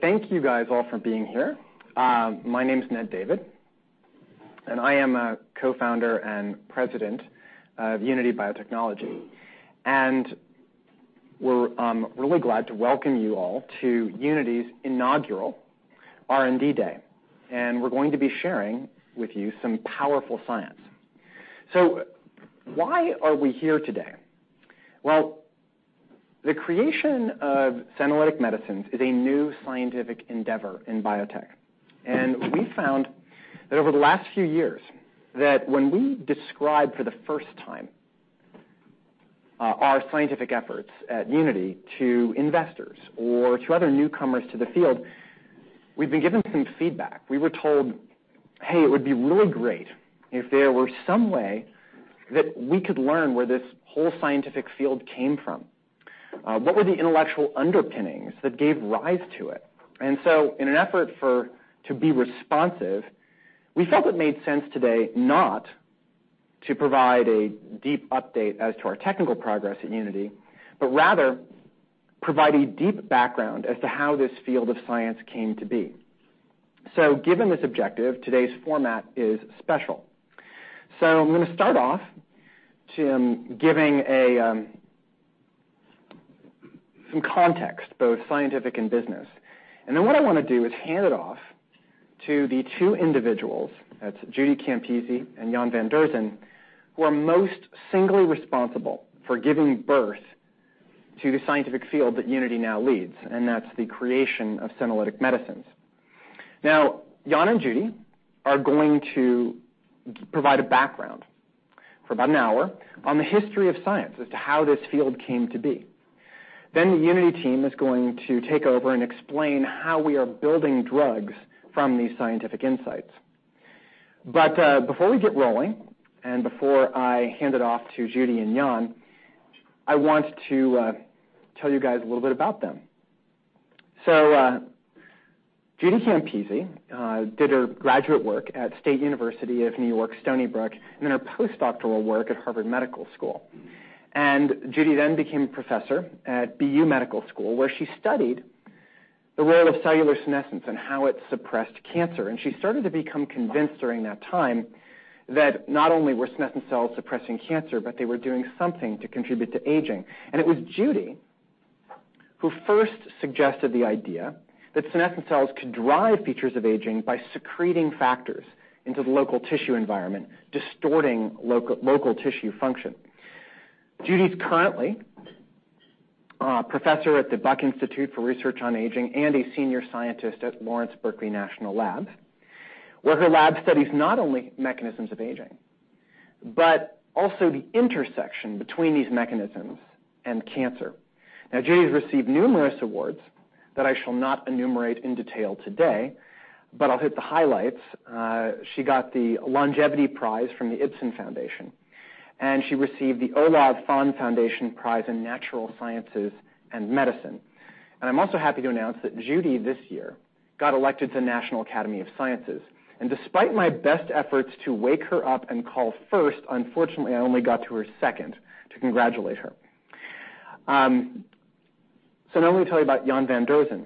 Thank you guys all for being here. My name's Ned David, and I am a Co-founder and President of Unity Biotechnology. We're really glad to welcome you all to Unity's Inaugural R&D Day, and we're going to be sharing with you some powerful science. Why are we here today? The creation of senolytic medicines is a new scientific endeavor in biotech. We found that over the last few years that when we describe for the first time our scientific efforts at Unity to investors or to other newcomers to the field, we've been given some feedback. We were told, "Hey, it would be really great if there were some way that we could learn where this whole scientific field came from. What were the intellectual underpinnings that gave rise to it?" In an effort to be responsive, we felt it made sense today not to provide a deep update as to our technical progress at Unity, but rather provide a deep background as to how this field of science came to be. Given this objective, today's format is special. I'm going to start off giving some context, both scientific and business, and then what I want to do is hand it off to the two individuals, that's Judy Campisi and Jan van Deursen, who are most singly responsible for giving birth to the scientific field that Unity now leads, and that's the creation of senolytic medicines. Jan and Judy are going to provide a background for about an hour on the history of science as to how this field came to be. The Unity team is going to take over and explain how we are building drugs from these scientific insights. Before we get rolling, and before I hand it off to Judy and Jan, I want to tell you guys a little bit about them. Judy Campisi did her graduate work at State University of New York, Stony Brook, and then her post-doctoral work at Harvard Medical School. Judy then became a professor at BU Medical School, where she studied the role of cellular senescence and how it suppressed cancer. She started to become convinced during that time that not only were senescent cells suppressing cancer, but they were doing something to contribute to aging. It was Judy who first suggested the idea that senescent cells could drive features of aging by secreting factors into the local tissue environment, distorting local tissue function. Judy's currently a professor at the Buck Institute for Research on Aging and a senior scientist at Lawrence Berkeley National Lab, where her lab studies not only mechanisms of aging, but also the intersection between these mechanisms and cancer. Judy's received numerous awards that I shall not enumerate in detail today, but I'll hit the highlights. She got the Longevity Prize from the Fondation Ipsen, and she received the Olav Fønss Foundation Prize in Natural Sciences and Medicine. I'm also happy to announce that Judy, this year, got elected to the National Academy of Sciences. Despite my best efforts to wake her up and call first, unfortunately, I only got to her second to congratulate her. Let me tell you about Jan van Deursen.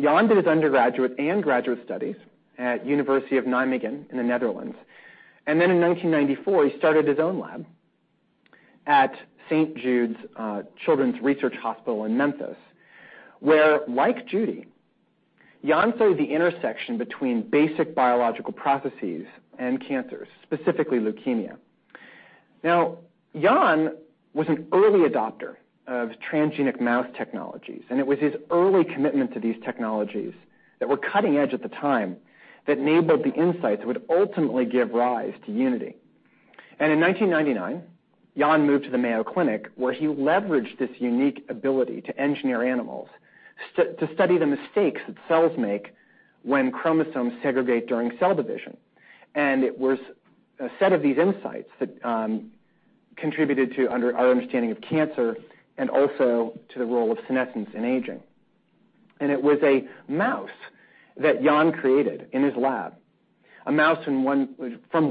Jan did his undergraduate and graduate studies at University of Nijmegen in the Netherlands. In 1994, he started his own lab at St. Jude Children's Research Hospital in Memphis, where like Judy, Jan studied the intersection between basic biological processes and cancers, specifically leukemia. Jan was an early adopter of transgenic mouse technologies, and it was his early commitment to these technologies that were cutting edge at the time that enabled the insights that would ultimately give rise to Unity Biotechnology. In 1999, Jan moved to the Mayo Clinic, where he leveraged this unique ability to engineer animals to study the mistakes that cells make when chromosomes segregate during cell division. It was a set of these insights that contributed to our understanding of cancer and also to the role of senescence in aging. It was a mouse that Jan created in his lab, a mouse from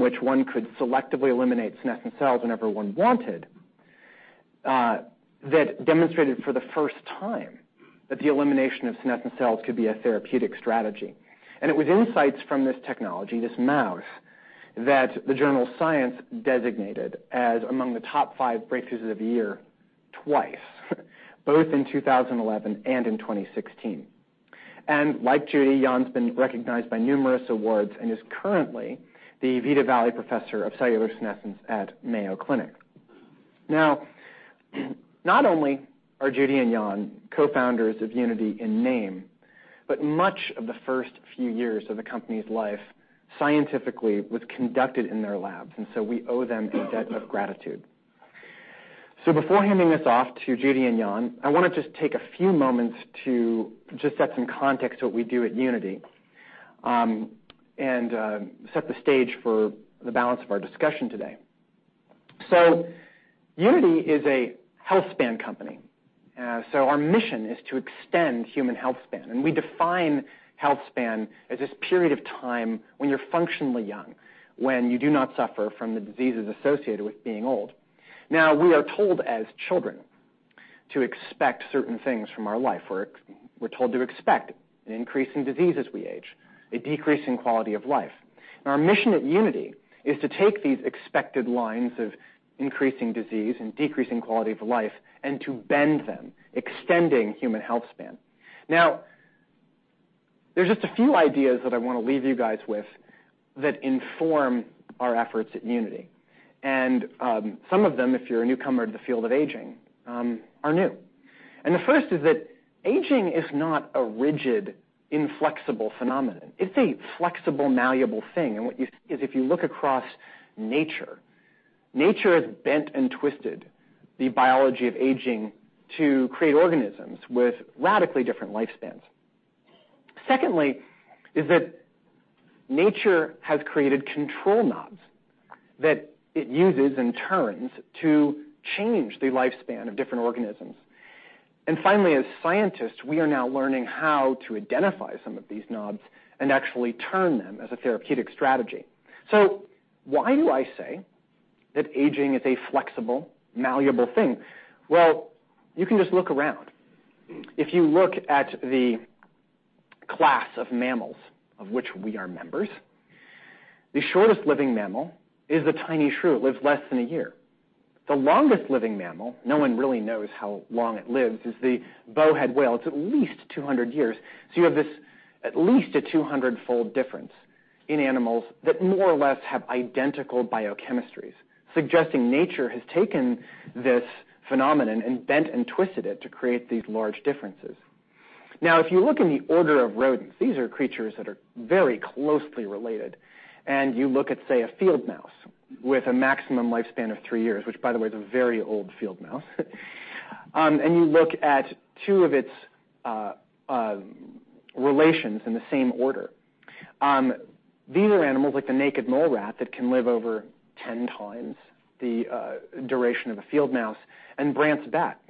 which one could selectively eliminate senescent cells whenever one wanted, that demonstrated for the first time that the elimination of senescent cells could be a therapeutic strategy. It was insights from this technology, this mouse, that the journal Science designated as among the top five breakthroughs of the year twice both in 2011 and in 2016. Like Judy, Jan's been recognized by numerous awards and is currently the Vita Valley Professor of Cellular Senescence at Mayo Clinic. Not only are Judy and Jan co-founders of Unity Biotechnology in name, but much of the first few years of the company's life scientifically was conducted in their labs. We owe them a debt of gratitude. Before handing this off to Judy and Jan, I want to just take a few moments to just set some context to what we do at Unity Biotechnology, and set the stage for the balance of our discussion today. Unity Biotechnology is a healthspan company. Our mission is to extend human healthspan, and we define healthspan as this period of time when you're functionally young, when you do not suffer from the diseases associated with being old. We are told as children to expect certain things from our life. We're told to expect an increase in disease as we age, a decrease in quality of life. Our mission at Unity Biotechnology is to take these expected lines of increasing disease and decreasing quality of life and to bend them, extending human healthspan. There's just a few ideas that I want to leave you guys with that inform our efforts at Unity Biotechnology, and some of them, if you're a newcomer to the field of aging, are new. The first is that aging is not a rigid, inflexible phenomenon. It's a flexible, malleable thing. What you see is if you look across nature has bent and twisted the biology of aging to create organisms with radically different lifespans. Secondly, is that nature has created control knobs that it uses and turns to change the lifespan of different organisms. Finally, as scientists, we are now learning how to identify some of these knobs and actually turn them as a therapeutic strategy. Why do I say that aging is a flexible, malleable thing? Well, you can just look around. If you look at the class of mammals of which we are members, the shortest living mammal is the tiny shrew, lives less than a year. The longest living mammal, no one really knows how long it lives, is the bowhead whale. It's at least 200 years. You have this at least a 200-fold difference in animals that more or less have identical biochemistries, suggesting nature has taken this phenomenon and bent and twisted it to create these large differences. If you look in the order of rodents, these are creatures that are very closely related. You look at, say, a field mouse with a maximum lifespan of three years, which, by the way, is a very old field mouse, and you look at two of its relations in the same order. These are animals like the naked mole rat that can live over 10x the duration of a field mouse and Brandt's bat,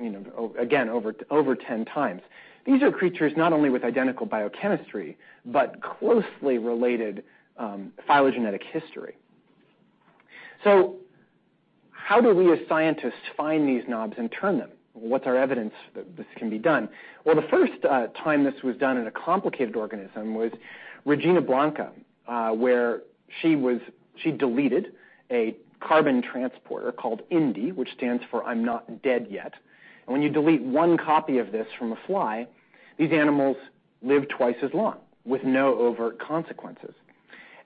again, over 10x. These are creatures not only with identical biochemistry, but closely related phylogenetic history. How do we, as scientists, find these knobs and turn them? What's our evidence that this can be done? The first time this was done in a complicated organism was Regina Blanca, where she deleted a carbon transporter called Indy, which stands for I'm not dead yet. When you delete one copy of this from a fly, these animals live twice as long with no overt consequences.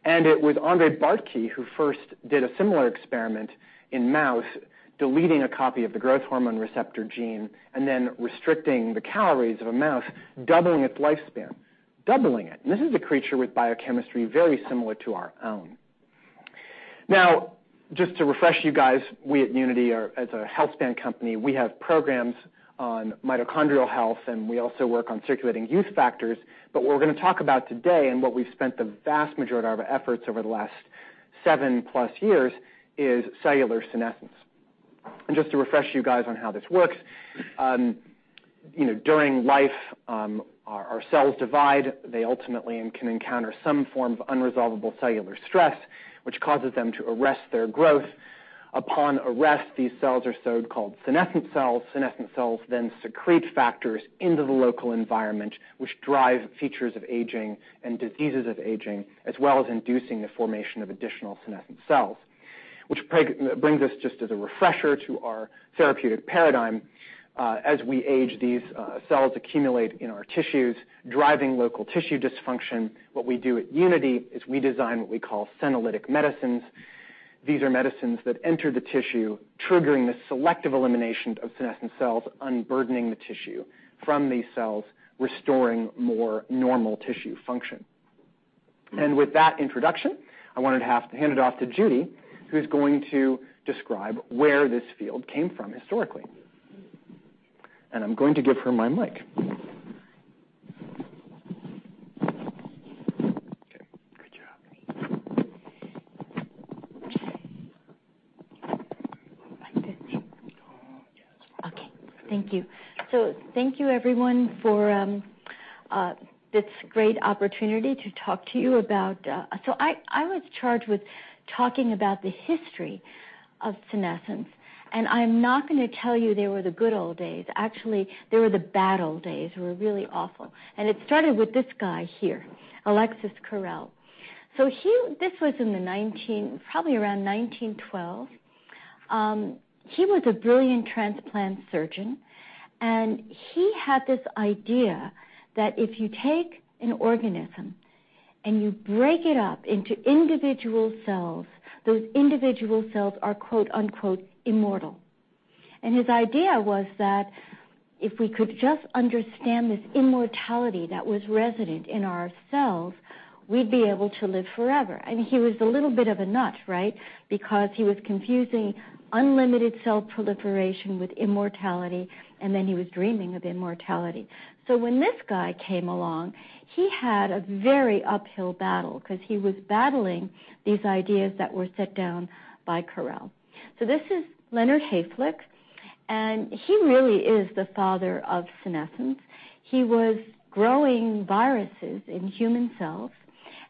It was Andrzej Bartke who first did a similar experiment in mouse, deleting a copy of the growth hormone receptor gene and then restricting the calories of a mouse, doubling its lifespan. Doubling it. This is a creature with biochemistry very similar to our own. Just to refresh you guys, we at Unity, as a healthspan company, we have programs on mitochondrial health, and we also work on circulating youth factors. What we're going to talk about today, and what we've spent the vast majority of our efforts over the last seven-plus years, is cellular senescence. Just to refresh you guys on how this works, during life our cells divide, they ultimately can encounter some form of unresolvable cellular stress, which causes them to arrest their growth. Upon arrest, these cells are so-called senescent cells. Senescent cells then secrete factors into the local environment, which drive features of aging and diseases of aging, as well as inducing the formation of additional senescent cells. Brings us, just as a refresher, to our therapeutic paradigm. As we age, these cells accumulate in our tissues, driving local tissue dysfunction. What we do at Unity is we design what we call senolytic medicines. These are medicines that enter the tissue, triggering the selective elimination of senescent cells, unburdening the tissue from these cells, restoring more normal tissue function. With that introduction, I wanted to hand it off to Judy, who's going to describe where this field came from historically. I'm going to give her my mic. Okay, good job. Okay. Like this? Yes. Okay. Thank you. Thank you everyone for this great opportunity to talk to you about. I was charged with talking about the history of senescence, and I'm not going to tell you they were the good old days. Actually, they were the bad old days. They were really awful. It started with this guy here, Alexis Carrel. This was in probably around 1912. He was a brilliant transplant surgeon, and he had this idea that if you take an organism and you break it up into individual cells, those individual cells are quote unquote "immortal." His idea was that if we could just understand this immortality that was resident in our cells, we'd be able to live forever. He was a little bit of a nut, right? He was confusing unlimited cell proliferation with immortality, and then he was dreaming of immortality. When this guy came along, he had a very uphill battle because he was battling these ideas that were set down by Carrel. This is Leonard Hayflick, and he really is the father of senescence. He was growing viruses in human cells.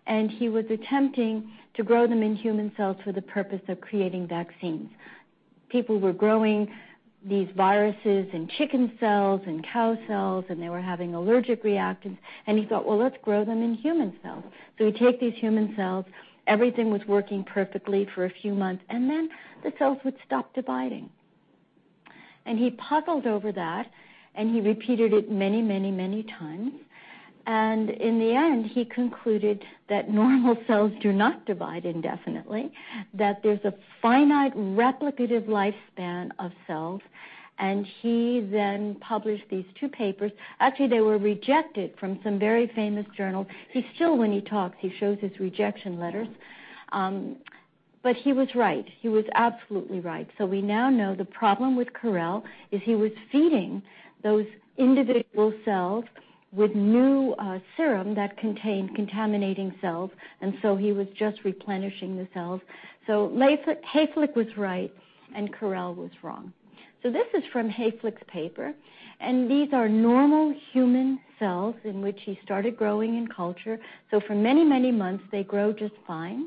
And he was attempting to grow them in human cells for the purpose of creating vaccines. People were growing these viruses in chicken cells and cow cells, and they were having allergic reactions, and he thought, "Well, let's grow them in human cells." He'd take these human cells. Everything was working perfectly for a few months, and then the cells would stop dividing. He puzzled over that, and he repeated it many times. In the end, he concluded that normal cells do not divide indefinitely, that there's a finite replicative lifespan of cells, and he then published these two papers. Actually, they were rejected from some very famous journals. He still when he talks, he shows his rejection letters. He was right. He was absolutely right. We now know the problem with Carrel is he was feeding those individual cells with new serum that contained contaminating cells, and so he was just replenishing the cells. Hayflick was right, and Carrel was wrong. This is from Hayflick's paper, and these are normal human cells in which he started growing in culture. For many months, they grow just fine,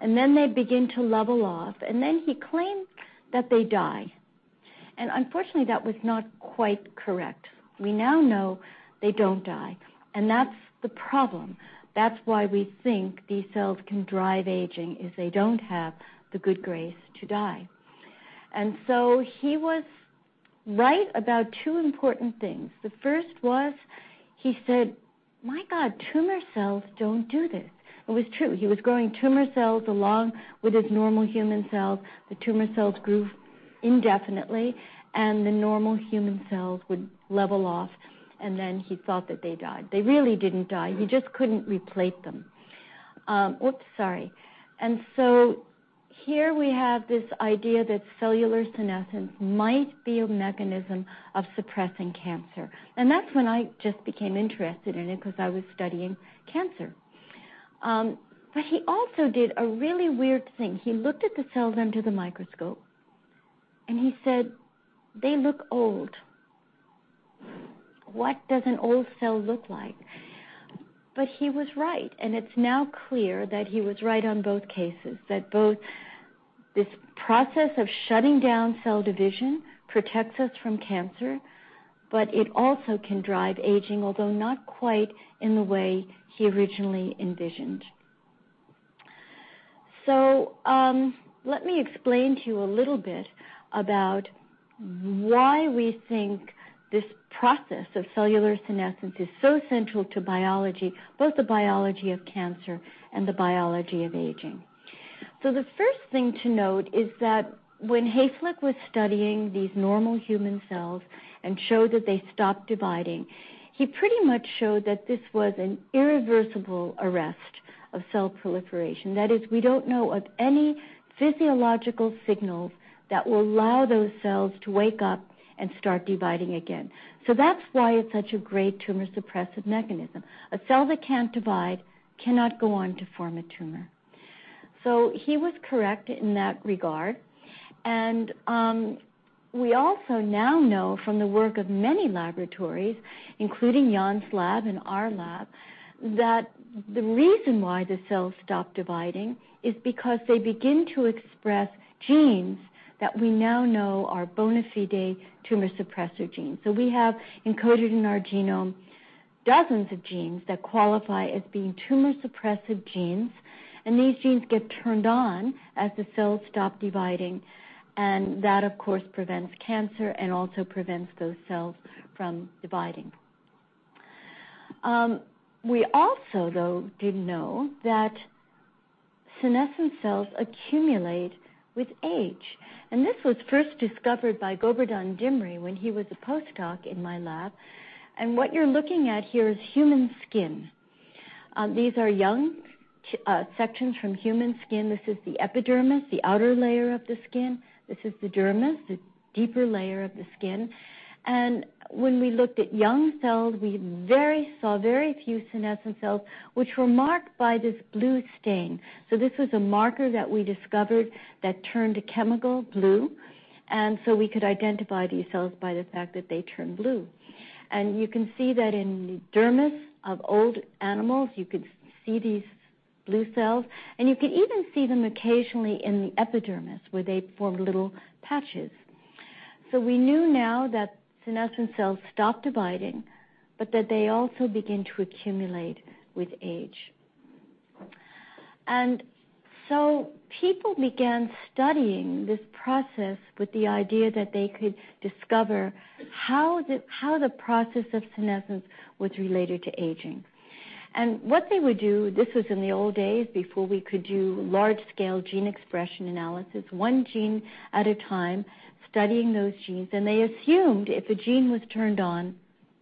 and then they begin to level off, and then he claims that they die. Unfortunately, that was not quite correct. We now know they don't die, and that's the problem. That's why we think these cells can drive aging, is they don't have the good grace to die. He was right about two important things. The first was he said, "My God, tumor cells don't do this." It was true. He was growing tumor cells along with his normal human cells. The tumor cells grew indefinitely, and the normal human cells would level off, and then he thought that they died. They really didn't die. He just couldn't replate them. Oops, sorry. Here we have this idea that cellular senescence might be a mechanism of suppressing cancer. That's when I just became interested in it because I was studying cancer. He also did a really weird thing. He looked at the cells under the microscope and he said, "They look old. What does an old cell look like?" He was right, and it's now clear that he was right on both cases, that both this process of shutting down cell division protects us from cancer, but it also can drive aging, although not quite in the way he originally envisioned. Let me explain to you a little bit about why we think this process of cellular senescence is so central to biology, both the biology of cancer and the biology of aging. The first thing to note is that when Hayflick was studying these normal human cells and showed that they stopped dividing, he pretty much showed that this was an irreversible arrest of cell proliferation. That is, we don't know of any physiological signals that will allow those cells to wake up and start dividing again. That's why it's such a great tumor-suppressive mechanism. A cell that can't divide cannot go on to form a tumor. He was correct in that regard. We also now know from the work of many laboratories, including Jan's lab and our lab, that the reason why the cells stop dividing is because they begin to express genes that we now know are bona fide tumor suppressor genes. We have encoded in our genome dozens of genes that qualify as being tumor-suppressive genes, and these genes get turned on as the cells stop dividing. That, of course, prevents cancer and also prevents those cells from dividing. We also, though, did know that senescent cells accumulate with age. This was first discovered by Gobardhan Dimri when he was a postdoc in my lab. What you're looking at here is human skin. These are young sections from human skin. This is the epidermis, the outer layer of the skin. This is the dermis, the deeper layer of the skin. When we looked at young cells, we saw very few senescent cells, which were marked by this blue stain. This was a marker that we discovered that turned a chemical blue, and we could identify these cells by the fact that they turn blue. You can see that in the dermis of old animals, you could see these blue cells, and you could even see them occasionally in the epidermis, where they form little patches. We knew now that senescent cells stop dividing but that they also begin to accumulate with age. People began studying this process with the idea that they could discover how the process of senescence was related to aging. What they would do, this was in the old days before we could do large-scale gene expression analysis, one gene at a time, studying those genes, they assumed if a gene was turned on,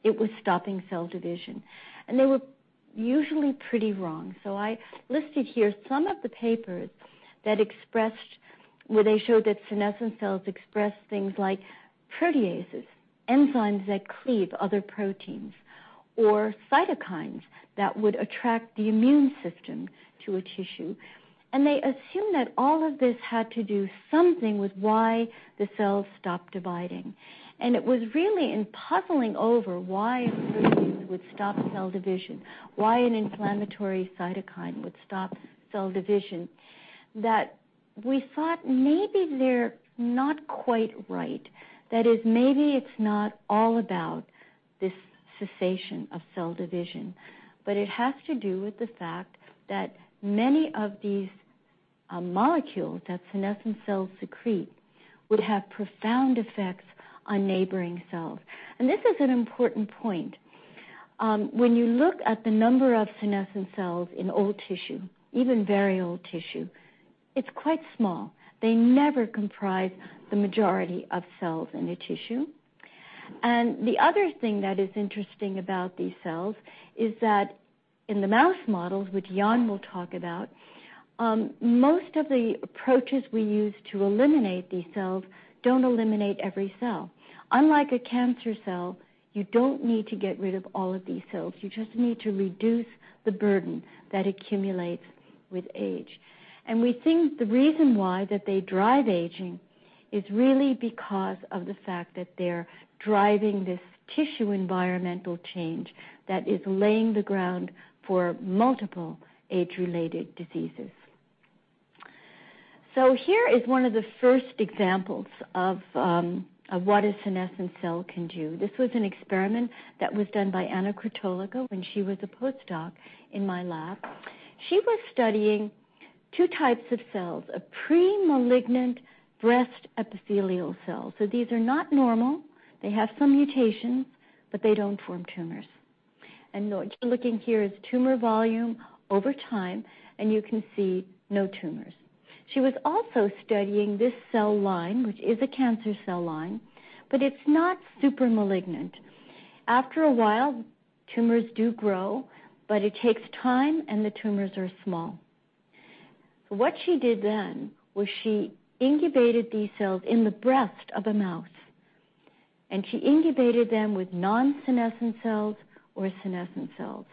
it was stopping cell division, and they were usually pretty wrong. I listed here some of the papers where they showed that senescent cells expressed things like proteases, enzymes that cleave other proteins, or cytokines that would attract the immune system to a tissue. They assumed that all of this had to do something with why the cells stopped dividing. It was really in puzzling over why a growth factor would stop cell division, why an inflammatory cytokine would stop cell division, that we thought maybe they're not quite right. That is, maybe it's not all about this cessation of cell division, but it has to do with the fact that many of these molecules that senescent cells secrete would have profound effects on neighboring cells. This is an important point. When you look at the number of senescent cells in old tissue, even very old tissue, it's quite small. They never comprise the majority of cells in a tissue. The other thing that is interesting about these cells is that in the mouse models, which Jan will talk about, most of the approaches we use to eliminate these cells don't eliminate every cell. Unlike a cancer cell, you don't need to get rid of all of these cells. You just need to reduce the burden that accumulates with age. We think the reason why that they drive aging is really because of the fact that they're driving this tissue environmental change that is laying the ground for multiple age-related diseases. Here is one of the first examples of what a senescent cell can do. This was an experiment that was done by Ana Krtolica when she was a postdoc in my lab. She was studying two types of cells, a premalignant breast epithelial cell. These are not normal. They have some mutations, but they don't form tumors. What you're looking at here is tumor volume over time, and you can see no tumors. She was also studying this cell line, which is a cancer cell line, but it's not super malignant. After a while, tumors do grow, but it takes time, and the tumors are small. What she did then was she incubated these cells in the breast of a mouse, she incubated them with non-senescent cells or senescent cells.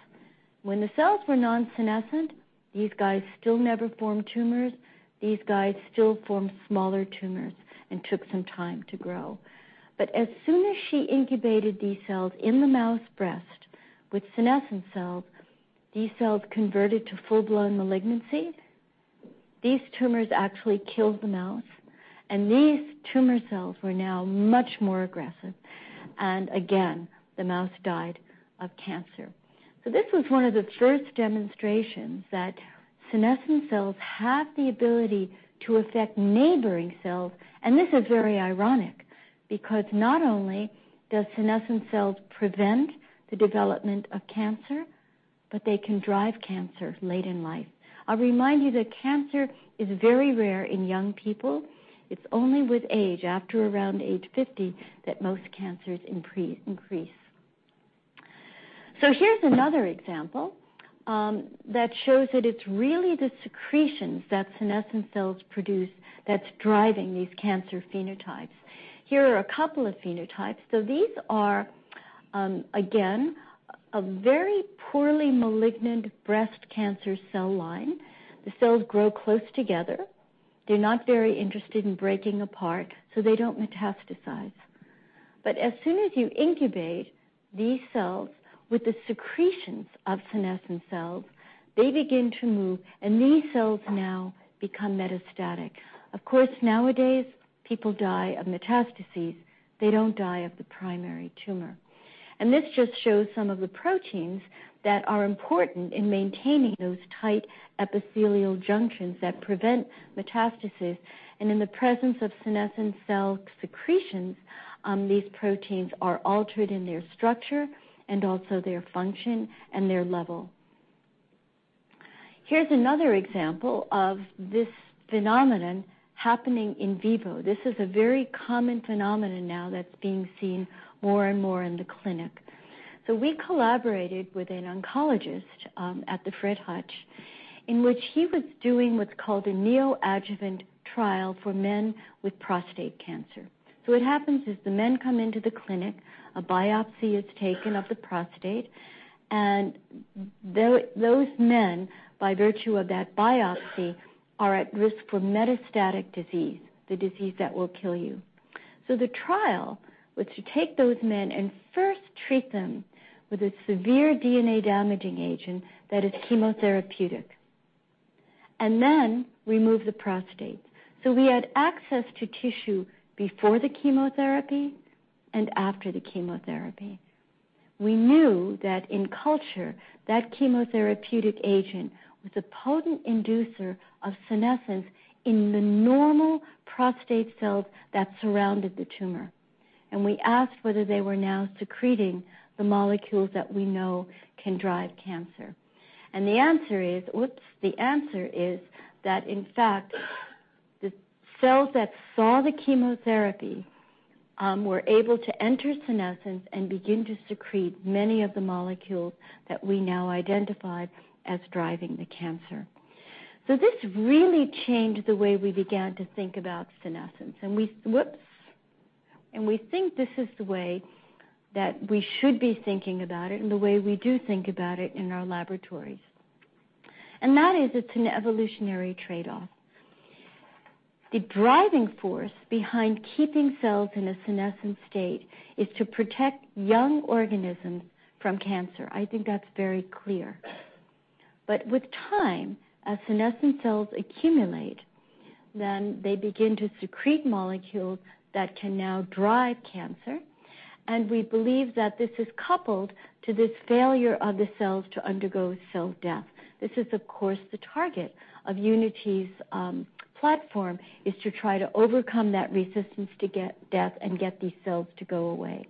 When the cells were non-senescent, these guys still never formed tumors. These guys still formed smaller tumors and took some time to grow. As soon as she incubated these cells in the mouse breast with senescent cells, these cells converted to full-blown malignancy. These tumors actually killed the mouse, these tumor cells were now much more aggressive. Again, the mouse died of cancer. This was one of the first demonstrations that senescent cells have the ability to affect neighboring cells, this is very ironic because not only do senescent cells prevent the development of cancer, but they can drive cancer late in life. I'll remind you that cancer is very rare in young people. It's only with age, after around age 50, that most cancers increase. Here's another example that shows that it's really the secretions that senescent cells produce that's driving these cancer phenotypes. Here are a couple of phenotypes. These are, again, a very poorly malignant breast cancer cell line. The cells grow close together. They're not very interested in breaking apart, so they don't metastasize. As soon as you incubate these cells with the secretions of senescent cells, they begin to move, and these cells now become metastatic. Of course, nowadays, people die of metastases. They don't die of the primary tumor. This just shows some of the proteins that are important in maintaining those tight epithelial junctions that prevent metastasis. In the presence of senescent cell secretions, these proteins are altered in their structure and also their function and their level. Here's another example of this phenomenon happening in vivo. This is a very common phenomenon now that's being seen more and more in the clinic. We collaborated with an oncologist at the Fred Hutch, in which he was doing what's called a neoadjuvant trial for men with prostate cancer. What happens is the men come into the clinic, a biopsy is taken of the prostate, and those men, by virtue of that biopsy, are at risk for metastatic disease, the disease that will kill you. The trial was to take those men and first treat them with a severe DNA-damaging agent that is chemotherapeutic, and then remove the prostate. We had access to tissue before the chemotherapy and after the chemotherapy. We knew that in culture, that chemotherapeutic agent was a potent inducer of senescence in the normal prostate cells that surrounded the tumor. We asked whether they were now secreting the molecules that we know can drive cancer. The answer is that, in fact, the cells that saw the chemotherapy were able to enter senescence and begin to secrete many of the molecules that we now identified as driving the cancer. This really changed the way we began to think about senescence. We think this is the way that we should be thinking about it and the way we do think about it in our laboratories. That is, it's an evolutionary trade-off. The driving force behind keeping cells in a senescent state is to protect young organisms from cancer. I think that's very clear. With time, as senescent cells accumulate, they begin to secrete molecules that can now drive cancer, and we believe that this is coupled to this failure of the cells to undergo cell death. This is, of course, the target of Unity's platform, is to try to overcome that resistance to get death and get these cells to go away.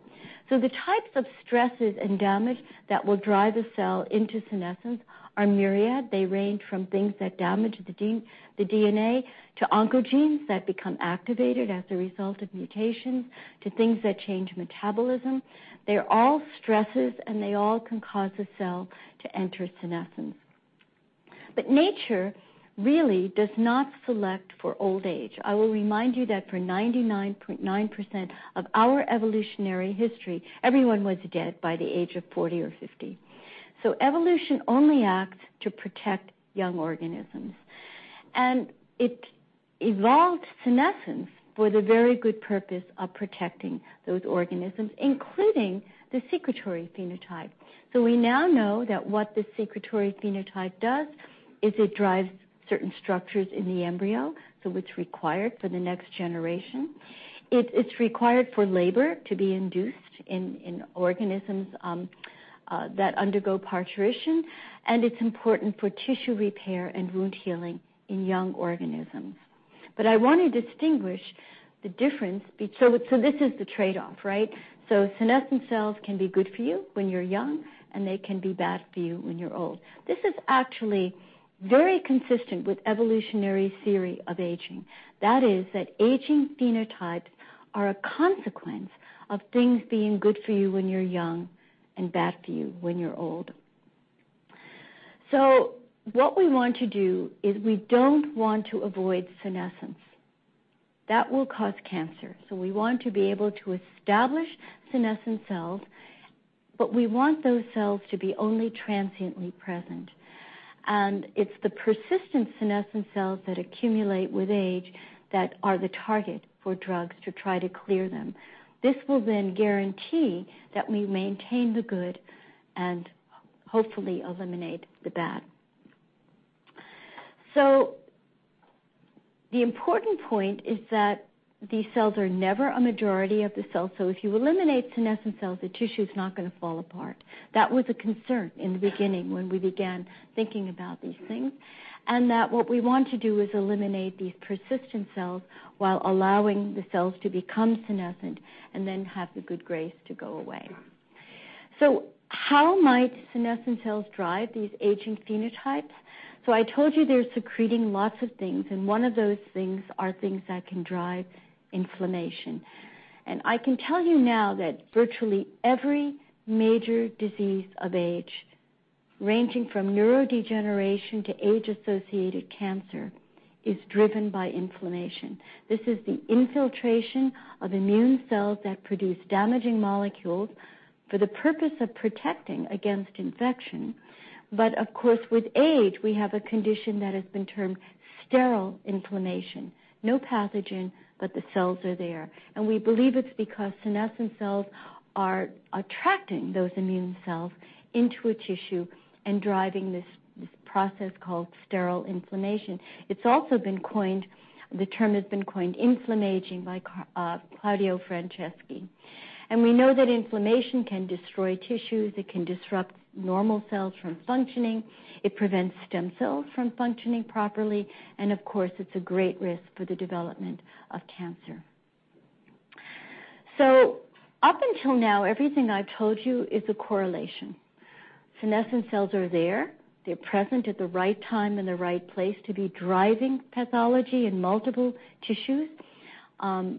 The types of stresses and damage that will drive a cell into senescence are myriad. They range from things that damage the DNA, to oncogenes that become activated as a result of mutations, to things that change metabolism. They're all stresses, and they all can cause a cell to enter senescence. Nature really does not select for old age. I will remind you that for 99.9% of our evolutionary history, everyone was dead by the age of 40 or 50. Evolution only acts to protect young organisms. It evolved senescence with the very good purpose of protecting those organisms, including the secretory phenotype. We now know that what the secretory phenotype does is it drives certain structures in the embryo, so it's required for the next generation. It's required for labor to be induced in organisms that undergo parturition. It's important for tissue repair and wound healing in young organisms. I want to distinguish the difference. This is the trade-off, right? Senescent cells can be good for you when you're young, and they can be bad for you when you're old. This is actually very consistent with evolutionary theory of aging. That is, that aging phenotypes are a consequence of things being good for you when you're young and bad for you when you're old. What we want to do is we don't want to avoid senescence. That will cause cancer. We want to be able to establish senescent cells, but we want those cells to be only transiently present. It's the persistent senescent cells that accumulate with age that are the target for drugs to try to clear them. This will then guarantee that we maintain the good and hopefully eliminate the bad. The important point is that these cells are never a majority of the cells, so if you eliminate senescent cells, the tissue's not going to fall apart. That was a concern in the beginning when we began thinking about these things. What we want to do is eliminate these persistent cells while allowing the cells to become senescent and then have the good grace to go away. How might senescent cells drive these aging phenotypes? I told you they're secreting lots of things, and one of those things are things that can drive inflammation. I can tell you now that virtually every major disease of age, ranging from neurodegeneration to age-associated cancer, is driven by inflammation. This is the infiltration of immune cells that produce damaging molecules for the purpose of protecting against infection. Of course, with age, we have a condition that has been termed sterile inflammation. No pathogen, but the cells are there. We believe it's because senescent cells are attracting those immune cells into a tissue and driving this process called sterile inflammation. The term has been coined inflammaging by Claudio Franceschi. We know that inflammation can destroy tissues, it can disrupt normal cells from functioning, it prevents stem cells from functioning properly, and of course, it's a great risk for the development of cancer. Up until now, everything I've told you is a correlation. Senescent cells are there. They're present at the right time and the right place to be driving pathology in multiple tissues.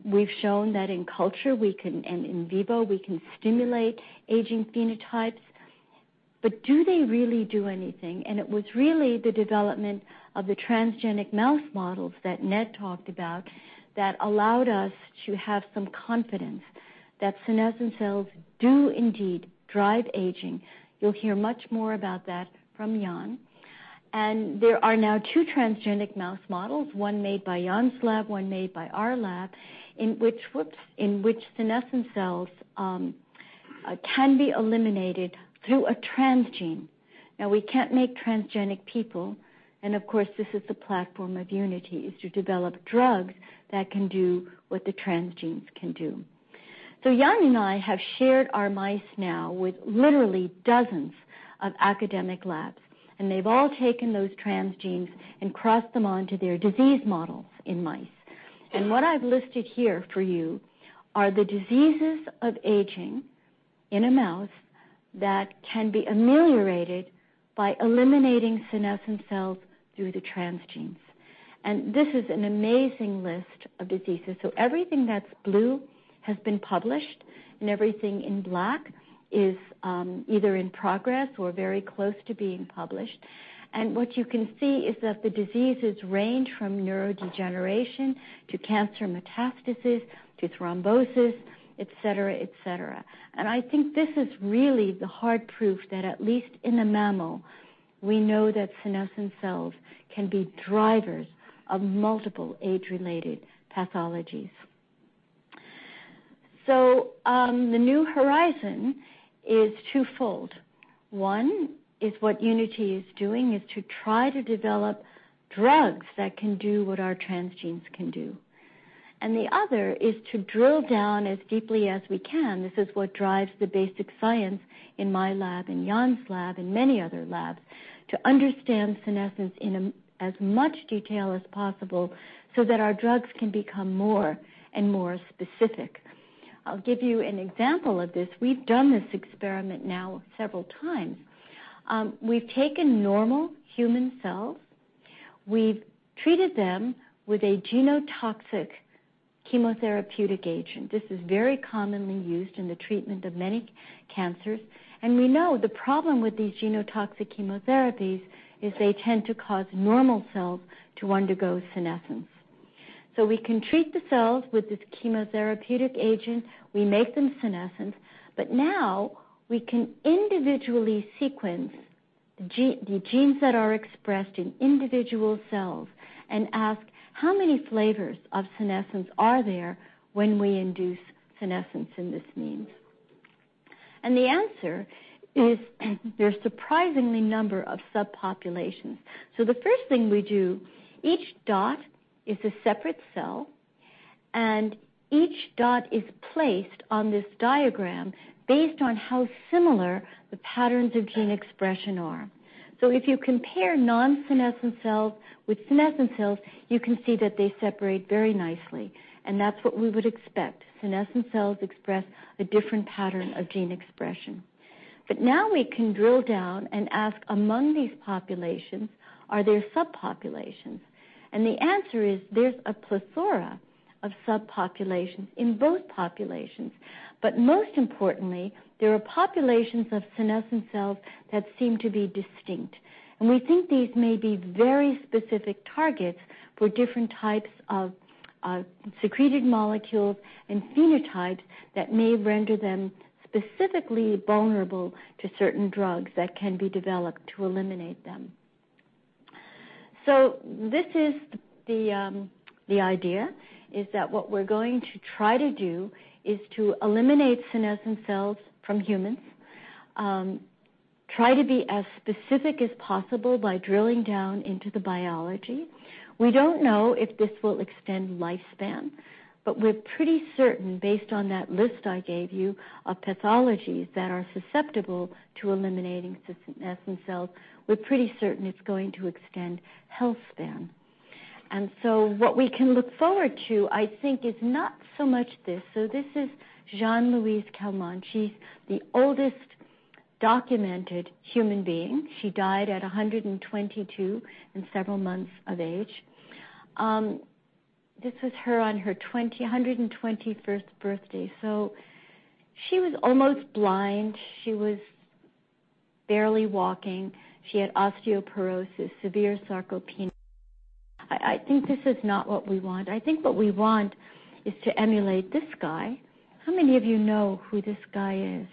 We've shown that in culture we can, and in vivo, we can stimulate aging phenotypes. Do they really do anything? It was really the development of the transgenic mouse models that Ned talked about that allowed us to have some confidence that senescent cells do indeed drive aging. You'll hear much more about that from Jan. There are now two transgenic mouse models, one made by Jan's lab, one made by our lab, in which senescent cells can be eliminated through a transgene. We can't make transgenic people, and of course, this is the platform of Unity, is to develop drugs that can do what the transgenes can do. Jan and I have shared our mice now with literally dozens of academic labs, and they've all taken those transgenes and crossed them onto their disease models in mice. What I've listed here for you are the diseases of aging in a mouse that can be ameliorated by eliminating senescent cells through the transgenes. This is an amazing list of diseases. Everything that's blue has been published. And everything in black is either in progress or very close to being published. What you can see is that the diseases range from neurodegeneration to cancer metastasis to thrombosis, et cetera. I think this is really the hard proof that at least in a mammal, we know that senescent cells can be drivers of multiple age-related pathologies. The new horizon is two-fold. One, is what Unity is doing, is to try to develop drugs that can do what our transgenes can do. The other is to drill down as deeply as we can, this is what drives the basic science in my lab, in Jan's lab, and many other labs, to understand senescence in as much detail as possible so that our drugs can become more and more specific. I'll give you an example of this. We've done this experiment now several times. We've taken normal human cells, we've treated them with a genotoxic chemotherapeutic agent. This is very commonly used in the treatment of many cancers. We know the problem with these genotoxic chemotherapies is they tend to cause normal cells to undergo senescence. We can treat the cells with this chemotherapeutic agent, we make them senescent, but now we can individually sequence the genes that are expressed in individual cells and ask, how many flavors of senescence are there when we induce senescence in this means? The answer is, there's surprisingly number of subpopulations. The first thing we do, each dot is a separate cell, and each dot is placed on this diagram based on how similar the patterns of gene expression are. If you compare non-senescent cells with senescent cells, you can see that they separate very nicely. That's what we would expect. Senescent cells express a different pattern of gene expression. Now we can drill down and ask, among these populations, are there subpopulations? The answer is, there's a plethora of subpopulations in both populations. Most importantly, there are populations of senescent cells that seem to be distinct. We think these may be very specific targets for different types of secreted molecules and phenotypes that may render them specifically vulnerable to certain drugs that can be developed to eliminate them. This is the idea, is that what we're going to try to do is to eliminate senescent cells from humans. Try to be as specific as possible by drilling down into the biology. We don't know if this will extend lifespan, but we're pretty certain, based on that list I gave you of pathologies that are susceptible to eliminating senescent cells, we're pretty certain it's going to extend health span. What we can look forward to, I think, is not so much this. This is Jeanne Louise Calment. She is the oldest documented human being. She died at 122 and several months of age. This was her on her 121st birthday. She was almost blind. She was barely walking. She had osteoporosis, severe sarcopenia. I think this is not what we want. I think what we want is to emulate this guy. How many of you know who this guy is?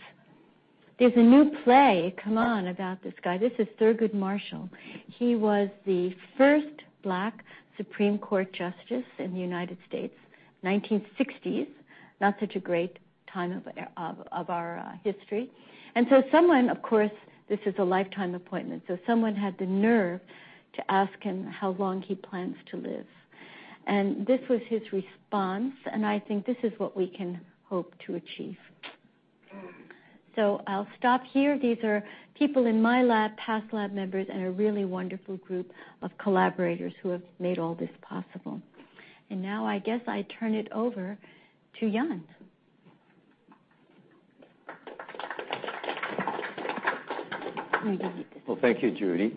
There is a new play come on about this guy. This is Thurgood Marshall. He was the first Black Supreme Court Justice in the U.S., 1960s. Not such a great time of our history. Someone, of course, this is a lifetime appointment, someone had the nerve to ask him how long he plans to live. This was his response, and I think this is what we can hope to achieve. I will stop here. These are people in my lab, past lab members, and a really wonderful group of collaborators who have made all this possible. Now I guess I turn it over to Jan. Let me give you this. Well, thank you, Judy.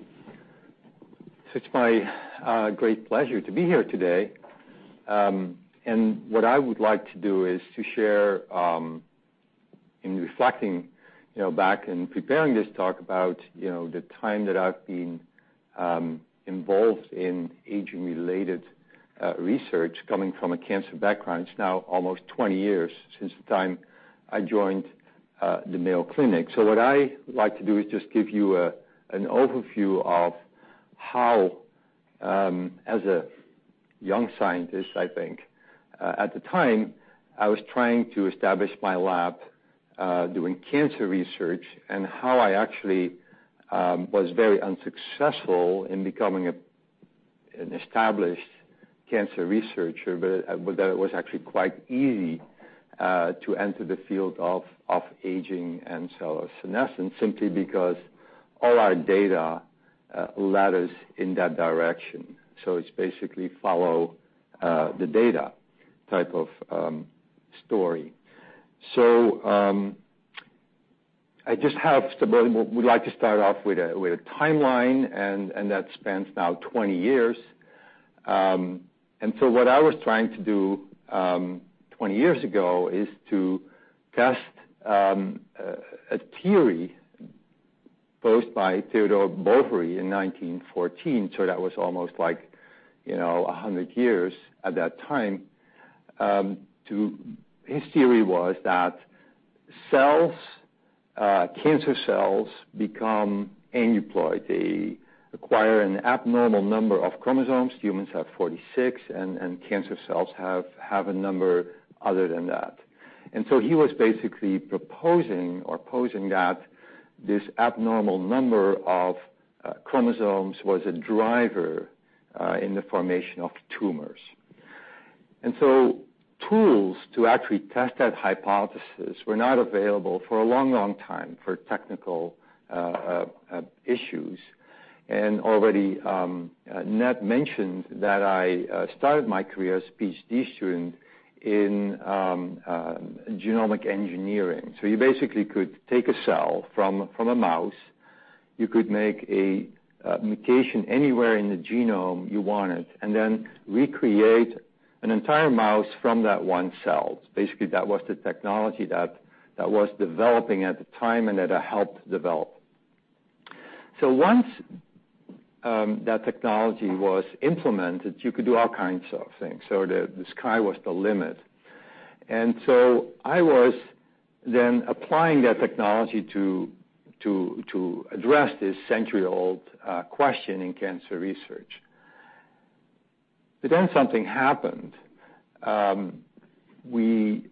It is my great pleasure to be here today. What I would like to do is to share, in reflecting back in preparing this talk about the time that I have been involved in aging-related research coming from a cancer background. It is now almost 20 years since the time I joined the Mayo Clinic. What I would like to do is just give you an overview of how, as a young scientist, I think, at the time, I was trying to establish my lab doing cancer research and how I actually was very unsuccessful in becoming an established cancer researcher, but that it was actually quite easy to enter the field of aging and cellular senescence simply because all our data led us in that direction. It is basically follow the data type of story. I just have we would like to start off with a timeline, and that spans now 20 years. What I was trying to do 20 years ago is to test a theory posed by Theodor Boveri in 1914, that was almost 100 years at that time. His theory was that cancer cells become aneuploid. They acquire an abnormal number of chromosomes. Humans have 46, and cancer cells have a number other than that. He was basically proposing or posing that this abnormal number of chromosomes was a driver in the formation of tumors. Tools to actually test that hypothesis were not available for a long time for technical issues. Already, Ned mentioned that I started my career as a PhD student in genomic engineering. You basically could take a cell from a mouse, you could make a mutation anywhere in the genome you wanted, and then recreate an entire mouse from that one cell. That was the technology that was developing at the time, and that I helped develop. Once that technology was implemented, you could do all kinds of things. The sky was the limit. I was then applying that technology to address this century-old question in cancer research. Something happened. We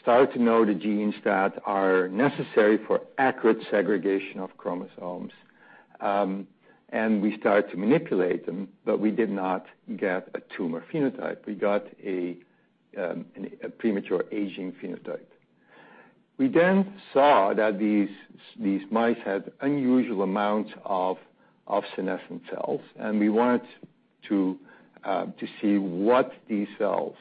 started to know the genes that are necessary for accurate segregation of chromosomes. We started to manipulate them, but we did not get a tumor phenotype. We got a premature aging phenotype. We saw that these mice had unusual amounts of senescent cells, and we wanted to see what these cells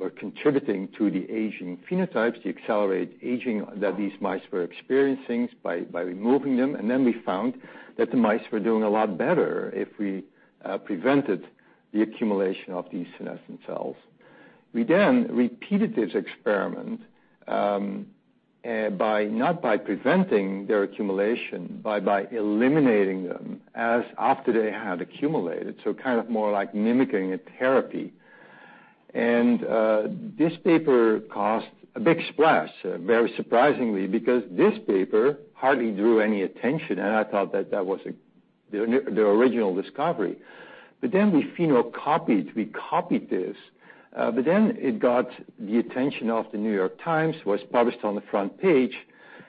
were contributing to the aging phenotypes, the accelerated aging that these mice were experiencing by removing them. We found that the mice were doing a lot better if we prevented the accumulation of these senescent cells. We repeated this experiment, not by preventing their accumulation, but by eliminating them after they had accumulated. Kind of more like mimicking a therapy. This paper caused a big splash, very surprisingly, because this paper hardly drew any attention, and I thought that that was the original discovery. We phenocopied, we copied this. It got the attention of The New York Times, was published on the front page,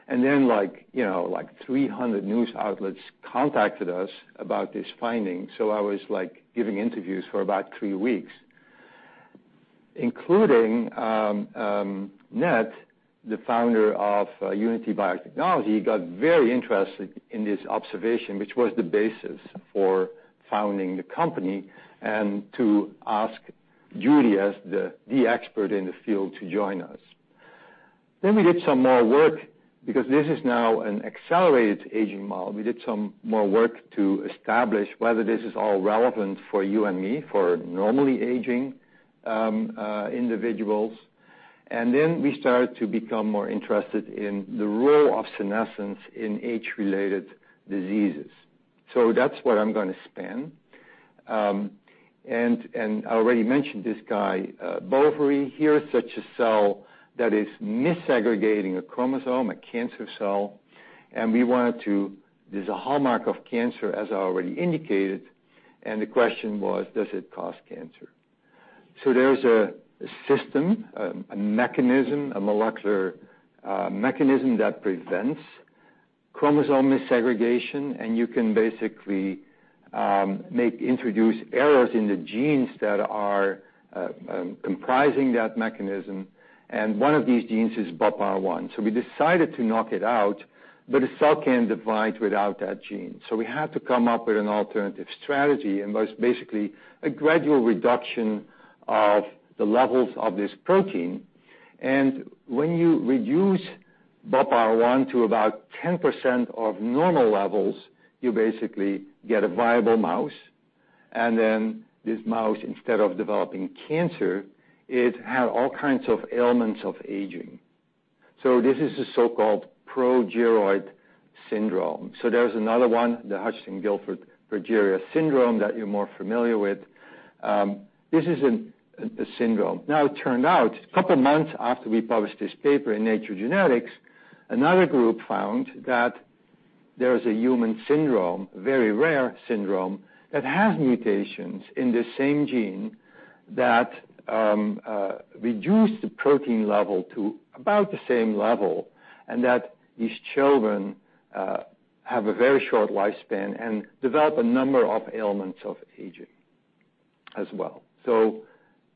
and then like 300 news outlets contacted us about this finding. I was giving interviews for about three weeks. Including Ned, the founder of Unity Biotechnology, got very interested in this observation, which was the basis for founding the company, and to ask Judy, as the expert in the field, to join us. We did some more work because this is now an accelerated aging model. We did some more work to establish whether this is all relevant for you and me, for normally aging individuals. We started to become more interested in the role of senescence in age-related diseases. That's what I'm going to span. I already mentioned this guy, Boveri. Here's such a cell that is missegregating a chromosome, a cancer cell. There's a hallmark of cancer, as I already indicated, and the question was, does it cause cancer? There's a system, a mechanism, a molecular mechanism that prevents chromosome missegregation, and you can basically introduce errors in the genes that are comprising that mechanism. One of these genes is BubR1. We decided to knock it out, but a cell can't divide without that gene. We had to come up with an alternative strategy, and was basically a gradual reduction of the levels of this protein. When you reduce BubR1 to about 10% of normal levels, you basically get a viable mouse. This mouse, instead of developing cancer, it had all kinds of ailments of aging. This is a so-called progeroid syndrome. There's another one, the Hutchinson-Gilford progeria syndrome, that you're more familiar with. This is a syndrome. It turned out, a couple of months after we published this paper in Nature Genetics, another group found that there is a human syndrome, very rare syndrome, that has mutations in the same gene that reduce the protein level to about the same level, and that these children have a very short lifespan and develop a number of ailments of aging as well.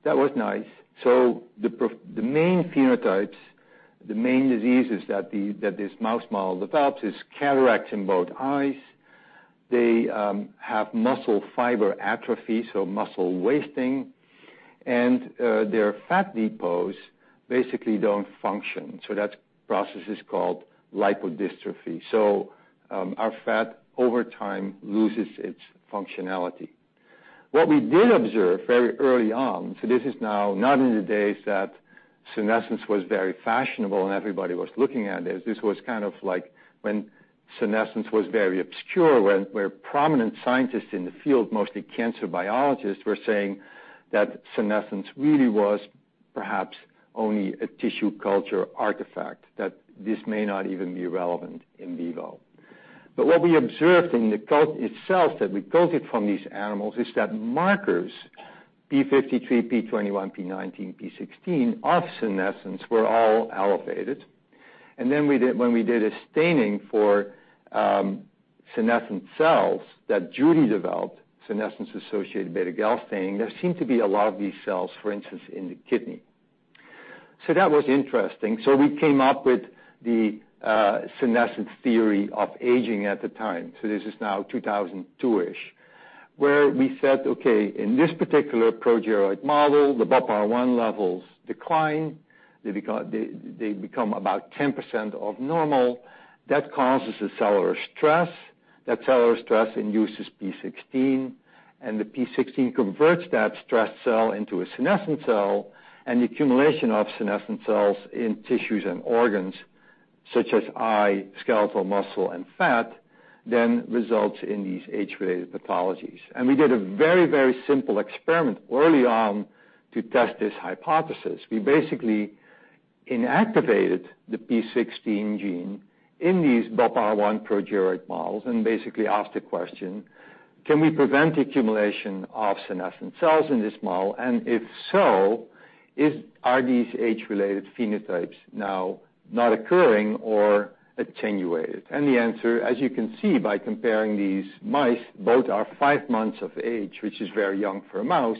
That was nice. The main phenotypes, the main diseases that this mouse model develops is cataracts in both eyes. They have muscle fiber atrophy, so muscle wasting, and their fat depots basically don't function. That process is called lipodystrophy. Our fat, over time, loses its functionality. What we did observe very early on, this is now not in the days that senescence was very fashionable and everybody was looking at it. This was kind of like when senescence was very obscure, where prominent scientists in the field, mostly cancer biologists, were saying that senescence really was perhaps only a tissue culture artifact, that this may not even be relevant in vivo. What we observed in the cult itself that we cultured from these animals is that markers, p53, p21, p19, p16 of senescence were all elevated. When we did a staining for senescent cells that Judy developed, senescence-associated β-galactosidase staining, there seemed to be a lot of these cells, for instance, in the kidney. That was interesting. We came up with the senescence theory of aging at the time, this is now 2002-ish, where we said, "Okay, in this particular progeroid model, the BubR1 levels decline. They become about 10% of normal. That causes a cellular stress. That cellular stress induces p16, the p16 converts that stress cell into a senescent cell, and the accumulation of senescent cells in tissues and organs such as eye, skeletal muscle, and fat then results in these age-related pathologies." We did a very, very simple experiment early on to test this hypothesis. We basically inactivated the p16 gene in these BubR1 progeroid models and basically asked the question, can we prevent the accumulation of senescent cells in this model? If so, are these age-related phenotypes now not occurring or attenuated? The answer, as you can see by comparing these mice, both are five months of age, which is very young for a mouse,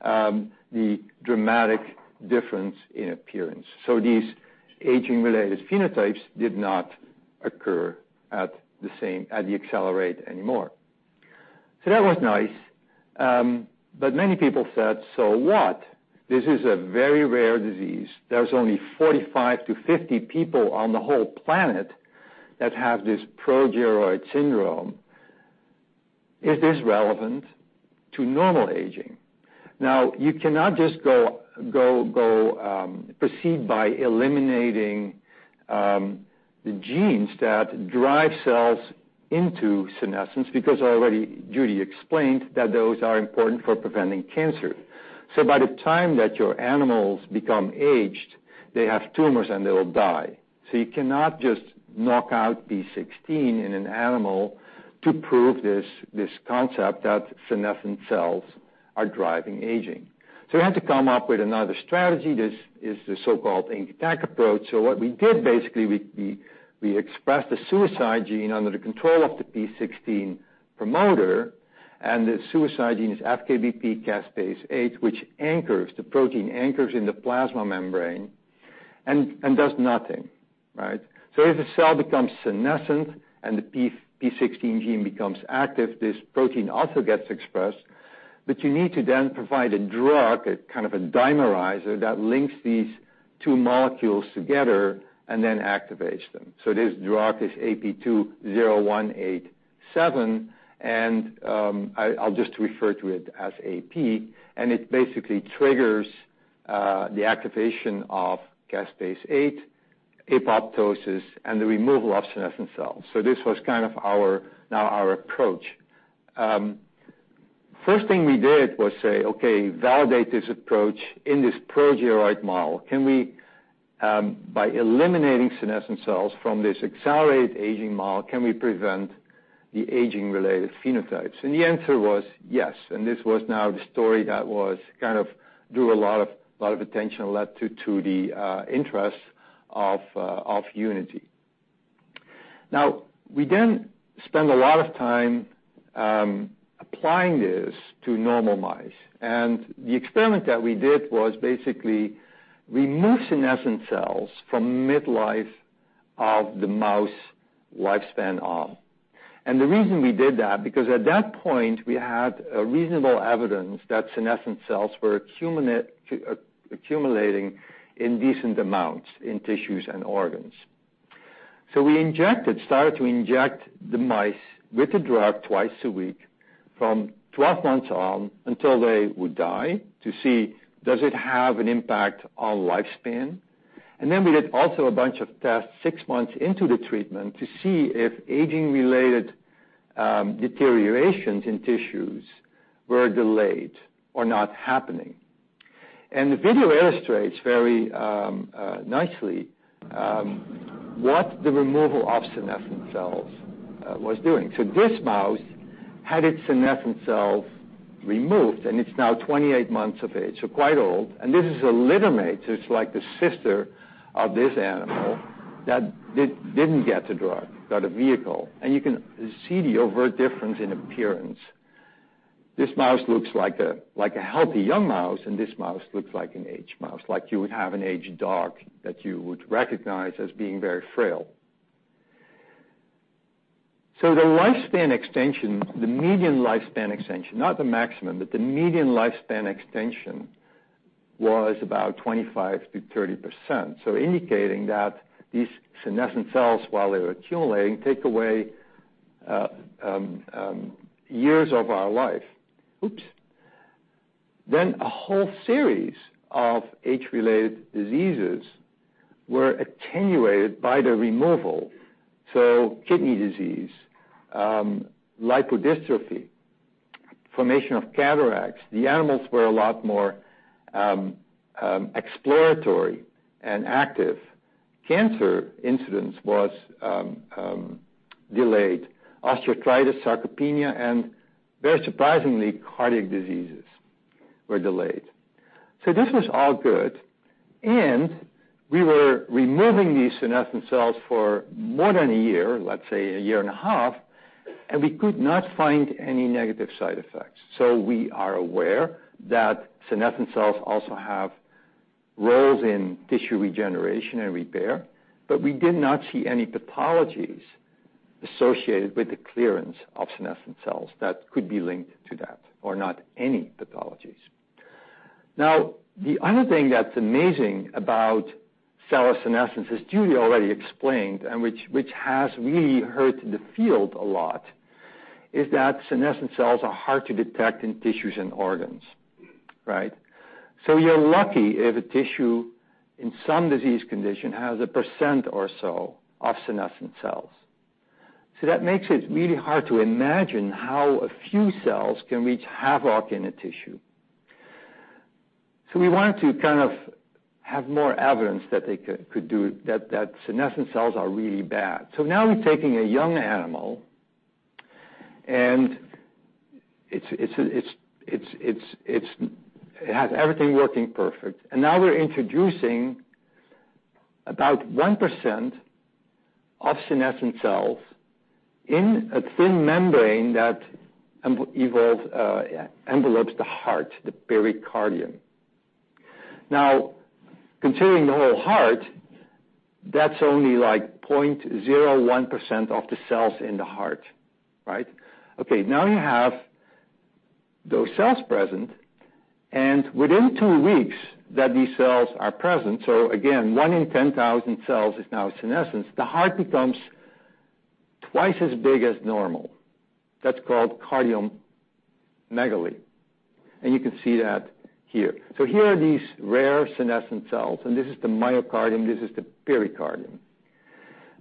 the dramatic difference in appearance. These aging-related phenotypes did not occur at the accelerated anymore. That was nice. Many people said, "What? This is a very rare disease." There's only 45-50 people on the whole planet that have this progeroid syndrome. Is this relevant to normal aging? You cannot just proceed by eliminating the genes that drive cells into senescence, because already Judy explained that those are important for preventing cancer. By the time that your animals become aged, they have tumors, and they will die. You cannot just knock out p16 in an animal to prove this concept that senescent cells are driving aging. We had to come up with another strategy. This is the so-called anchor tag approach. What we did, basically, we expressed a suicide gene under the control of the p16 promoter, and the suicide gene is FKBP-caspase-8, which anchors the protein, anchors in the plasma membrane, and does nothing. Right? If a cell becomes senescent and the p16 gene becomes active, this protein also gets expressed. You need to then provide a drug, a kind of a dimerizer that links these two molecules together and then activates them. This drug is AP20187, and I'll just refer to it as AP, and it basically triggers the activation of caspase-8, apoptosis, and the removal of senescent cells. This was kind of now our approach. First thing we did was say, okay, validate this approach in this progeroid model. By eliminating senescent cells from this accelerated aging model, can we prevent the aging-related phenotypes? The answer was yes, and this was now the story that kind of drew a lot of attention, led to the interest of Unity. We then spend a lot of time applying this to normal mice. The experiment that we did was basically remove senescent cells from midlife of the mouse lifespan on. The reason we did that, because at that point, we had reasonable evidence that senescent cells were accumulating in decent amounts in tissues and organs. We started to inject the mice with the drug twice a week from 12 months on until they would die to see, does it have an impact on lifespan? Then we did also a bunch of tests six months into the treatment to see if aging-related deteriorations in tissues were delayed or not happening. The video illustrates very nicely what the removal of senescent cells was doing. This mouse had its senescent cells removed, and it's now 28 months of age, so quite old. This is a littermate, so it's like the sister of this animal that didn't get the drug, got a vehicle. You can see the overt difference in appearance. This mouse looks like a healthy young mouse, and this mouse looks like an aged mouse, like you would have an aged dog that you would recognize as being very frail. The lifespan extension, the median lifespan extension, not the maximum, but the median lifespan extension, was about 25%-30%. Indicating that these senescent cells, while they were accumulating, take away years of our life. Oops. A whole series of age-related diseases were attenuated by the removal. Kidney disease, lipodystrophy, formation of cataracts. The animals were a lot more exploratory and active. Cancer incidence was delayed. Osteoarthritis, sarcopenia, and very surprisingly, cardiac diseases were delayed. This was all good, we were removing these senescent cells for more than a year, let's say a year and a half, we could not find any negative side effects. We are aware that senescent cells also have roles in tissue regeneration and repair, we did not see any pathologies associated with the clearance of senescent cells that could be linked to that or not any pathologies. The other thing that's amazing about cell senescence, as Judy Campisi already explained, and which has really hurt the field a lot, is that senescent cells are hard to detect in tissues and organs. Right? You're lucky if a tissue in some disease condition has a percent or so of senescent cells. That makes it really hard to imagine how a few cells can wreak havoc in a tissue. We wanted to kind of have more evidence that senescent cells are really bad. Now we're taking a young animal and it has everything working perfect, and now we're introducing about 1% of senescent cells in a thin membrane that envelops the heart, the pericardium. Considering the whole heart, that's only 0.01% of the cells in the heart. Right? You have those cells present, and within two weeks that these cells are present, again, one in 10,000 cells is now senescence, the heart becomes twice as big as normal. That's called cardiomegaly. You can see that here. Here are these rare senescent cells, and this is the myocardium, this is the pericardium.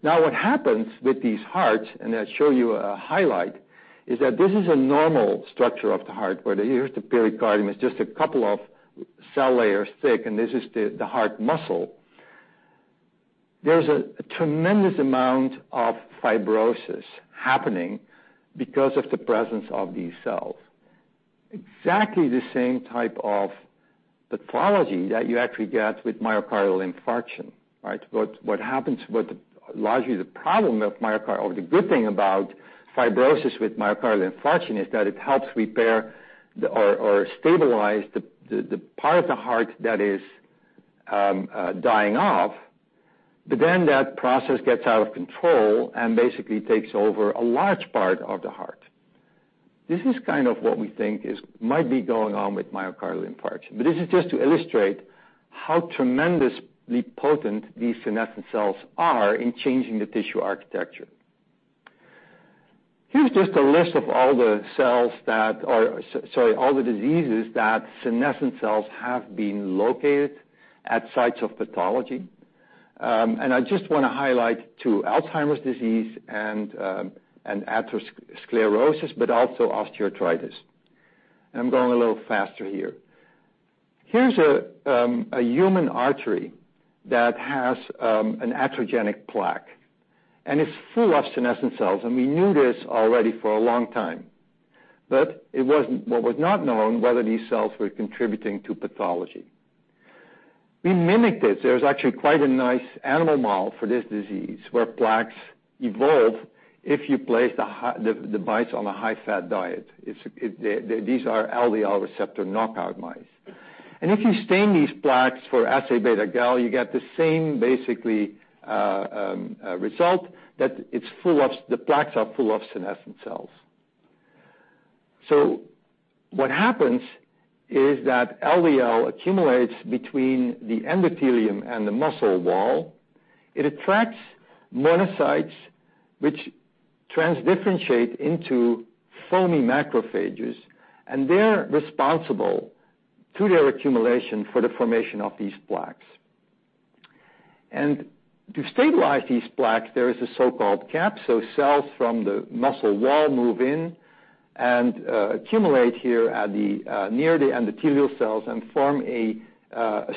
What happens with these hearts, and I'll show you a highlight, is that this is a normal structure of the heart where here's the pericardium. It's just a couple of cell layers thick, and this is the heart muscle. There's a tremendous amount of fibrosis happening because of the presence of these cells. Exactly the same type of pathology that you actually get with myocardial infarction. Right? What largely the problem of myocardial or the good thing about fibrosis with myocardial infarction is that it helps repair or stabilize the part of the heart that is dying off. That process gets out of control and basically takes over a large part of the heart. This is kind of what we think might be going on with myocardial infarction. This is just to illustrate how tremendously potent these senescent cells are in changing the tissue architecture. Here's just a list of all the diseases that senescent cells have been located at sites of pathology. I just want to highlight too, Alzheimer's disease and atherosclerosis, but also osteoarthritis. I'm going a little faster here. Here's a human artery that has an atherogenic plaque, and it's full of senescent cells, and we knew this already for a long time. What was not known, whether these cells were contributing to pathology. We mimic this. There's actually quite a nice animal model for this disease, where plaques evolve if you place the mice on a high-fat diet. These are LDL receptor knockout mice. If you stain these plaques for β-gal, you get the same basically result that the plaques are full of senescent cells. What happens is that LDL accumulates between the endothelium and the muscle wall. It attracts monocytes, which transdifferentiate into foamy macrophages, and they're responsible through their accumulation for the formation of these plaques. To stabilize these plaques, there is a so-called cap, cells from the muscle wall move in and accumulate here near the endothelial cells and form a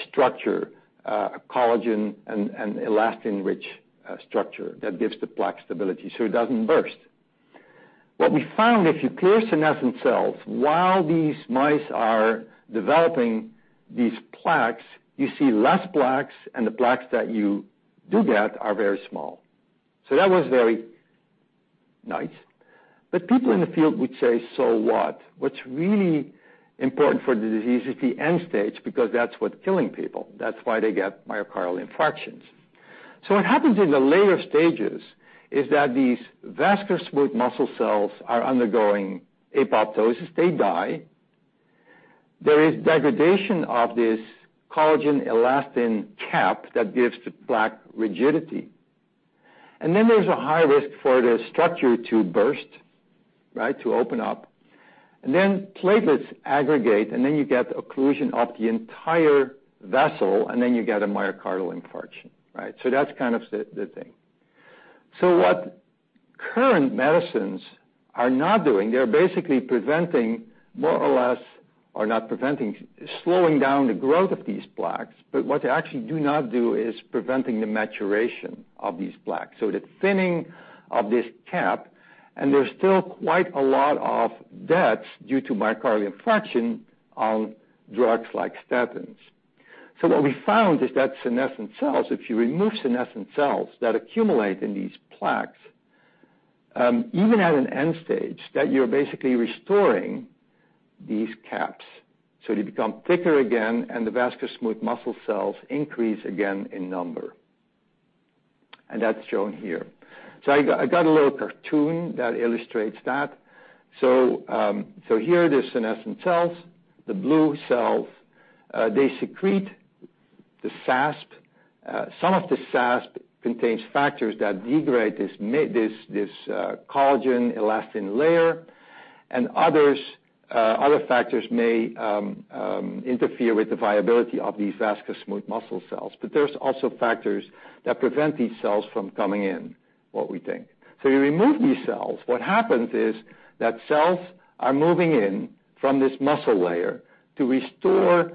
structure, a collagen and elastin-rich structure that gives the plaque stability so it doesn't burst. What we found, if you clear senescent cells while these mice are developing these plaques, you see less plaques and the plaques that you do get are very small. That was very nice. People in the field would say, "So what?" What's really important for the disease is the end stage, because that's what's killing people. That's why they get myocardial infarctions. What happens in the later stages is that these vascular smooth muscle cells are undergoing apoptosis. They die. There is degradation of this collagen elastin cap that gives the plaque rigidity. There's a high risk for the structure to burst, to open up. Platelets aggregate, you get occlusion of the entire vessel, you get a myocardial infarction. Right. That's kind of the thing. What current medicines are not doing, they're basically preventing, more or less, or not preventing, slowing down the growth of these plaques. What they actually do not do is preventing the maturation of these plaques. The thinning of this cap, there's still quite a lot of deaths due to myocardial infarction on drugs like statins. What we found is that senescent cells, if you remove senescent cells that accumulate in these plaques, even at an end stage, you're basically restoring these caps. They become thicker again, and the vascular smooth muscle cells increase again in number. That's shown here. I got a little cartoon that illustrates that. Here are the senescent cells, the blue cells. They secrete the SASP. Some of the SASP contains factors that degrade this collagen elastin layer, and other factors may interfere with the viability of these vascular smooth muscle cells. There's also factors that prevent these cells from coming in, what we think. You remove these cells. What happens is that cells are moving in from this muscle layer to restore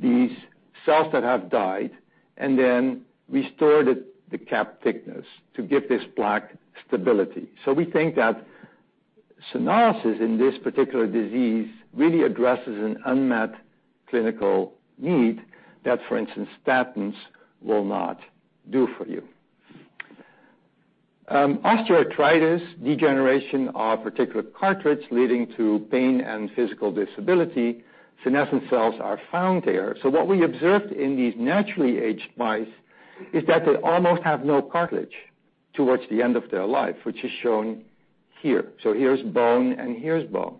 these cells that have died, restore the cap thickness to give this plaque stability. We think that senolysis in this particular disease really addresses an unmet clinical need that, for instance, statins will not do for you. Osteoarthritis, degeneration of particular cartilage leading to pain and physical disability, senescent cells are found there. What we observed in these naturally aged mice is that they almost have no cartilage towards the end of their life, which is shown here. Here's bone, here's bone.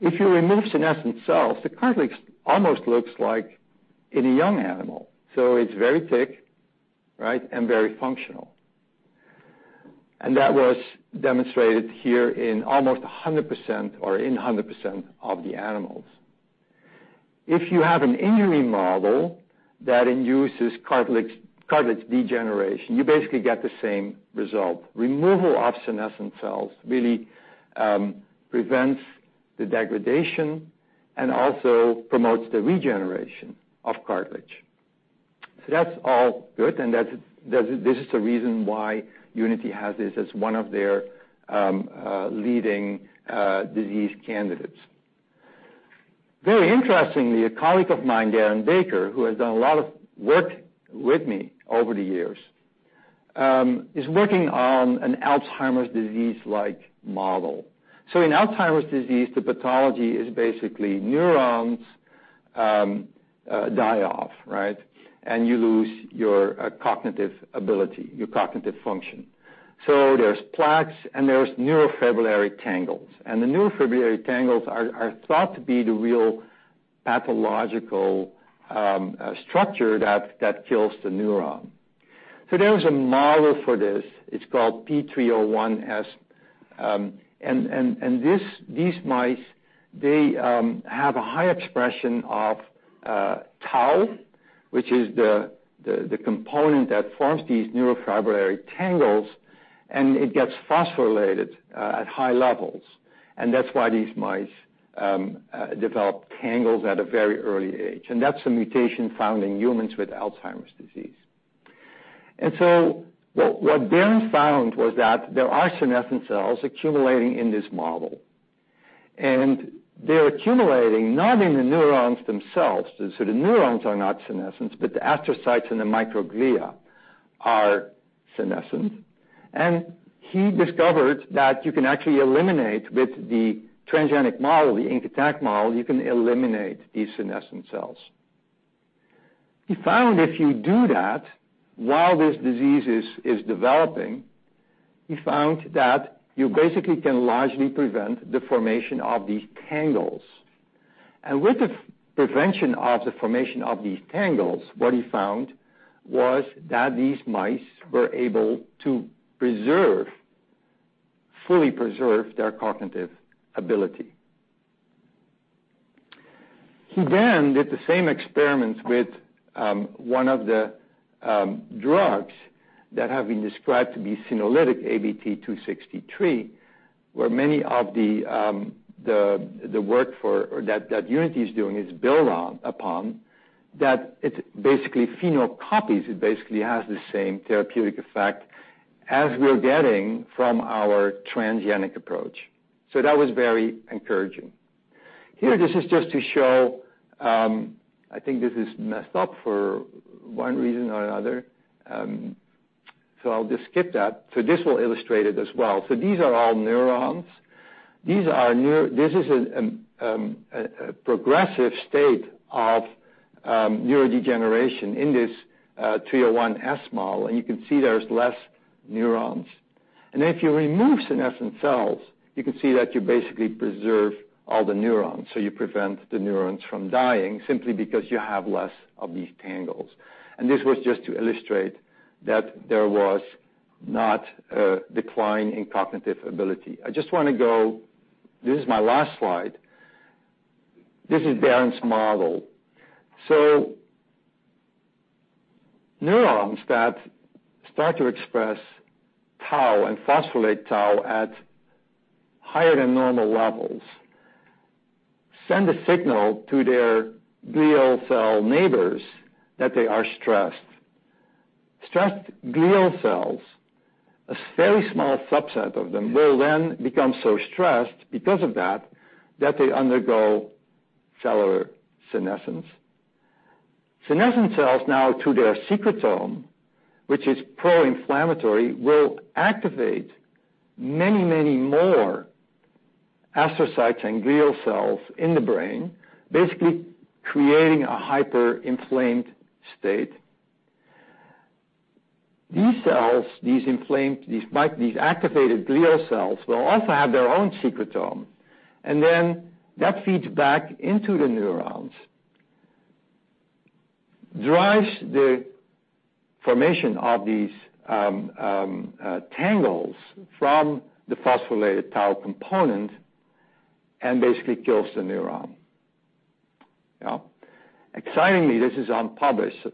If you remove senescent cells, the cartilage almost looks like in a young animal. It's very thick, right, and very functional. That was demonstrated here in almost 100%, or in 100% of the animals. If you have an injury model that induces cartilage degeneration, you basically get the same result. Removal of senescent cells really prevents the degradation and also promotes the regeneration of cartilage. That's all good, and this is the reason why Unity has this as one of their leading disease candidates. Very interestingly, a colleague of mine, Darren Baker, who has done a lot of work with me over the years, is working on an Alzheimer's disease-like model. In Alzheimer's disease, the pathology is basically neurons die off, right. You lose your cognitive ability, your cognitive function. There's plaques and there's neurofibrillary tangles. The neurofibrillary tangles are thought to be the real pathological structure that kills the neuron. There is a model for this. It's called P301S. These mice, they have a high expression of tau, which is the component that forms these neurofibrillary tangles, it gets phosphorylated at high levels. That's why these mice develop tangles at a very early age. That's a mutation found in humans with Alzheimer's disease. What Darren found was that there are senescent cells accumulating in this model. They're accumulating not in the neurons themselves. The neurons are not senescent, but the astrocytes and the microglia are senescent. He discovered that you can actually eliminate, with the transgenic model, the INK-ATTAC model, you can eliminate these senescent cells. He found if you do that while this disease is developing, he found that you basically can largely prevent the formation of these tangles. With the prevention of the formation of these tangles, what he found was that these mice were able to fully preserve their cognitive ability. He then did the same experiments with one of the drugs that have been described to be senolytic, ABT-263, where many of the work that Unity is doing is built upon that it basically phenocopies. It basically has the same therapeutic effect as we're getting from our transgenic approach. That was very encouraging. Here, I think this is messed up for one reason or another. I'll just skip that. This will illustrate it as well. These are all neurons. This is a progressive state of neurodegeneration in this P301S model. You can see there's less neurons. If you remove senescent cells, you can see that you basically preserve all the neurons. You prevent the neurons from dying simply because you have less of these tangles. This was just to illustrate that there was not a decline in cognitive ability. This is my last slide. This is Darren's model. Neurons that start to express tau and phosphorylate tau at higher than normal levels send a signal to their glial cell neighbors that they are stressed. Stressed glial cells, a very small subset of them will then become so stressed because of that they undergo cellular senescence. Senescent cells now to their secretome, which is pro-inflammatory, will activate many more astrocytes and glial cells in the brain, basically creating a hyper-inflamed state. These cells, these activated glial cells will also have their own secretome. That feeds back into the neurons, drives the formation of these tangles from the phosphorylated tau component, basically kills the neuron. Excitingly, this is unpublished.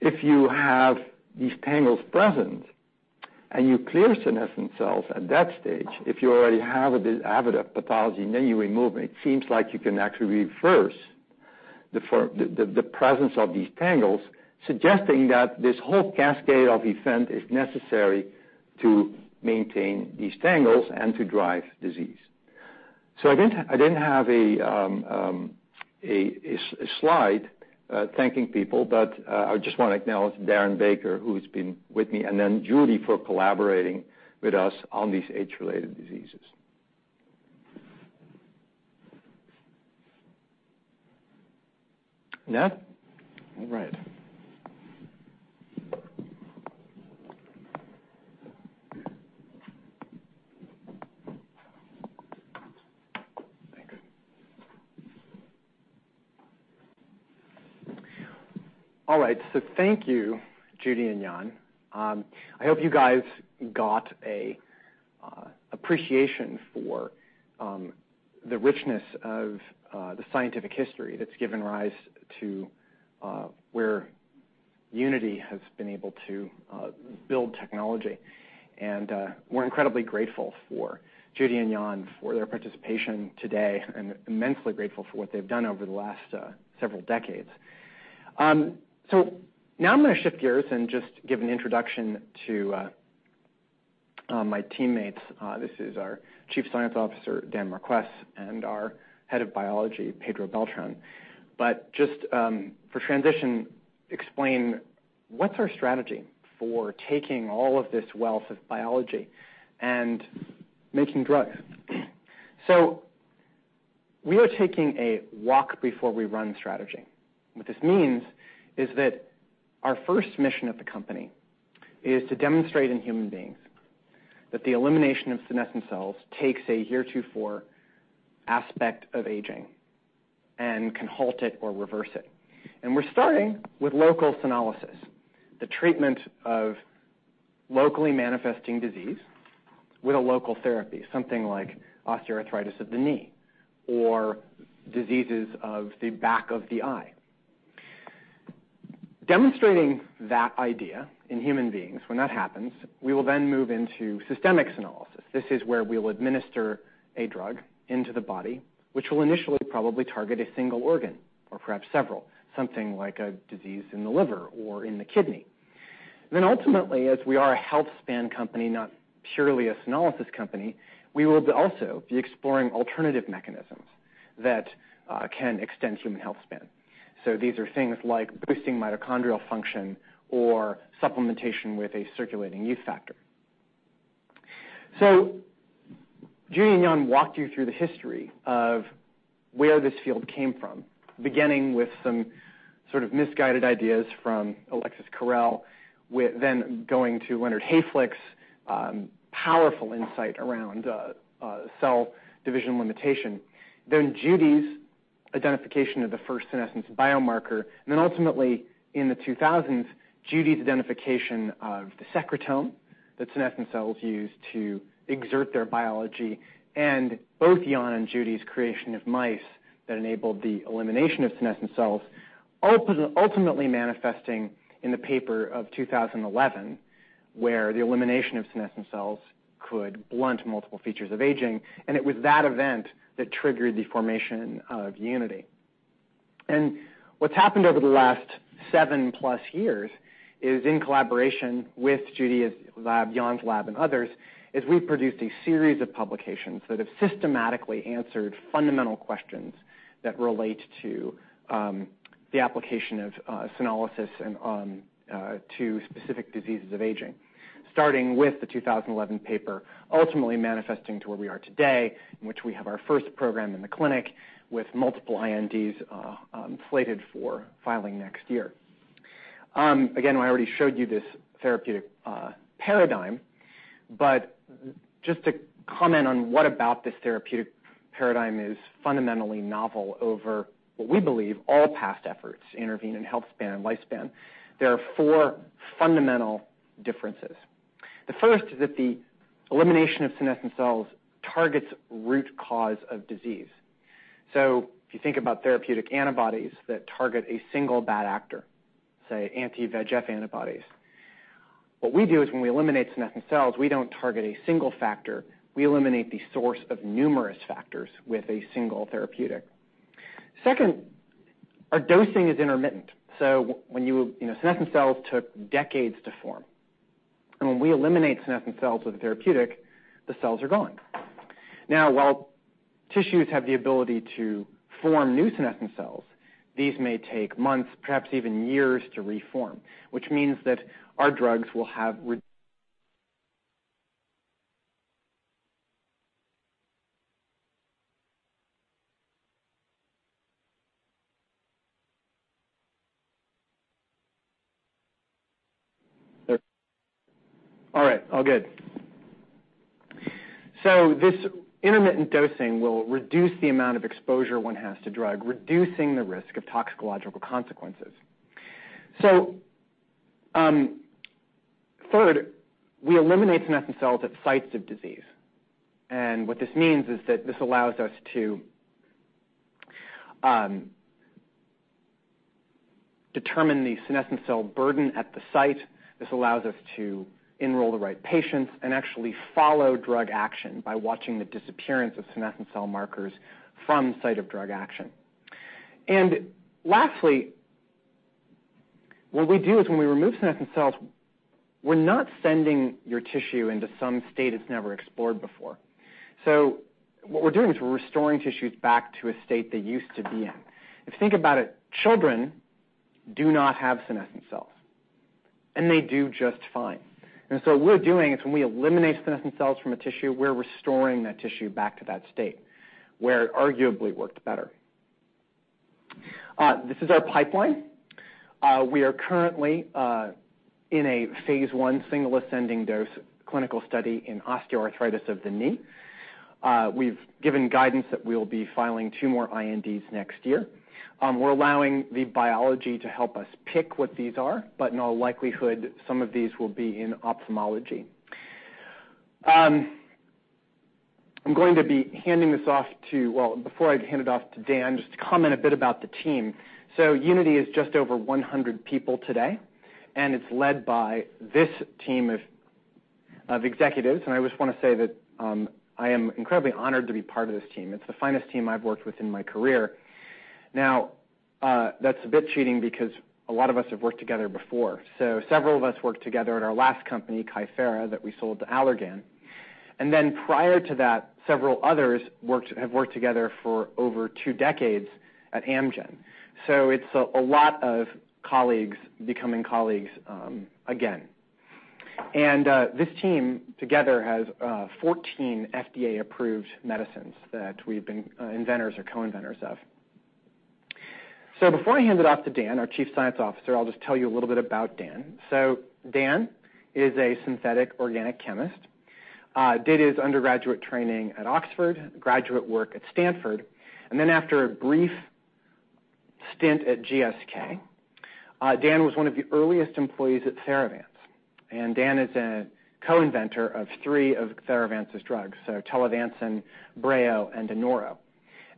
If you have these tangles present and you clear senescent cells at that stage, if you already have a pathology and then you remove them, it seems like you can actually reverse the presence of these tangles suggesting that this whole cascade of event is necessary to maintain these tangles and to drive disease. I didn't have a slide thanking people. I just want to acknowledge Darren Baker, who's been with me, Judy for collaborating with us on these age-related diseases. Ned? All right. Thank you, Judy and Jan. I hope you guys got an appreciation for the richness of the scientific history that's given rise to where Unity has been able to build technology. We're incredibly grateful for Judy and Jan for their participation today, and immensely grateful for what they've done over the last several decades. Now I'm going to shift gears and just give an introduction to my teammates. This is our Chief Scientific Officer, Dan Marquess, and our Head of Biology, Pedro Beltran. Just for transition, explain what's our strategy for taking all of this wealth of biology and making drugs. We are taking a walk before we run strategy. What this means is that our first mission at the company is to demonstrate in human beings that the elimination of senescent cells takes a heretofore aspect of aging and can halt it or reverse it. We're starting with local senolysis, the treatment of locally manifesting disease with a local therapy, something like osteoarthritis of the knee or diseases of the back of the eye. Demonstrating that idea in human beings, when that happens, we will then move into systemic senolysis. This is where we'll administer a drug into the body, which will initially probably target a single organ or perhaps several, something like a disease in the liver or in the kidney. Ultimately, as we are a healthspan company, not purely a senolysis company, we will also be exploring alternative mechanisms that can extend human healthspan. These are things like boosting mitochondrial function or supplementation with a circulating youth factor. Judy and Jan walked you through the history of where this field came from, beginning with some sort of misguided ideas from Alexis Carrel, then going to Leonard Hayflick's powerful insight around cell division limitation, then Judy's identification of the first senescence biomarker. Ultimately in the 2000s, Judy's identification of the secretome that senescent cells use to exert their biology, and both Jan and Judy's creation of mice that enabled the elimination of senescent cells, ultimately manifesting in the paper of 2011, where the elimination of senescent cells could blunt multiple features of aging. It was that event that triggered the formation of Unity. What's happened over the last seven-plus years is, in collaboration with Judy's lab, Jan's lab, and others, is we've produced a series of publications that have systematically answered fundamental questions that relate to the application of senolysis and on to specific diseases of aging, starting with the 2011 paper, ultimately manifesting to where we are today, in which we have our first program in the clinic with multiple INDs slated for filing next year. Again, I already showed you this therapeutic paradigm, just to comment on what about this therapeutic paradigm is fundamentally novel over what we believe all past efforts to intervene in healthspan and lifespan. There are four fundamental differences. The first is that the elimination of senescent cells targets root cause of disease. If you think about therapeutic antibodies that target a single bad actor, say anti-VEGF antibodies. What we do is when we eliminate senescent cells, we don't target a single factor. We eliminate the source of numerous factors with a single therapeutic. Second, our dosing is intermittent. Senescent cells took decades to form, and when we eliminate senescent cells with a therapeutic, the cells are gone. While tissues have the ability to form new senescent cells, these may take months, perhaps even years, to reform, which means that our drugs will have. This intermittent dosing will reduce the amount of exposure one has to drug, reducing the risk of toxicological consequences. Third, we eliminate senescent cells at sites of disease. What this means is that this allows us to determine the senescent cell burden at the site. This allows us to enroll the right patients and actually follow drug action by watching the disappearance of senescent cell markers from site of drug action. Lastly, what we do is when we remove senescent cells, we're not sending your tissue into some state it's never explored before. What we're doing is we're restoring tissues back to a state they used to be in. If you think about it, children do not have senescent cells, they do just fine. What we're doing is when we eliminate senescent cells from a tissue, we're restoring that tissue back to that state where it arguably worked better. This is our pipeline. We are currently in a phase I single ascending dose clinical study in osteoarthritis of the knee. We've given guidance that we'll be filing two more INDs next year. We're allowing the biology to help us pick what these are, in all likelihood, some of these will be in ophthalmology. I'm going to be handing this off. Before I hand it off to Dan, just to comment a bit about the team. Unity is just over 100 people today, it's led by this team of executives. I just want to say that I am incredibly honored to be part of this team. It's the finest team I've worked with in my career. That's a bit cheating because a lot of us have worked together before. Several of us worked together at our last company, Kythera, that we sold to Allergan. Prior to that, several others have worked together for over two decades at Amgen. It's a lot of colleagues becoming colleagues again. This team together has 14 FDA-approved medicines that we've been inventors or co-inventors of. Before I hand it off to Dan, our Chief Scientific Officer, I'll just tell you a little bit about Dan. Dan is a synthetic organic chemist. Did his undergraduate training at Oxford, graduate work at Stanford, after a brief stint at GSK, Dan was one of the earliest employees at Theravance. Dan is a co-inventor of three of Theravance's drugs, Telavancin, BREO, and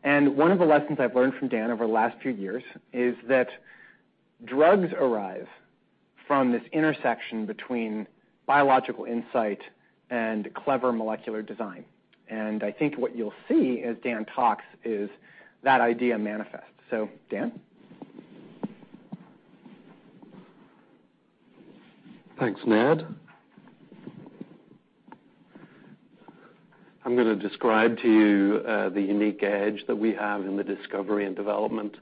Anoro. One of the lessons I've learned from Dan over the last few years is that drugs arrive from this intersection between biological insight and clever molecular design. I think what you'll see as Dan talks is that idea manifests. Dan? Thanks, Ned. I'm going to describe to you the unique edge that we have in the discovery and development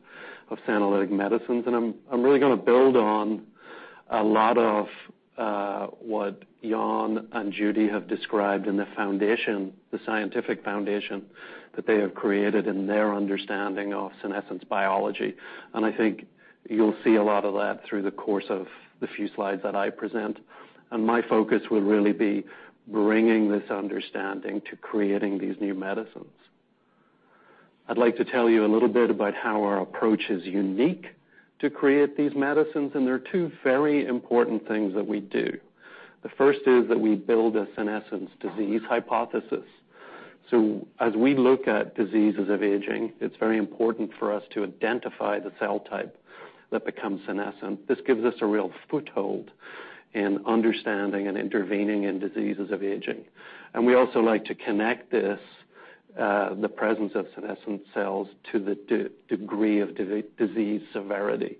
of senolytic medicines. I'm really going to build on a lot of what Jan and Judy have described in the foundation, the scientific foundation that they have created in their understanding of senescence biology. I think you'll see a lot of that through the course of the few slides that I present, and my focus will really be bringing this understanding to creating these new medicines. I'd like to tell you a little bit about how our approach is unique to create these medicines, and there are two very important things that we do. The first is that we build a senescence disease hypothesis. As we look at diseases of aging, it's very important for us to identify the cell type that becomes senescent. This gives us a real foothold in understanding and intervening in diseases of aging. We also like to connect this, the presence of senescent cells, to the degree of disease severity.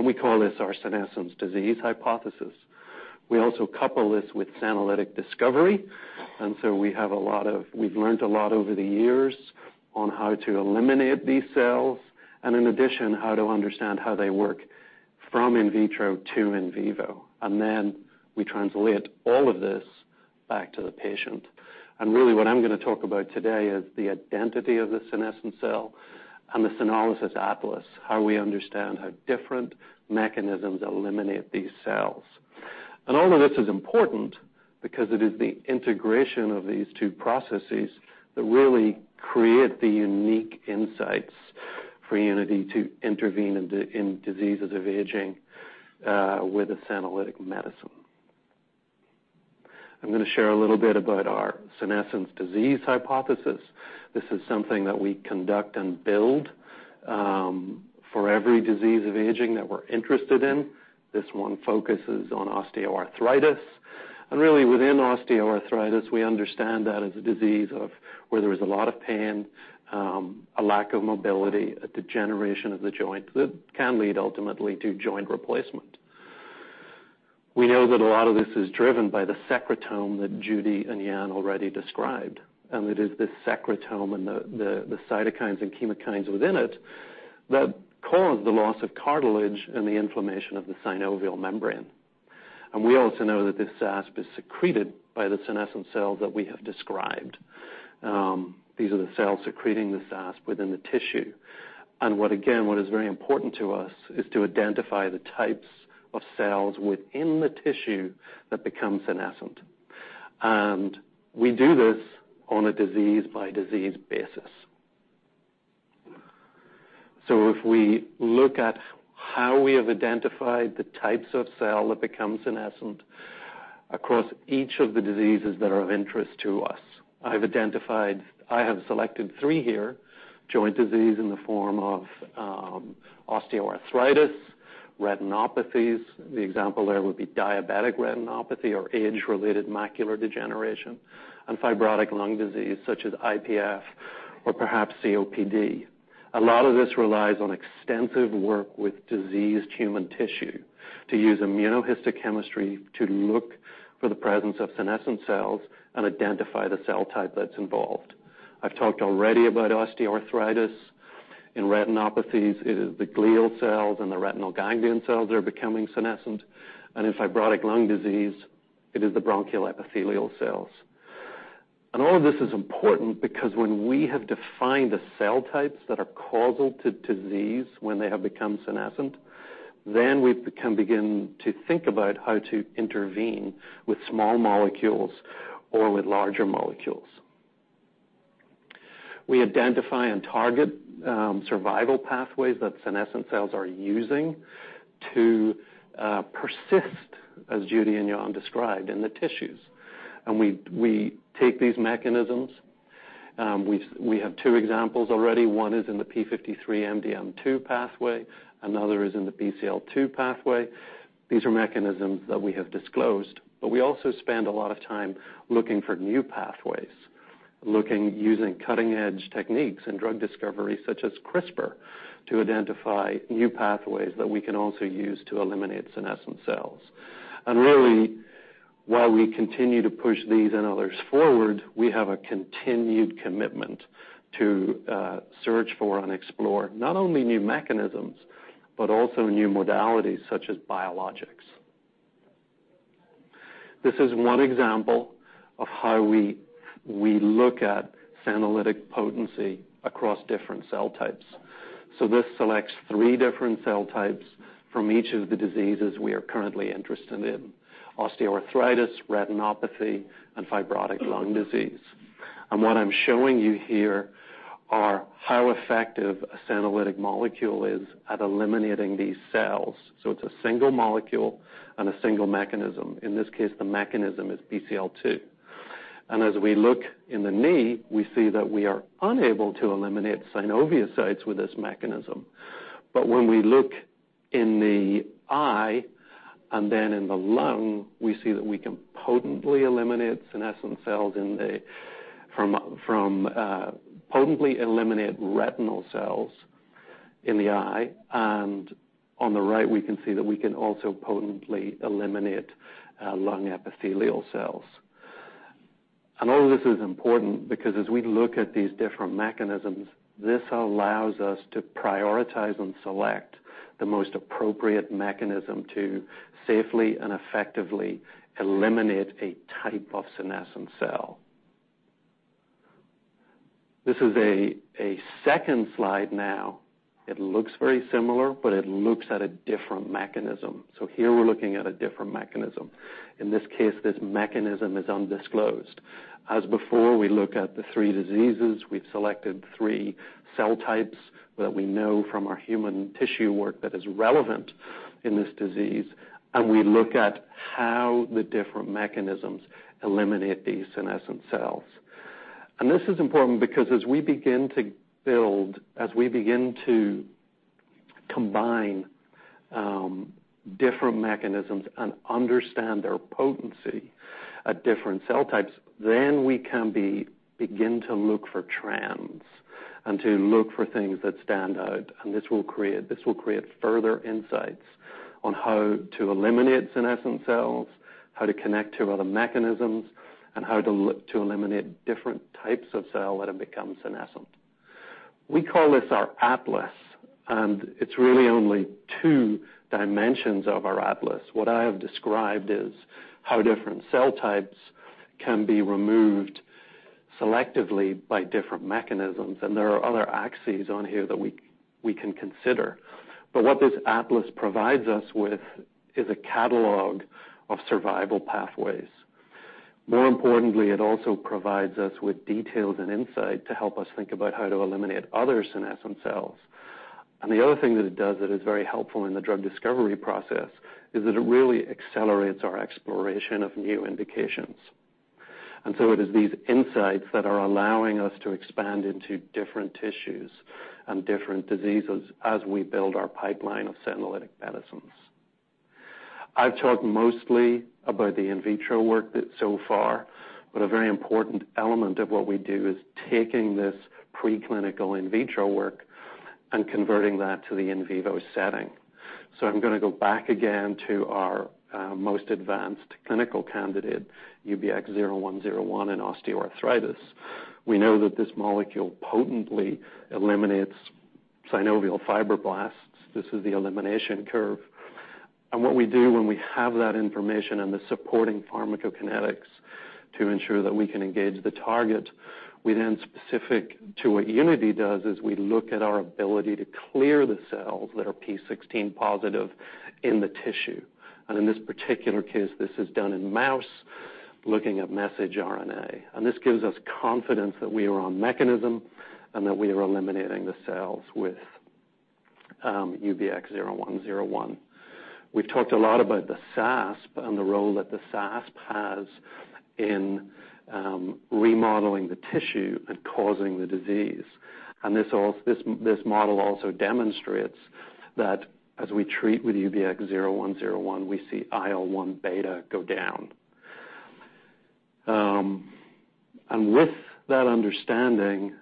We call this our senescence disease hypothesis. We also couple this with senolytic discovery. We've learned a lot over the years on how to eliminate these cells, and in addition, how to understand how they work from in vitro to in vivo. We translate all of this back to the patient. What I'm going to talk about today is the identity of the senescent cell and the senolysis atlas, how we understand how different mechanisms eliminate these cells. All of this is important because it is the integration of these two processes that really create the unique insights for Unity to intervene in diseases of aging with a senolytic medicine. I'm going to share a little bit about our senescence disease hypothesis. This is something that we conduct and build for every disease of aging that we're interested in. This one focuses on osteoarthritis. Within osteoarthritis, we understand that is a disease of where there is a lot of pain, a lack of mobility, a degeneration of the joint that can lead ultimately to joint replacement. We know that a lot of this is driven by the secretome that Judy and Jan already described, and it is this secretome and the cytokines and chemokines within it that cause the loss of cartilage and the inflammation of the synovial membrane. We also know that this SASP is secreted by the senescent cells that we have described. These are the cells secreting the SASP within the tissue. What is very important to us is to identify the types of cells within the tissue that become senescent. We do this on a disease-by-disease basis. If we look at how we have identified the types of cell that become senescent across each of the diseases that are of interest to us. I have selected three here, joint disease in the form of osteoarthritis, retinopathies, the example there would be diabetic retinopathy or age-related macular degeneration, and fibrotic lung disease such as IPF or perhaps COPD. A lot of this relies on extensive work with diseased human tissue to use immunohistochemistry to look for the presence of senescent cells and identify the cell type that's involved. I've talked already about osteoarthritis and retinopathies. It is the glial cells and the retinal ganglion cells that are becoming senescent. In fibrotic lung disease, it is the bronchial epithelial cells. All of this is important because when we have defined the cell types that are causal to disease, when they have become senescent, then we can begin to think about how to intervene with small molecules or with larger molecules. We identify and target survival pathways that senescent cells are using to persist, as Judy Campisi and Jan van Deursen described, in the tissues. We take these mechanisms. We have two examples already. One is in the p53-MDM2 pathway. Another is in the BCL-2 pathway. These are mechanisms that we have disclosed. We also spend a lot of time looking for new pathways, looking using cutting-edge techniques and drug discovery such as CRISPR to identify new pathways that we can also use to eliminate senescent cells. Really, while we continue to push these and others forward, we have a continued commitment to search for and explore not only new mechanisms, but also new modalities such as biologics. This is one example of how we look at senolytic potency across different cell types. This selects three different cell types from each of the diseases we are currently interested in, osteoarthritis, retinopathy, and fibrotic lung disease. What I'm showing you here are how effective a senolytic molecule is at eliminating these cells. It's a single molecule and a single mechanism. In this case, the mechanism is BCL-2. As we look in the knee, we see that we are unable to eliminate synoviocytes with this mechanism. When we look in the eye and then in the lung, we see that we can potently eliminate retinal cells in the eye. On the right, we can see that we can also potently eliminate lung epithelial cells. All of this is important because as we look at these different mechanisms, this allows us to prioritize and select the most appropriate mechanism to safely and effectively eliminate a type of senescent cell. This is a second slide now. It looks very similar, but it looks at a different mechanism. Here we're looking at a different mechanism. In this case, this mechanism is undisclosed. As before, we look at the three diseases. We've selected three cell types that we know from our human tissue work that is relevant in this disease. We look at how the different mechanisms eliminate these senescent cells. This is important because as we begin to buildCombine different mechanisms and understand their potency at different cell types, we can begin to look for trends and to look for things that stand out. This will create further insights on how to eliminate senescent cells, how to connect to other mechanisms, and how to eliminate different types of cell that have become senescent. We call this our atlas, and it's really only two dimensions of our atlas. What I have described is how different cell types can be removed selectively by different mechanisms. There are other axes on here that we can consider. What this atlas provides us with is a catalog of survival pathways. More importantly, it also provides us with details and insight to help us think about how to eliminate other senescent cells. The other thing that it does that is very helpful in the drug discovery process is that it really accelerates our exploration of new indications. It is these insights that are allowing us to expand into different tissues and different diseases as we build our pipeline of senolytic medicines. I've talked mostly about the in vitro work bit so far, but a very important element of what we do is taking this preclinical in vitro work and converting that to the in vivo setting. I'm going to go back again to our most advanced clinical candidate, UBX0101 in osteoarthritis. We know that this molecule potently eliminates synovial fibroblasts. This is the elimination curve. What we do when we have that information and the supporting pharmacokinetics to ensure that we can engage the target, we then, specific to what Unity does, is we look at our ability to clear the cells that are p16 positive in the tissue. In this particular case, this is done in mouse, looking at message RNA. This gives us confidence that we are on mechanism and that we are eliminating the cells with UBX0101. We've talked a lot about the SASP and the role that the SASP has in remodeling the tissue and causing the disease. This model also demonstrates that as we treat with UBX0101, we see IL-1 beta go down. With that understanding,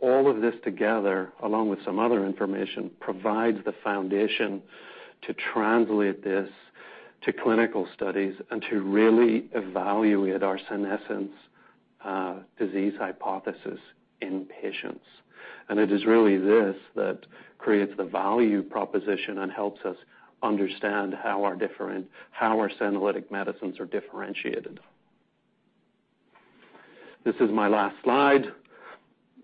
all of this together, along with some other information, provides the foundation to translate this to clinical studies and to really evaluate our senescence disease hypothesis in patients. It is really this that creates the value proposition and helps us understand how our senolytic medicines are differentiated. This is my last slide.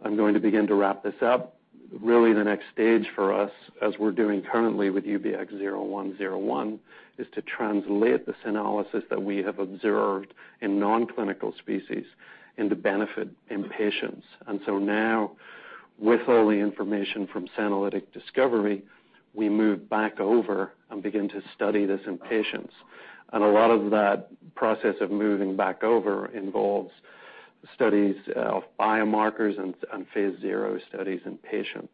I'm going to begin to wrap this up. Really the next stage for us, as we're doing currently with UBX0101, is to translate the senolysis that we have observed in non-clinical species into benefit in patients. Now, with all the information from Senolytic Discovery, we move back over and begin to study this in patients. A lot of that process of moving back over involves studies of biomarkers and phase zero studies in patients.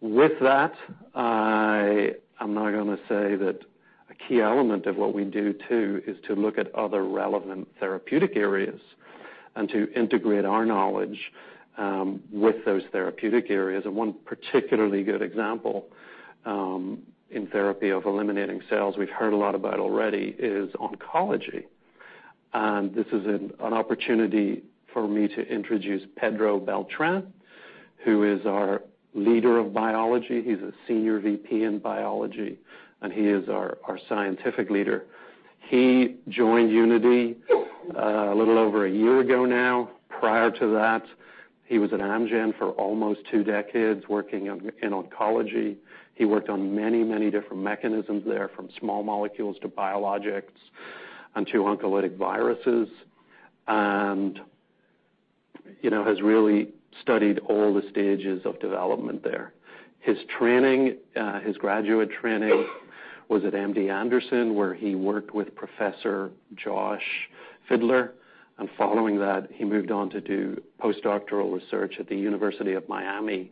With that, I'm now going to say that a key element of what we do, too, is to look at other relevant therapeutic areas and to integrate our knowledge with those therapeutic areas and one particularly good example in therapy of eliminating cells we've heard a lot about already is oncology. This is an opportunity for me to introduce Pedro Beltran, who is our Leader of Biology. He's a Senior VP in Biology, and he is our Scientific Leader. He joined Unity a little over a year ago now. Prior to that, he was at Amgen for almost two decades, working in oncology. He worked on many different mechanisms there, from small molecules to biologics and to oncolytic viruses, and has really studied all the stages of development there. His graduate training was at MD Anderson, where he worked with Professor Josh Fidler. Following that, he moved on to do postdoctoral research at the University of Miami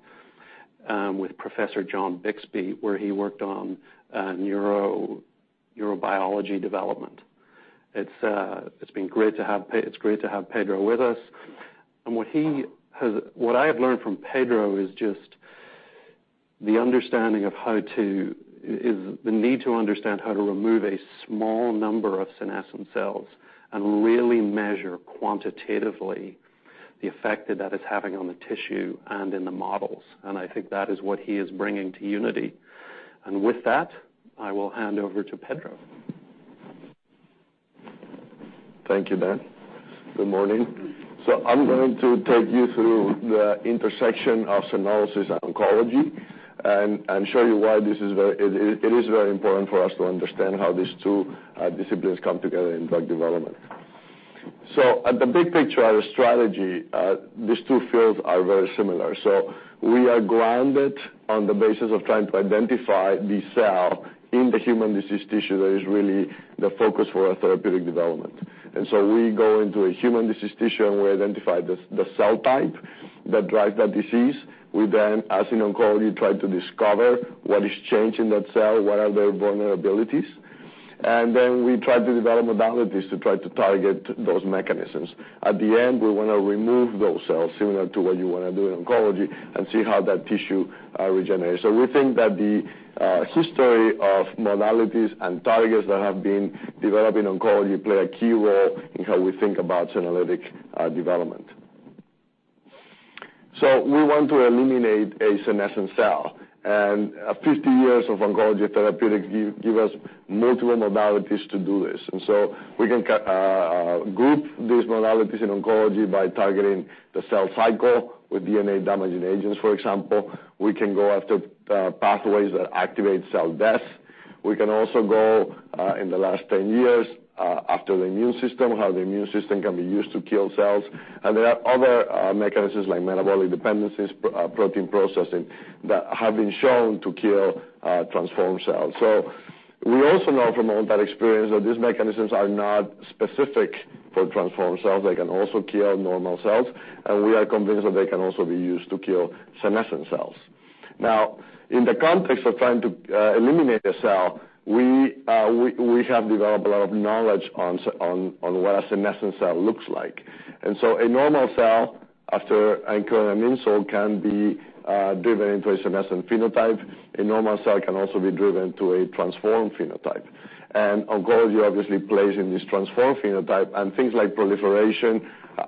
with Professor John Bixby, where he worked on neurobiology development. It's great to have Pedro with us. What I have learned from Pedro is just the need to understand how to remove a small number of senescent cells and really measure quantitatively the effect that that is having on the tissue and in the models. I think that is what he is bringing to Unity. With that, I will hand over to Pedro. Thank you, Dan. Good morning. I'm going to take you through the intersection of senolysis and oncology and show you why it is very important for us to understand how these two disciplines come together in drug development. At the big picture, our strategy, these two fields are very similar. We are grounded on the basis of trying to identify the cell in the human diseased tissue that is really the focus for our therapeutic development. We go into a human disease tissue, and we identify the cell type that drives that disease. We then, as in oncology, try to discover what is changing that cell, what are their vulnerabilities. We try to develop modalities to try to target those mechanisms. At the end, we want to remove those cells, similar to what you want to do in oncology, and see how that tissue regenerates. We think that the history of modalities and targets that have been developed in oncology play a key role in how we think about senolytic development. We want to eliminate a senescent cell, and 50 years of oncology therapeutics give us multiple modalities to do this. We can group these modalities in oncology by targeting the cell cycle with DNA-damaging agents, for example. We can go after pathways that activate cell death. We can also go, in the last 10 years, after the immune system, how the immune system can be used to kill cells. There are other mechanisms like metabolic dependencies, protein processing, that have been shown to kill transformed cells. We also know from all that experience that these mechanisms are not specific for transformed cells. They can also kill normal cells. We are convinced that they can also be used to kill senescent cells. Now, in the context of trying to eliminate a cell, we have developed a lot of knowledge on what a senescent cell looks like. A normal cell, after incurring an insult, can be driven into a senescent phenotype. A normal cell can also be driven to a transformed phenotype. Oncology obviously plays in this transformed phenotype, and things like proliferation,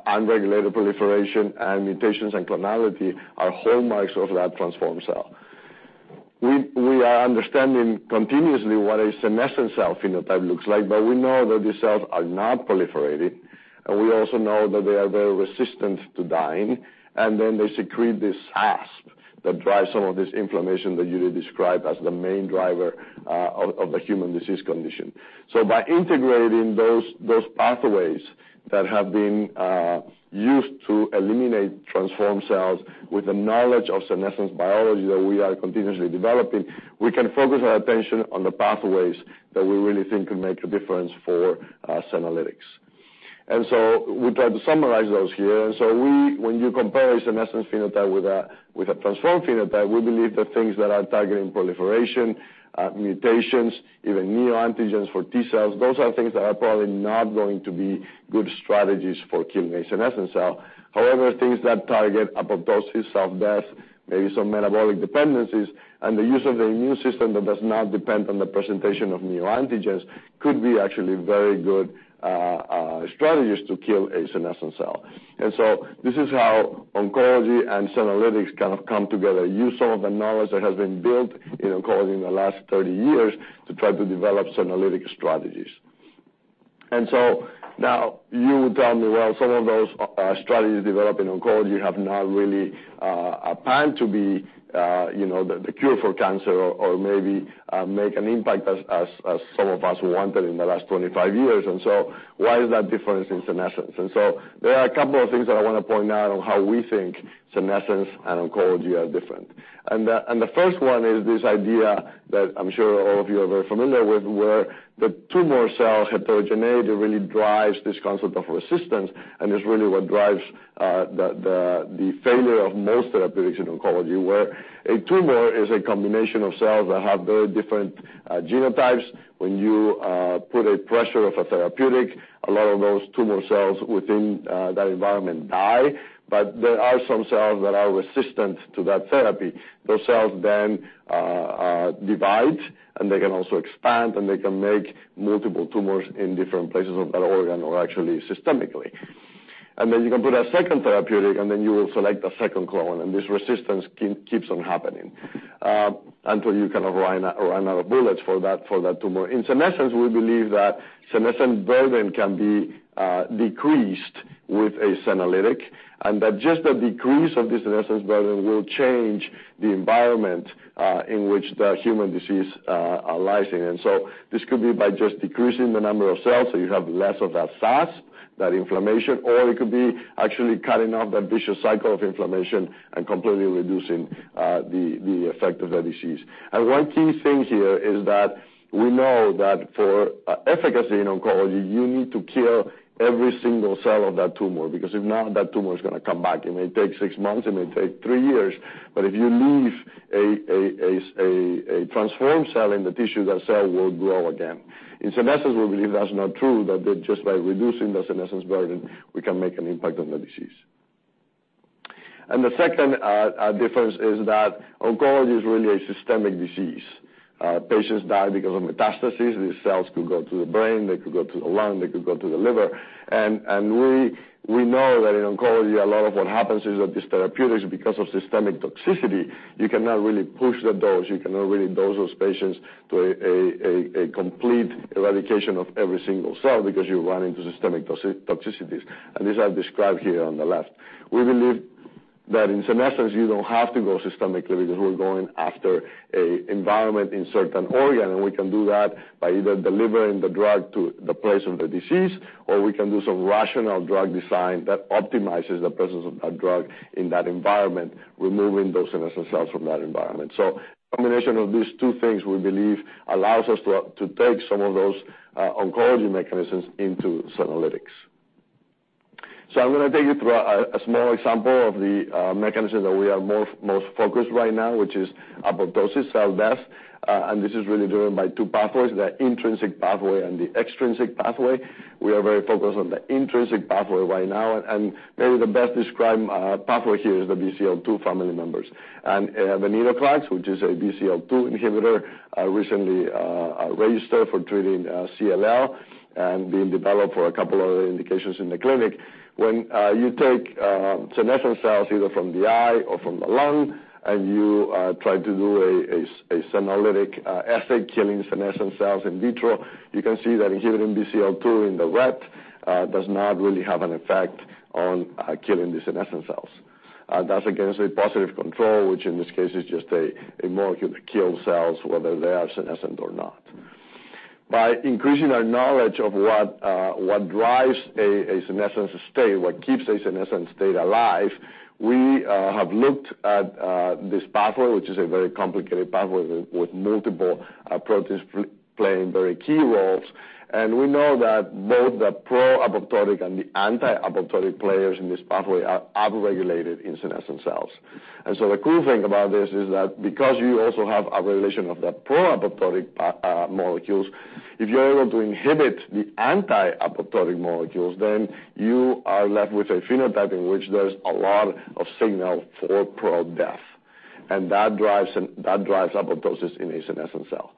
unregulated proliferation, and mutations and clonality are hallmarks of that transformed cell. We are understanding continuously what a senescent cell phenotype looks like, but we know that these cells are not proliferating, and we also know that they are very resistant to dying. They secrete this SASP that drives some of this inflammation that you described as the main driver of the human disease condition. By integrating those pathways that have been used to eliminate transformed cells with the knowledge of senescence biology that we are continuously developing, we can focus our attention on the pathways that we really think can make a difference for senolytics. We tried to summarize those here. When you compare a senescence phenotype with a transformed phenotype, we believe the things that are targeting proliferation, mutations, even neoantigens for T-cells, those are things that are probably not going to be good strategies for killing a senescent cell. Things that target apoptosis, cell death, maybe some metabolic dependencies, and the use of the immune system that does not depend on the presentation of neoantigens could be actually very good strategies to kill a senescent cell. This is how oncology and senolytics kind of come together. Use some of the knowledge that has been built in oncology in the last 30 years to try to develop senolytic strategies. Now you would tell me, well, some of those strategies developed in oncology have not really planned to be the cure for cancer or maybe make an impact as some of us wanted in the last 25 years. Why is that different in senescence? There are a couple of things that I want to point out on how we think senescence and oncology are different. The first one is this idea that I'm sure all of you are very familiar with, where the tumor cell heterogeneity really drives this concept of resistance and is really what drives the failure of most therapeutics in oncology, where a tumor is a combination of cells that have very different genotypes. When you put a pressure of a therapeutic, a lot of those tumor cells within that environment die, but there are some cells that are resistant to that therapy. Those cells then divide, and they can also expand, and they can make multiple tumors in different places of that organ or actually systemically. You can put a second therapeutic, and then you will select a second clone, and this resistance keeps on happening, until you kind of run out of bullets for that tumor. In senescence, we believe that senescent burden can be decreased with a senolytic, and that just a decrease of the senescence burden will change the environment in which the human disease lies in. This could be by just decreasing the number of cells, so you have less of that SASP, that inflammation, or it could be actually cutting off that vicious cycle of inflammation and completely reducing the effect of the disease. One key thing here is that we know that for efficacy in oncology, you need to kill every single cell of that tumor, because if not, that tumor is going to come back. It may take six months, it may take three years, but if you leave a transformed cell in the tissue, that cell will grow again. In senescence, we believe that's not true, that just by reducing the senescence burden, we can make an impact on the disease. The second difference is that oncology is really a systemic disease. Patients die because of metastasis. These cells could go to the brain, they could go to the lung, they could go to the liver. We know that in oncology, a lot of what happens is that these therapeutics, because of systemic toxicity, you cannot really push the dose. You cannot really dose those patients to a complete eradication of every single cell because you run into systemic toxicities. These I've described here on the left. We believe that in senescence, you don't have to go systemically because we're going after an environment in a certain organ, and we can do that by either delivering the drug to the place of the disease, or we can do some rational drug design that optimizes the presence of that drug in that environment, removing those senescent cells from that environment. A combination of these two things, we believe, allows us to take some of those oncology mechanisms into senolytics. I'm going to take you through a small example of the mechanism that we are most focused right now, which is apoptosis, cell death. This is really driven by two pathways, the intrinsic pathway and the extrinsic pathway. We are very focused on the intrinsic pathway right now. Maybe the best described pathway here is the BCL-2 family members. Venetoclax, which is a BCL-2 inhibitor, recently registered for treating CLL and being developed for a couple of other indications in the clinic. When you take senescent cells, either from the eye or from the lung, and you try to do a senolytic assay, killing senescent cells in vitro, you can see that inhibiting BCL-2 in the red does not really have an effect on killing the senescent cells. That's against a positive control, which in this case is just a molecule that kills cells whether they are senescent or not. By increasing our knowledge of what drives a senescence state, what keeps a senescent state alive, we have looked at this pathway, which is a very complicated pathway with multiple approaches playing very key roles. We know that both the pro-apoptotic and the anti-apoptotic players in this pathway are upregulated in senescent cells. The cool thing about this is that because you also have a regulation of the pro-apoptotic molecules, if you're able to inhibit the anti-apoptotic molecules, then you are left with a phenotype in which there's a lot of signal for pro-death. That drives apoptosis in a senescent cell.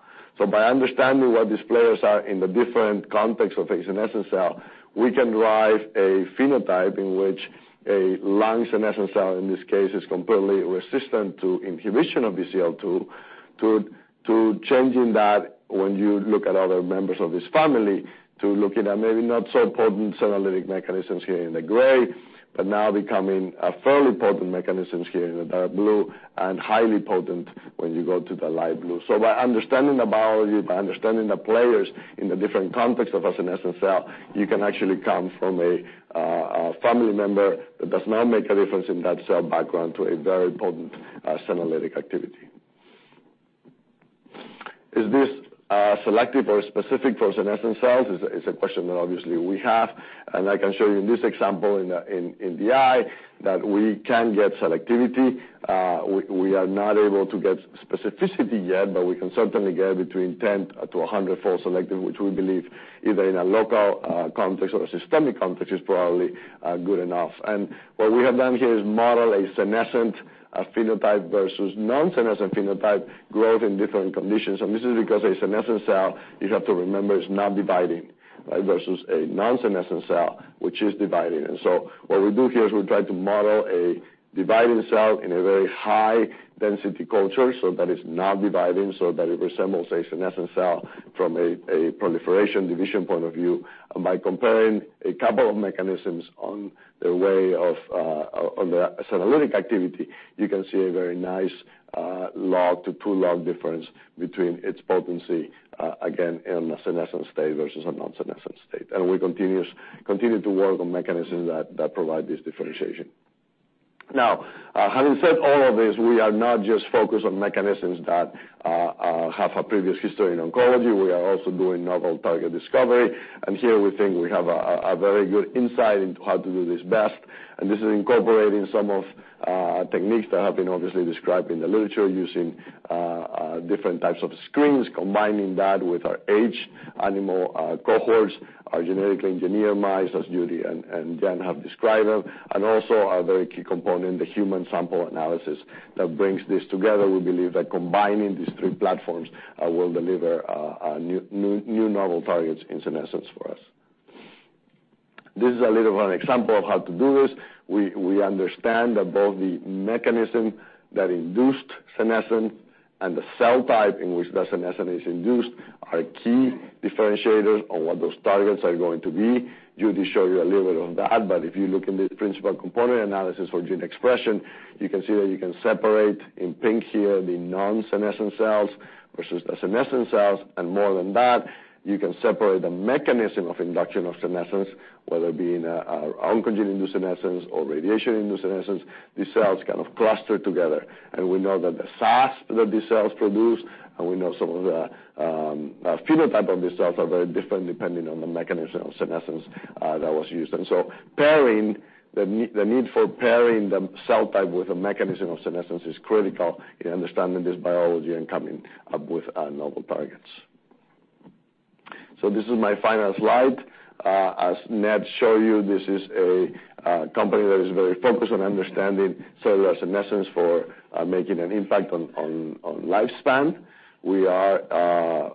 By understanding what these players are in the different context of a senescent cell, we can drive a phenotype in which a lung senescent cell, in this case, is completely resistant to inhibition of BCL-2, to changing that when you look at other members of this family, to looking at maybe not so potent senolytic mechanisms here in the gray, but now becoming a fairly potent mechanisms here in the dark blue, and highly potent when you go to the light blue. By understanding the biology, by understanding the players in the different context of a senescent cell, you can actually come from a family member that does not make a difference in that cell background to a very potent senolytic activity. Is this selective or specific for senescent cells? Is a question that obviously we have, and I can show you in this example in the eye that we can get selectivity. We are not able to get specificity yet, but we can certainly get between 10 to 100-fold selective, which we believe either in a local context or a systemic context is probably good enough. What we have done here is model a senescent phenotype versus non-senescent phenotype growth in different conditions. This is because a senescent cell, you have to remember, is not dividing versus a non-senescent cell, which is dividing. What we do here is we try to model a dividing cell in a very high density culture, so that is not dividing, so that it resembles a senescent cell from a proliferation division point of view. By comparing a couple of mechanisms on the way of the senolytic activity, you can see a very nice log to two-log difference between its potency, again, in a senescent state versus a non-senescent state. We continue to work on mechanisms that provide this differentiation. Now, having said all of this, we are not just focused on mechanisms that have a previous history in oncology. We are also doing novel target discovery. Here we think we have a very good insight into how to do this best. This is incorporating some of techniques that have been obviously described in the literature using different types of screens, combining that with our aged animal cohorts, our genetically engineered mice as Judy and Dan have described them, and also our very key component, the human sample analysis that brings this together. We believe that combining these three platforms will deliver new novel targets in senescence for us. This is a little of an example of how to do this. We understand that both the mechanism that induced senescence and the cell type in which the senescence is induced are key differentiators on what those targets are going to be. Judy showed you a little bit on that, but if you look in the principal component analysis for gene expression, you can see that you can separate in pink here the non-senescent cells versus the senescent cells. More than that, you can separate the mechanism of induction of senescence, whether it be in oncogene-induced senescence or radiation-induced senescence. These cells kind of cluster together. We know that the SASP that these cells produce, and we know some of the phenotype of these cells are very different depending on the mechanism of senescence that was used. The need for pairing the cell type with a mechanism of senescence is critical in understanding this biology and coming up with novel targets. This is my final slide. As Ned showed you, this is a company that is very focused on understanding cellular senescence for making an impact on lifespan. We are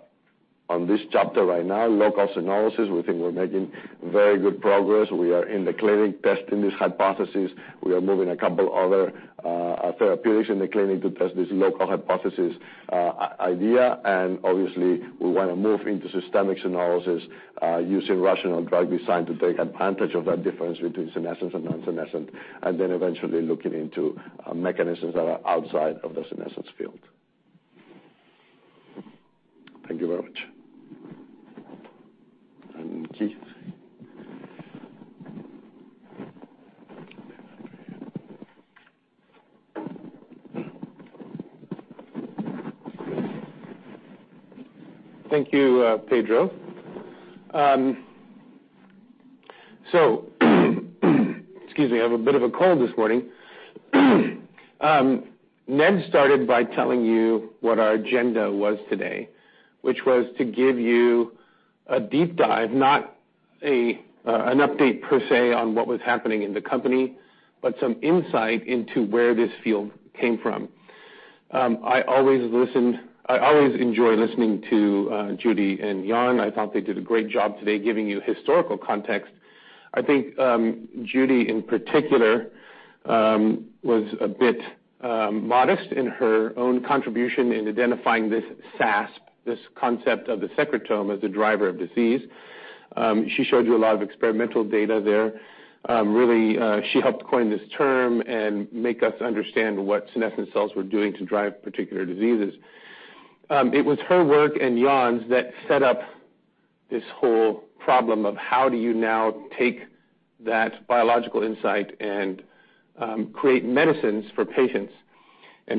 on this chapter right now, local senolysis. We think we're making very good progress. We are in the clinic testing these hypotheses. We are moving a couple other therapeutics in the clinic to test this local hypothesis idea. Obviously we want to move into systemic senolysis using rational drug design to take advantage of that difference between senescence and non-senescence, eventually looking into mechanisms that are outside of the senescence field. Thank you very much. Keith? Thank you, Pedro. Excuse me, I have a bit of a cold this morning. Ned started by telling you what our agenda was today, which was to give you a deep dive, not an update per se on what was happening in the company, but some insight into where this field came from. I always enjoy listening to Judy and Jan. I thought they did a great job today giving you historical context. I think Judy in particular, was a bit modest in her own contribution in identifying this SASP, this concept of the secretome as the driver of disease. She showed you a lot of experimental data there. Really, she helped coin this term and make us understand what senescent cells were doing to drive particular diseases. It was her work and Jan's that set up this whole problem of how do you now take that biological insight and create medicines for patients.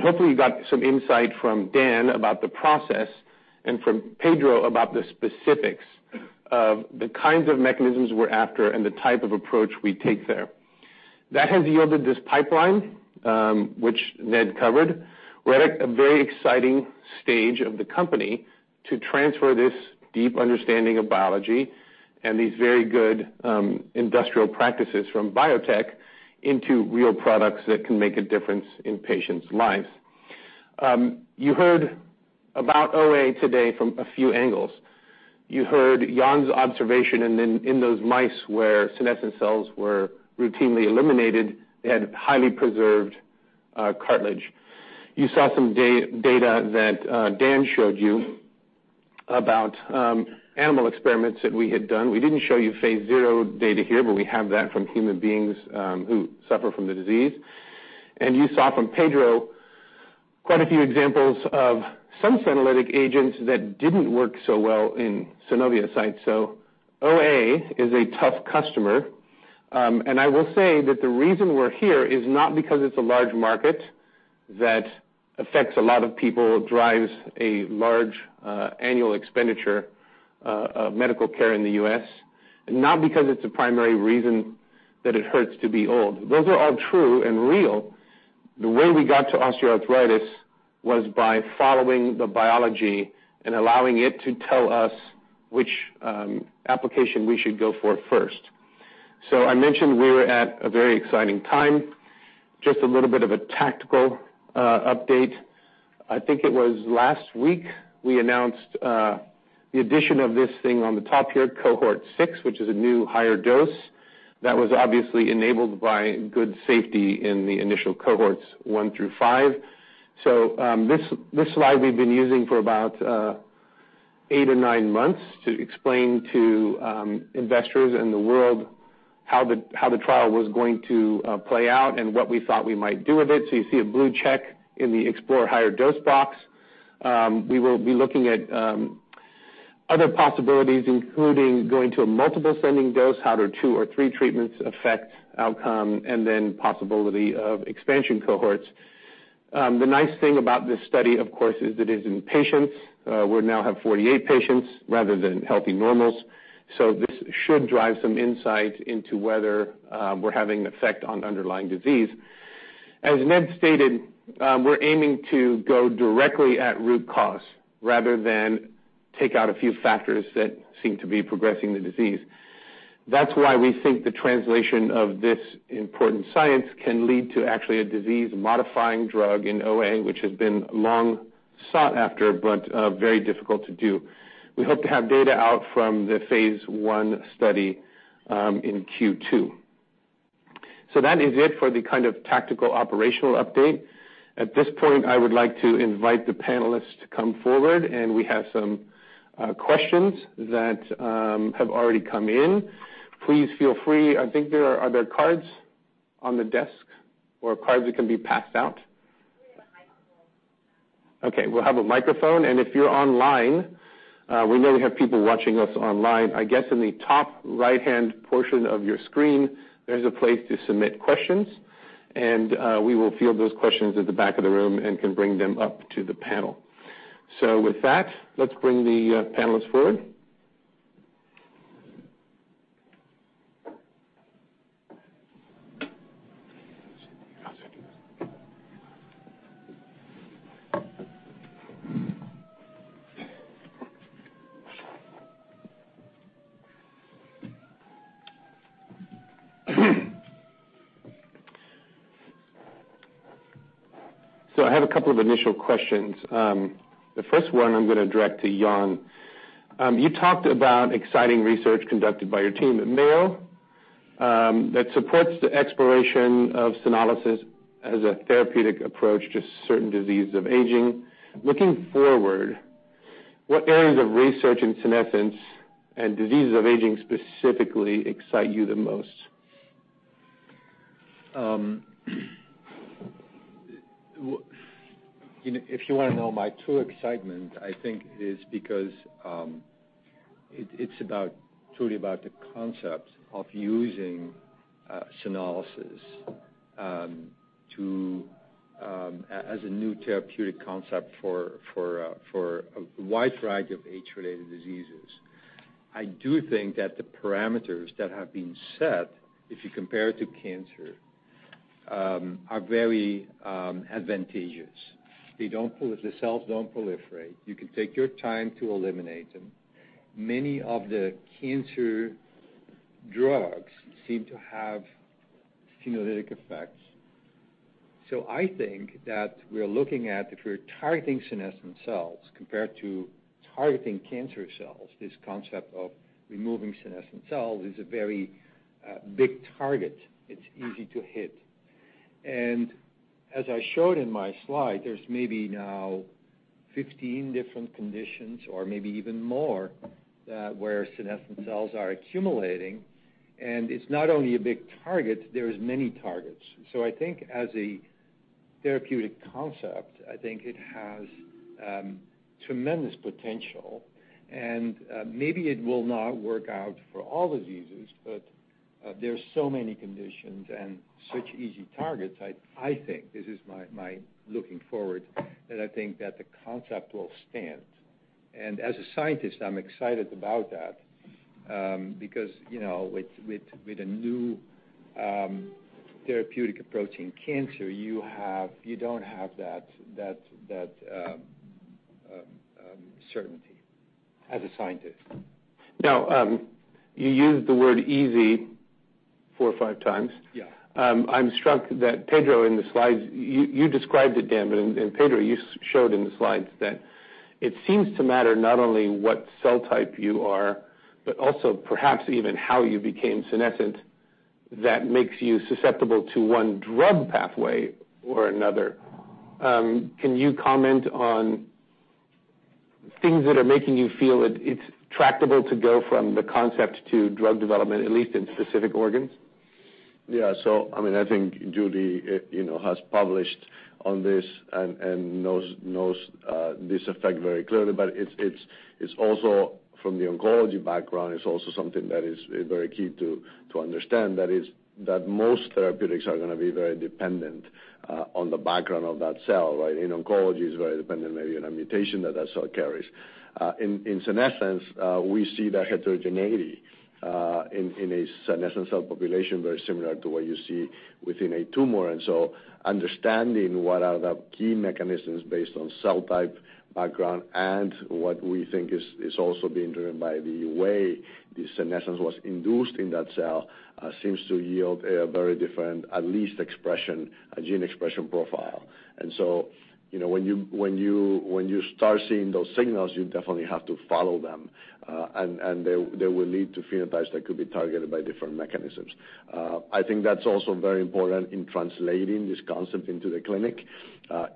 Hopefully you got some insight from Dan about the process and from Pedro about the specifics of the kinds of mechanisms we're after and the type of approach we take there. That has yielded this pipeline, which Ned covered. We're at a very exciting stage of the company to transfer this deep understanding of biology and these very good industrial practices from biotech into real products that can make a difference in patients' lives. You heard about OA today from a few angles. You heard Jan's observation and in those mice where senescent cells were routinely eliminated, they had highly preserved cartilage. You saw some data that Dan showed you about animal experiments that we had done. We didn't show you phase zero data here, but we have that from human beings who suffer from the disease. You saw from Pedro quite a few examples of some senolytic agents that didn't work so well in synovial fibroblasts. OA is a tough customer. I will say that the reason we're here is not because it's a large market that affects a lot of people, drives a large annual expenditure of medical care in the U.S., not because it's a primary reason that it hurts to be old. Those are all true and real. The way we got to osteoarthritis was by following the biology and allowing it to tell us which application we should go for first. I mentioned we were at a very exciting time. Just a little bit of a tactical update. I think it was last week we announced the addition of this thing on the top here, Cohort 6, which is a new higher dose that was obviously enabled by good safety in the initial Cohorts 1 to 5. This slide we've been using for about eight or nine months to explain to investors and the world how the trial was going to play out and what we thought we might do with it. You see a blue check in the explore higher dose box. We will be looking at other possibilities, including going to a multiple sending dose, how do two or three treatments affect outcome, and then possibility of expansion Cohorts. The nice thing about this study, of course, is it is in patients. We now have 48 patients rather than healthy normals. This should drive some insight into whether we're having an effect on underlying disease. As Ned stated, we're aiming to go directly at root cause rather than take out a few factors that seem to be progressing the disease. That's why we think the translation of this important science can lead to actually a disease-modifying drug in OA, which has been long sought after but very difficult to do. We hope to have data out from the phase I study in Q2. That is it for the kind of tactical operational update. At this point, I would like to invite the panelists to come forward, and we have some questions that have already come in. Please feel free. Are there cards on the desk or cards that can be passed out? We have a microphone. We'll have a microphone, and if you're online, we know we have people watching us online. I guess in the top right-hand portion of your screen, there's a place to submit questions, and we will field those questions at the back of the room and can bring them up to the panel. With that, let's bring the panelists forward. I have a couple of initial questions. The first one I'm going to direct to Jan. You talked about exciting research conducted by your team at Mayo, that supports the exploration of senolysis as a therapeutic approach to certain diseases of aging. Looking forward, what areas of research in senescence and diseases of aging specifically excite you the most? If you want to know my true excitement, I think it's truly about the concept of using senolysis as a new therapeutic concept for a wide variety of age-related diseases. I do think that the parameters that have been set, if you compare it to cancer, are very advantageous. The cells don't proliferate. You can take your time to eliminate them. Many of the cancer drugs seem to have senolytic effects. I think that we are looking at, if we're targeting senescent cells compared to targeting cancer cells, this concept of removing senescent cells is a very big target. It's easy to hit. As I showed in my slide, there's maybe now 15 different conditions or maybe even more, where senescent cells are accumulating. It's not only a big target, there is many targets. I think as a therapeutic concept, I think it has tremendous potential. Maybe it will not work out for all diseases, but there are so many conditions and such easy targets. I think this is my looking forward, that I think that the concept will stand. As a scientist, I'm excited about that, because with a new therapeutic approach in cancer, you don't have that certainty as a scientist. You used the word easy 4x or 5x. Yeah. I'm struck that Pedro, in the slides. You described it, Dan, but Pedro, you showed in the slides that it seems to matter not only what cell type you are, but also perhaps even how you became senescent, that makes you susceptible to one drug pathway or another. Can you comment on things that are making you feel it's tractable to go from the concept to drug development, at least in specific organs? I think Judy has published on this and knows this effect very clearly, from the oncology background, it's also something that is very key to understand, that most therapeutics are going to be very dependent on the background of that cell. In oncology, it's very dependent maybe on a mutation that that cell carries. In senescence, we see the heterogeneity in a senescent cell population, very similar to what you see within a tumor. Understanding what are the key mechanisms based on cell type background and what we think is also being driven by the way the senescence was induced in that cell, seems to yield a very different, at least expression, a gene expression profile. When you start seeing those signals, you definitely have to follow them. They will lead to phenotypes that could be targeted by different mechanisms. I think that's also very important in translating this concept into the clinic.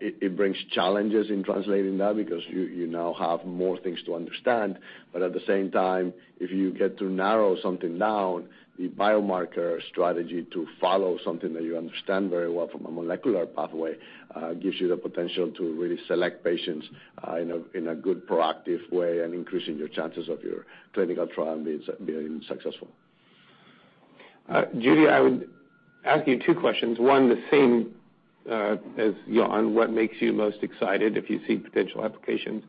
It brings challenges in translating that because you now have more things to understand. At the same time, if you get to narrow something down, the biomarker strategy to follow something that you understand very well from a molecular pathway gives you the potential to really select patients in a good, proactive way and increasing your chances of your clinical trial being successful. Judy, I would ask you two questions. One, the same as Jan, what makes you most excited if you see potential applications?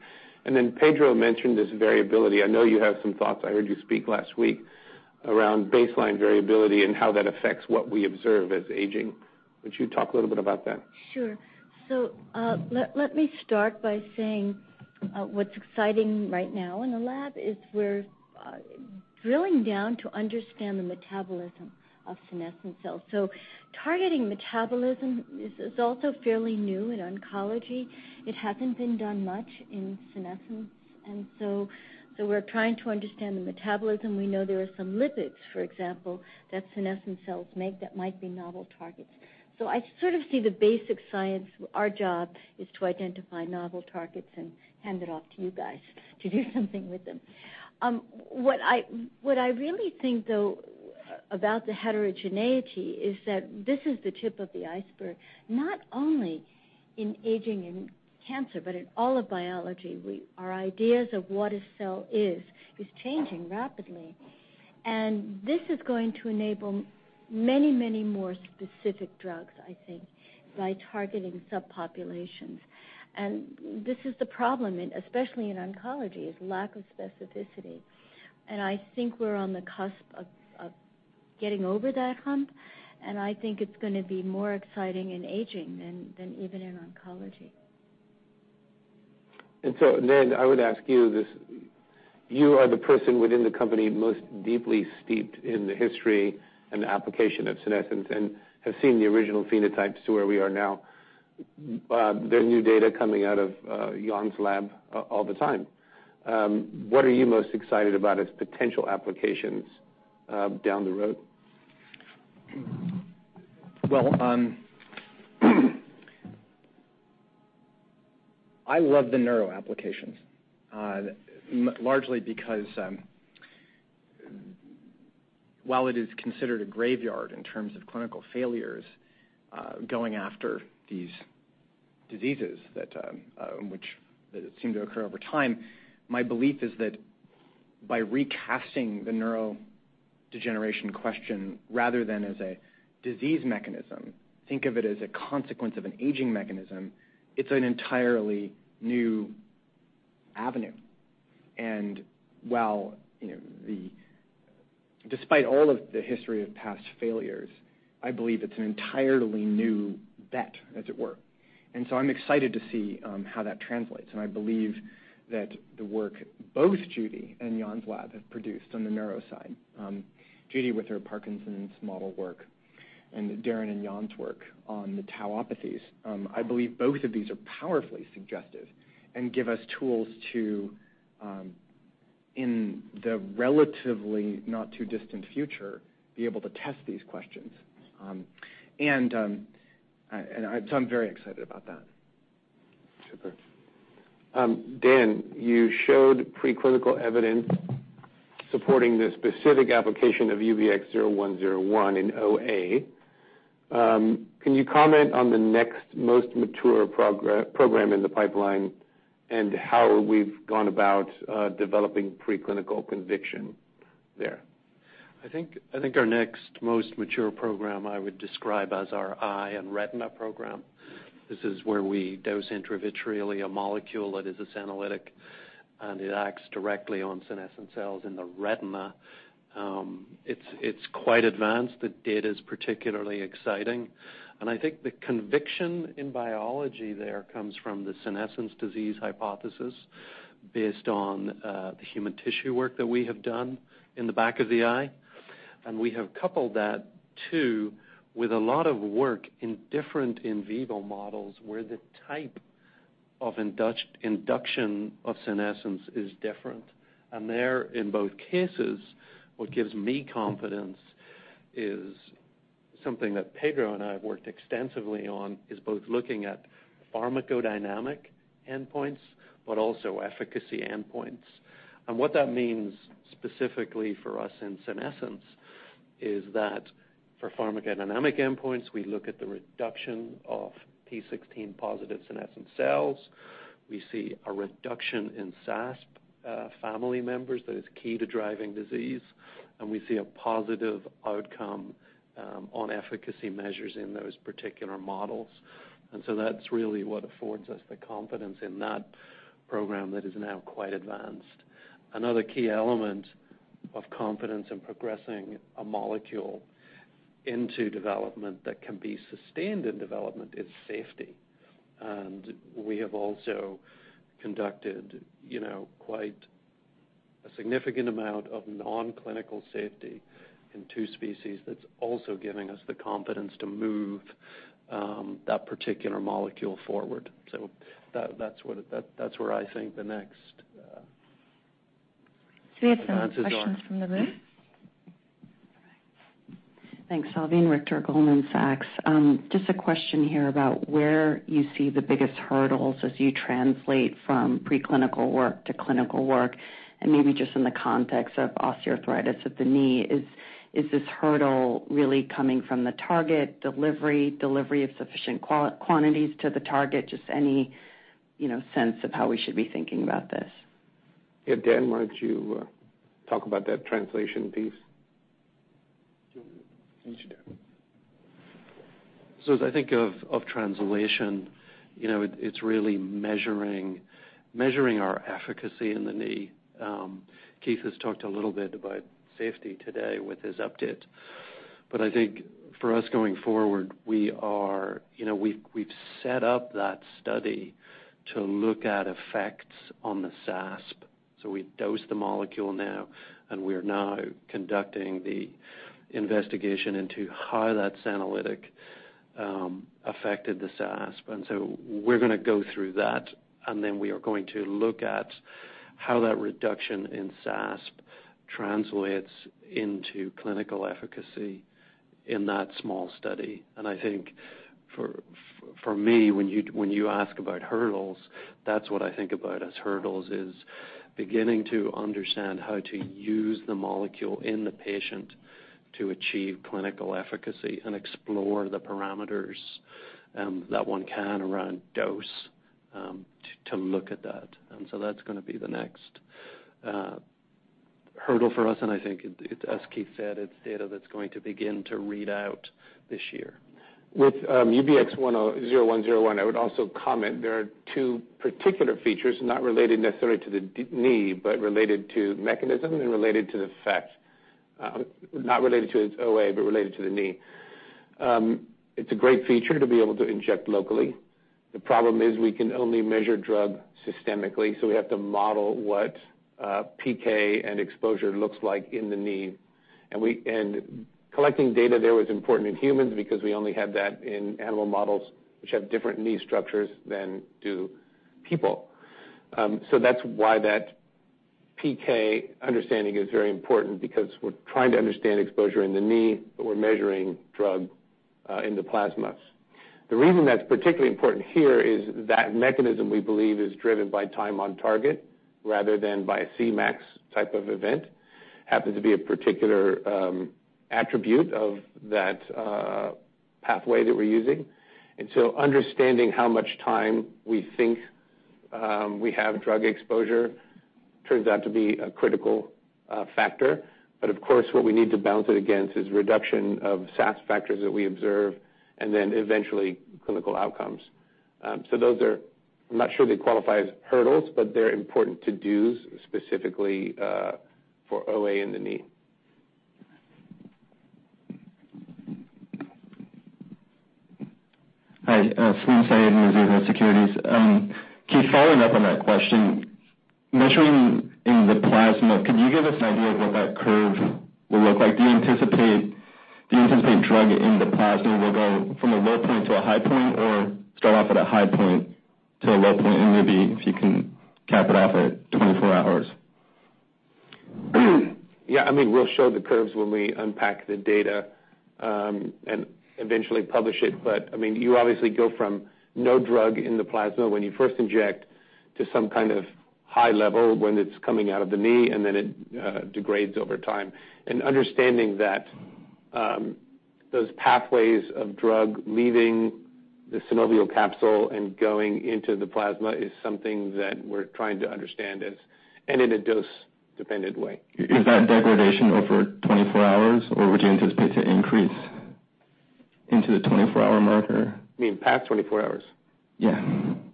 Pedro mentioned this variability. I know you have some thoughts. I heard you speak last week around baseline variability and how that affects what we observe as aging. Would you talk a little bit about that? Sure. Let me start by saying what's exciting right now in the lab is we're drilling down to understand the metabolism of senescent cells. Targeting metabolism is also fairly new in oncology. It hasn't been done much in senescence, we're trying to understand the metabolism. We know there are some lipids, for example, that senescent cells make that might be novel targets. I sort of see the basic science. Our job is to identify novel targets and hand it off to you guys to do something with them. What I really think, though, about the heterogeneity is that this is the tip of the iceberg, not only in aging and cancer, but in all of biology. Our ideas of what a cell is changing rapidly, and this is going to enable many more specific drugs, I think, by targeting subpopulations. This is the problem, especially in oncology, is lack of specificity. I think we're on the cusp of getting over that hump, I think it's going to be more exciting in aging than even in oncology. Ned, I would ask you this. You are the person within the company most deeply steeped in the history and the application of senescence and have seen the original phenotypes to where we are now. There are new data coming out of Jan's lab all the time. What are you most excited about as potential applications down the road? I love the neuro applications, largely because. While it is considered a graveyard in terms of clinical failures, going after these diseases that seem to occur over time, my belief is that by recasting the neurodegeneration question, rather than as a disease mechanism, think of it as a consequence of an aging mechanism. It's an entirely new avenue. Despite all of the history of past failures, I believe it's an entirely new bet, as it were. I'm excited to see how that translates. I believe that the work both Judy and Jan's lab have produced on the neuro side, Judy with her Parkinson's model work and Darren and Jan's work on the tauopathies. I believe both of these are powerfully suggestive and give us tools to, in the relatively not too distant future, be able to test these questions. I'm very excited about that. Super. Dan, you showed preclinical evidence supporting the specific application of UBX0101 in OA. Can you comment on the next most mature program in the pipeline and how we've gone about developing preclinical conviction there? I think our next most mature program I would describe as our eye and retina program. This is where we dose intravitreally a molecule that is a senolytic, and it acts directly on senescent cells in the retina. It's quite advanced. The data is particularly exciting, and I think the conviction in biology there comes from the senescence disease hypothesis based on the human tissue work that we have done in the back of the eye. We have coupled that, too, with a lot of work in different in vivo models where the type of induction of senescence is different. There, in both cases, what gives me confidence is something that Pedro and I have worked extensively on, is both looking at pharmacodynamic endpoints but also efficacy endpoints. What that means specifically for us in senescence is that for pharmacodynamic endpoints, we look at the reduction of p16-positive senescent cells. We see a reduction in SASP family members that is key to driving disease, and we see a positive outcome on efficacy measures in those particular models. That's really what affords us the confidence in that program that is now quite advanced. Another key element of confidence in progressing a molecule into development that can be sustained in development is safety. We have also conducted quite a significant amount of non-clinical safety in two species that's also giving us the confidence to move that particular molecule forward. That's where I think the next- We have some questions from the room Thanks. Salveen Richter, Goldman Sachs. Just a question here about where you see the biggest hurdles as you translate from preclinical work to clinical work, and maybe just in the context of osteoarthritis of the knee. Is this hurdle really coming from the target, delivery of sufficient quantities to the target? Just any sense of how we should be thinking about this. Yeah. Dan, why don't you talk about that translation piece? As I think of translation, it's really measuring our efficacy in the knee. Keith has talked a little bit about safety today with his update. I think for us going forward, we've set up that study to look at effects on the SASP. We dose the molecule now, and we're now conducting the investigation into how that senolytic affected the SASP. We're going to go through that, and then we are going to look at how that reduction in SASP translates into clinical efficacy in that small study. I think for me, when you ask about hurdles, that's what I think about as hurdles, is beginning to understand how to use the molecule in the patient to achieve clinical efficacy and explore the parameters that one can around dose to look at that. That's going to be the next hurdle for us. I think, as Keith said, it's data that's going to begin to read out this year. With UBX0101, I would also comment there are two particular features not related necessarily to the knee, but related to mechanism and related to the effect. Not related to its OA, but related to the knee. It's a great feature to be able to inject locally. The problem is we can only measure drug systemically, so we have to model what PK and exposure looks like in the knee. Collecting data there was important in humans because we only have that in animal models, which have different knee structures than do people. That's why that PK understanding is very important, because we're trying to understand exposure in the knee, but we're measuring drug in the plasma. The reason that's particularly important here is that mechanism we believe is driven by time on target rather than by a Cmax type of event, happens to be a particular attribute of that pathway that we're using. Understanding how much time we think we have drug exposure turns out to be a critical factor. Of course, what we need to balance it against is reduction of SASP factors that we observe and then eventually clinical outcomes. I'm not sure they qualify as hurdles, but they're important to-dos specifically for OA in the knee. Hi. Salim Syed, Mizuho Securities. Can you follow up on that question, measuring in the plasma, could you give us an idea of what that curve will look like? Do you anticipate drug in the plasma will go from a low point to a high point or start off at a high point to a low point? Maybe if you can cap it off at 24 hours? Yeah, we'll show the curves when we unpack the data, eventually publish it. You obviously go from no drug in the plasma when you first inject to some kind of high level when it's coming out of the knee, and then it degrades over time. Understanding that, those pathways of drug leaving the synovial capsule and going into the plasma is something that we're trying to understand and in a dose-dependent way. Is that degradation over 24 hours, or would you anticipate it to increase into the 24-hour marker? You mean past 24 hours? Yeah.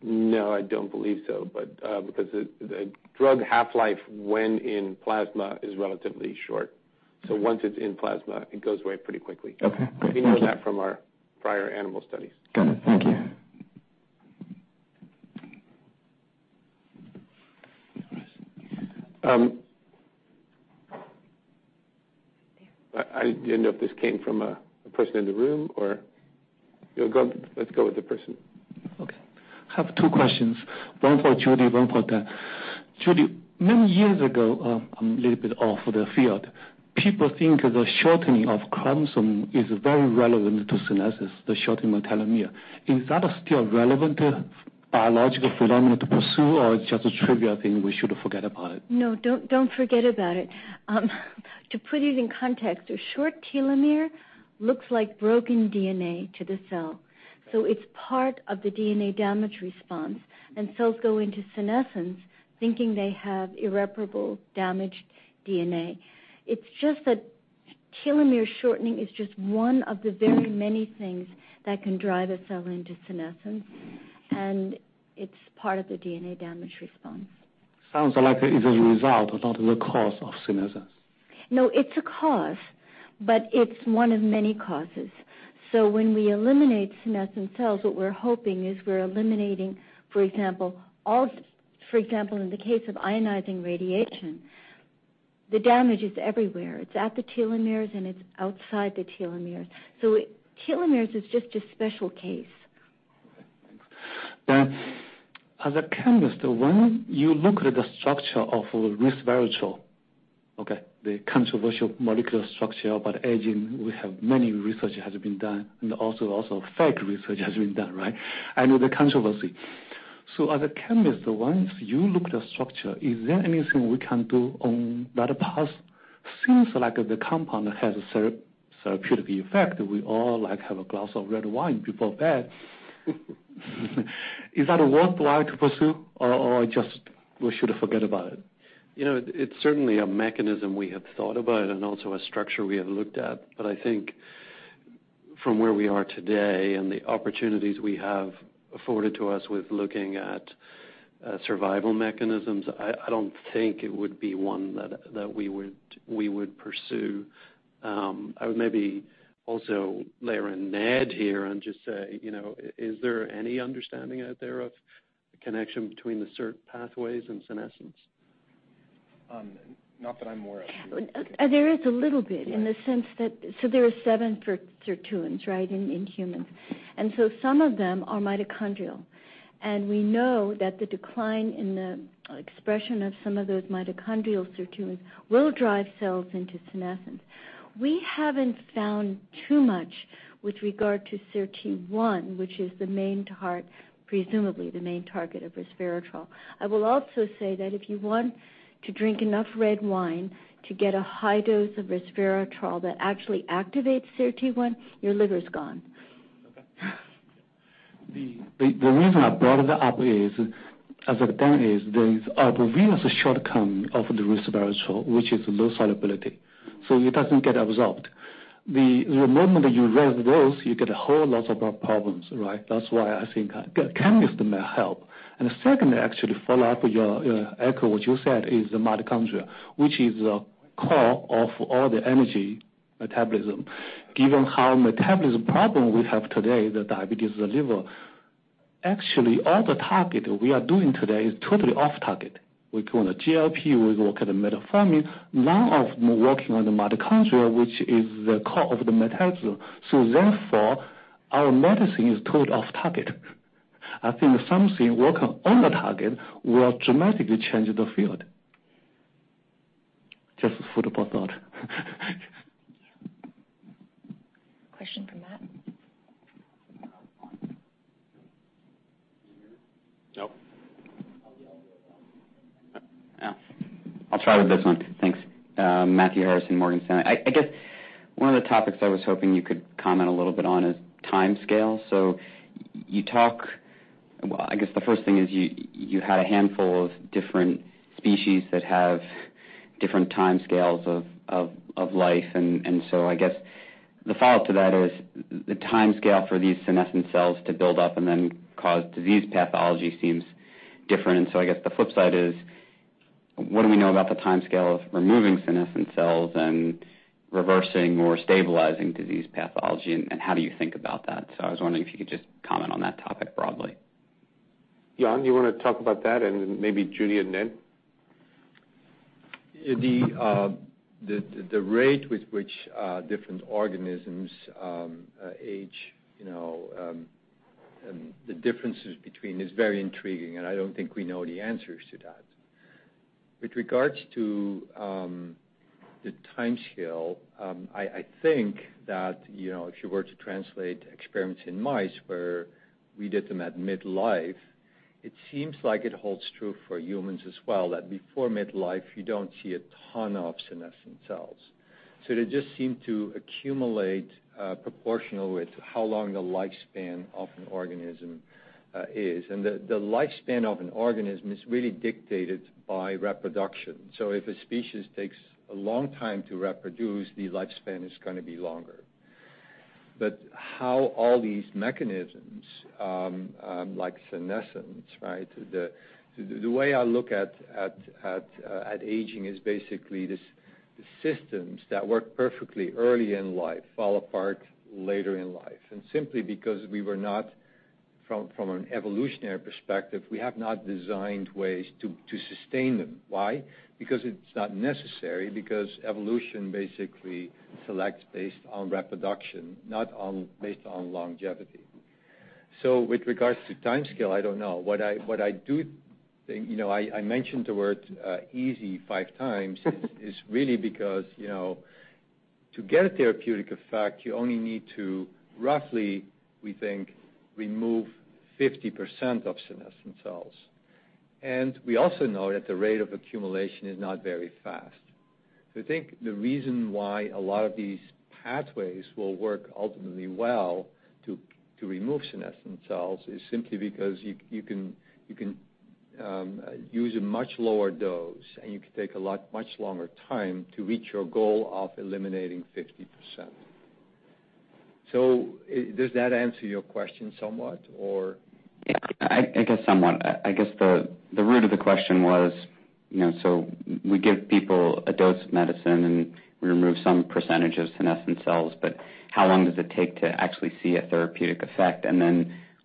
No, I don't believe so, because the drug half-life when in plasma is relatively short. Once it's in plasma, it goes away pretty quickly. Okay. We know that from our prior animal studies. Got it. Thank you. I didn't know if this came from a person in the room or let's go with the person. Okay. I have two questions. One for Judy, one for Dan. Judy, many years ago, a little bit off the field, people think the shortening of chromosome is very relevant to senescence, the shortening of telomere. Is that still relevant biological phenomenon to pursue, or it's just a trivial thing, we should forget about it? No, don't forget about it. To put it in context, a short telomere looks like broken DNA to the cell, so it's part of the DNA damage response. Cells go into senescence thinking they have irreparable damaged DNA. It's just that telomere shortening is just one of the very many things that can drive a cell into senescence, and it's part of the DNA damage response. Sounds like it is a result but not the cause of senescence. No, it's a cause, but it's one of many causes. When we eliminate senescent cells, what we're hoping is we're eliminating, for example, in the case of ionizing radiation, the damage is everywhere. It's at the telomeres and it's outside the telomeres. Telomeres is just a special case. Okay, thanks. Dan, as a chemist, when you look at the structure of resveratrol, the controversial molecular structure about aging. We have many research has been done, and also fake research has been done, right? I know the controversy. As a chemist, once you look at the structure, is there anything we can do on that path? Seems like the compound has a therapeutic effect, we all have a glass of red wine before bed. Is that worthwhile to pursue or we should forget about it? It's certainly a mechanism we have thought about and also a structure we have looked at. I think from where we are today and the opportunities we have afforded to us with looking at survival mechanisms, I don't think it would be one that we would pursue. I would maybe also layer in Ned here and just say, is there any understanding out there of the connection between the Sirtuin pathways and senescence? Not that I'm aware of. There is a little bit in the sense that there are seven sirtuins in humans. Some of them are mitochondrial. We know that the decline in the expression of some of those mitochondrial sirtuins will drive cells into senescence. We haven't found too much with regard to SIRT1, which is presumably the main target of resveratrol. I will also say that if you want to drink enough red wine to get a high dose of resveratrol that actually activates SIRT1, your liver's gone. Okay. The reason I brought that up is, as a chemist, there is a real shortcoming of the resveratrol, which is low solubility. It doesn't get absorbed. The moment you raise this, you get a whole lot of other problems. That's why I think a chemist may help. The second actually follow up with your echo, what you said, is the mitochondria, which is the core of all the energy metabolism. Given how metabolism problem we have today, the diabetes, the liver, actually, all the target we are doing today is totally off target. We're going to GLP, we work at the metformin. None of them are working on the mitochondria, which is the core of the metabolism. Therefore, our medicine is totally off target. I think something working on the target will dramatically change the field Just as food for thought. Question from Matt? Can you hear it? Nope. I'll try with this one. Thanks. Matthew Harrison, Morgan Stanley. I guess one of the topics I was hoping you could comment a little bit on is timescale. Well, I guess the first thing is you had a handful of different species that have different timescales of life. I guess the follow-up to that is the timescale for these senescent cells to build up and then cause disease pathology seems different. I guess the flip side is what do we know about the timescale of removing senescent cells and reversing or stabilizing disease pathology, and how do you think about that? I was wondering if you could just comment on that topic broadly. Jan, do you want to talk about that, and maybe Judy and Ned? The rate with which different organisms age, the differences between is very intriguing, I don't think we know the answers to that. With regards to the timescale, I think that if you were to translate experiments in mice where we did them at midlife, it seems like it holds true for humans as well, that before midlife you don't see a ton of senescent cells. They just seem to accumulate proportionally to how long the lifespan of an organism is. The lifespan of an organism is really dictated by reproduction. If a species takes a long time to reproduce, the lifespan is going to be longer. How all these mechanisms, like senescence, right? The way I look at aging is basically the systems that work perfectly early in life fall apart later in life. Simply because we were not, from an evolutionary perspective, we have not designed ways to sustain them. Why? Because it's not necessary, because evolution basically selects based on reproduction, not based on longevity. With regards to timescale, I don't know. I mentioned the word easy 5x is really because to get a therapeutic effect, you only need to roughly, we think, remove 50% of senescent cells. We also know that the rate of accumulation is not very fast. I think the reason why a lot of these pathways will work ultimately well to remove senescent cells is simply because you can use a much lower dose, and you can take a much longer time to reach your goal of eliminating 50%. Does that answer your question somewhat, or? I guess somewhat. I guess the root of the question was, we give people a dose of medicine, we remove some percentage of senescent cells, how long does it take to actually see a therapeutic effect?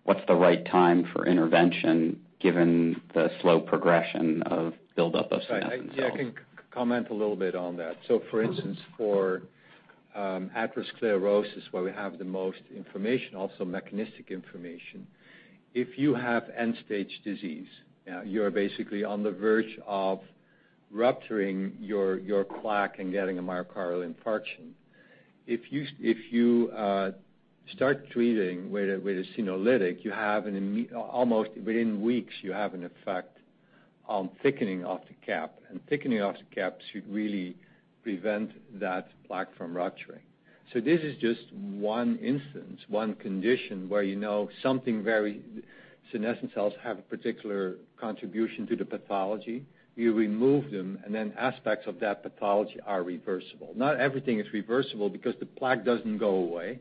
What's the right time for intervention given the slow progression of build-up of senescent cells? Right. Yeah, I can comment a little bit on that. For instance, for atherosclerosis, where we have the most information, also mechanistic information, if you have end-stage disease, you're basically on the verge of rupturing your plaque and getting a myocardial infarction. If you start treating with a senolytic, almost within weeks you have an effect on thickening of the cap. Thickening of the cap should really prevent that plaque from rupturing. This is just one instance, one condition where you know senescent cells have a particular contribution to the pathology. You remove them, and then aspects of that pathology are reversible. Not everything is reversible because the plaque doesn't go away,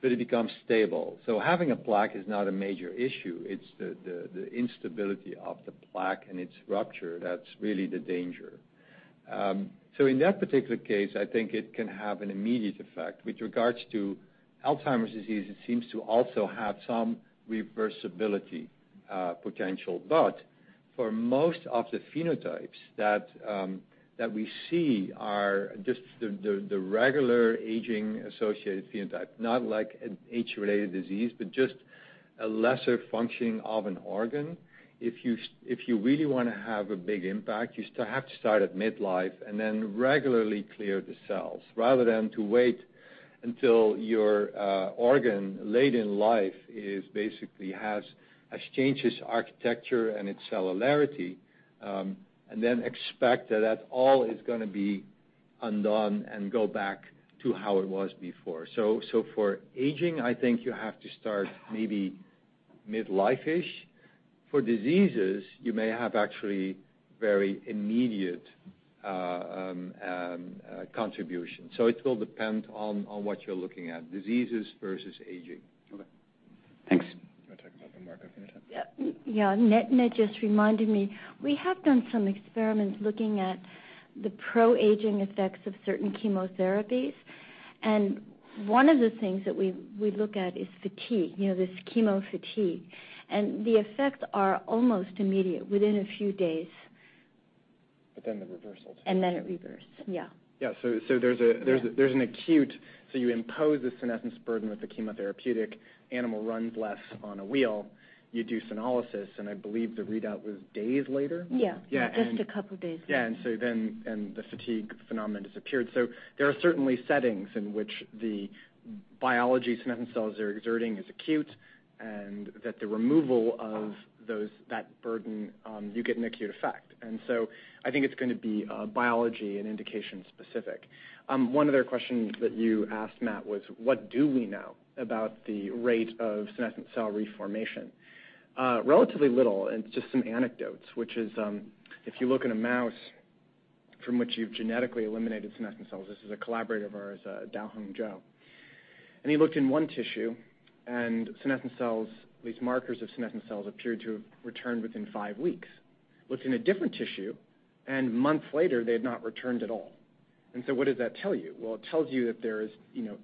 but it becomes stable. Having a plaque is not a major issue. It's the instability of the plaque and its rupture that's really the danger. In that particular case, I think it can have an immediate effect. With regards to Alzheimer's disease, it seems to also have some reversibility potential. For most of the phenotypes that we see are just the regular aging-associated phenotype. Not like an age-related disease, but just a lesser functioning of an organ. If you really want to have a big impact, you have to start at midlife and then regularly clear the cells, rather than to wait until your organ late in life basically has changes architecture and its cellularity, and then expect that that all is going to be undone and go back to how it was before. For aging, I think you have to start maybe midlife-ish. For diseases, you may have actually very immediate contribution. It will depend on what you're looking at. Diseases versus aging. Okay. Thanks. You want to talk about the marker phenotype? Yeah. Ned just reminded me. We have done some experiments looking at the pro-aging effects of certain chemotherapies, and one of the things that we look at is fatigue, this chemo fatigue. The effects are almost immediate, within a few days. The reversal to that. It reversed. Yeah. Yeah. There's an acute, so you impose a senescence burden with a chemotherapeutic, animal runs less on a wheel. You do senolysis, and I believe the readout was days later? Yeah. Yeah. Just a couple of days later. The fatigue phenomenon disappeared. There are certainly settings in which the biology senescent cells are exerting is acute, that the removal of that burden, you get an acute effect. I think it's going to be biology and indication specific. One other question that you asked, Matt, was what do we know about the rate of senescent cell reformation? Relatively little, it's just some anecdotes, which is if you look in a mouse from which you've genetically eliminated senescent cells, this is a collaborator of ours, Daohong Zhou. He looked in one tissue, and senescent cells, these markers of senescent cells appeared to have returned within five weeks. Looked in a different tissue, and months later, they had not returned at all. What does that tell you? It tells you that there is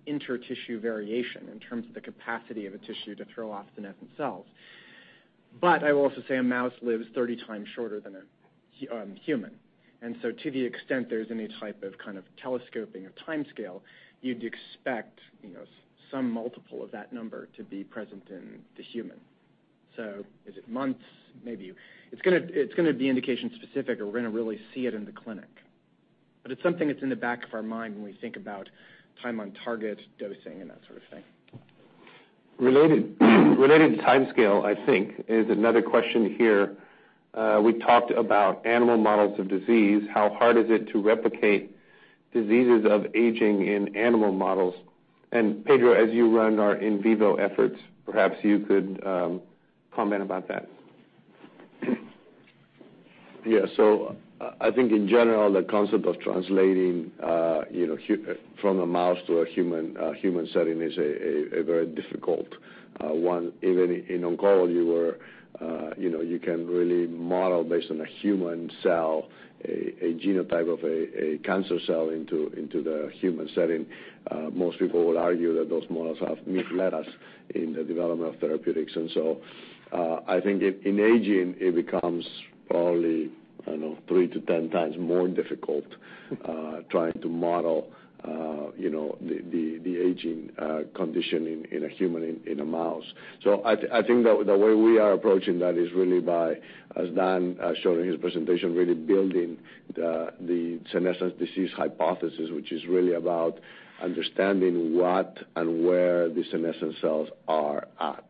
inter-tissue variation in terms of the capacity of a tissue to throw off senescent cells. I will also say a mouse lives 30 times shorter than a human. To the extent there's any type of telescoping or timescale, you'd expect some multiple of that number to be present in the human. Is it months? Maybe. It's going to be indication specific, or we're going to really see it in the clinic. It's something that's in the back of our mind when we think about time on target dosing and that sort of thing. Related to timescale, I think, is another question here. We talked about animal models of disease. How hard is it to replicate diseases of aging in animal models? Pedro, as you run our in vivo efforts, perhaps you could comment about that. Yeah. I think in general, the concept of translating from a mouse to a human setting is a very difficult one. Even in oncology where you can really model based on a human cell, a genotype of a cancer cell into the human setting. Most people would argue that those models have misled us in the development of therapeutics. I think in aging, it becomes probably, I don't know, three to 10x more difficult trying to model the aging condition in a human, in a mouse. I think the way we are approaching that is really by, as Dan showed in his presentation, really building the senescence disease hypothesis, which is really about understanding what and where the senescent cells are at.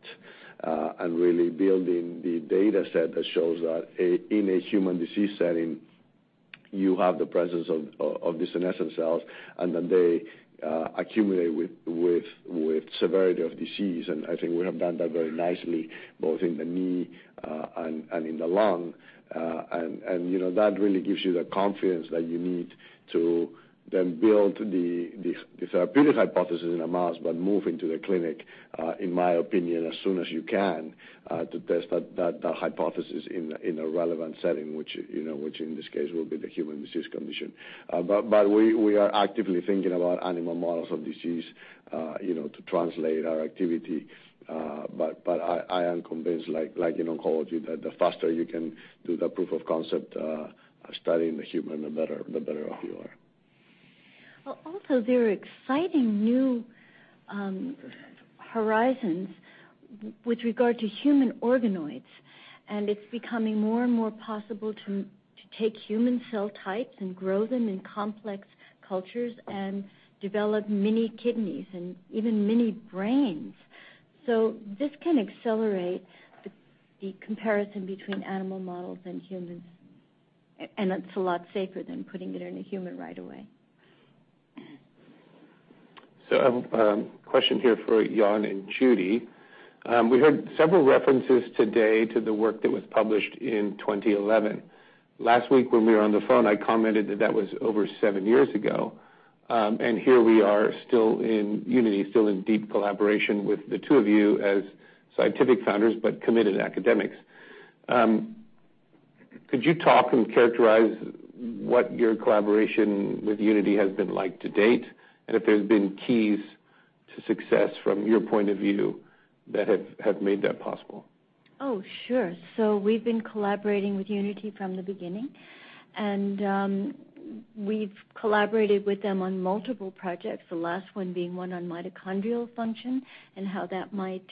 Really building the data set that shows that in a human disease setting, you have the presence of the senescent cells, and that they accumulate with severity of disease. I think we have done that very nicely, both in the knee and in the lung. That really gives you the confidence that you need to then build the therapeutic hypothesis in a mouse, but move into the clinic, in my opinion, as soon as you can, to test that hypothesis in a relevant setting, which in this case will be the human disease condition. We are actively thinking about animal models of disease to translate our activity. I am convinced, like in oncology, that the faster you can do the proof of concept study in the human, the better off you are. Also, there are exciting new horizons with regard to human organoids, and it's becoming more and more possible to take human cell types and grow them in complex cultures and develop mini kidneys and even mini brains. This can accelerate the comparison between animal models and humans, and it's a lot safer than putting it in a human right away. A question here for Jan and Judy. We heard several references today to the work that was published in 2011. Last week when we were on the phone, I commented that that was over seven years ago. Here we are still in Unity, still in deep collaboration with the two of you as scientific founders, but committed academics. Could you talk and characterize what your collaboration with Unity has been like to date? If there's been keys to success from your point of view that have made that possible? Oh, sure. We've been collaborating with Unity from the beginning. We've collaborated with them on multiple projects, the last one being one on mitochondrial function and how that might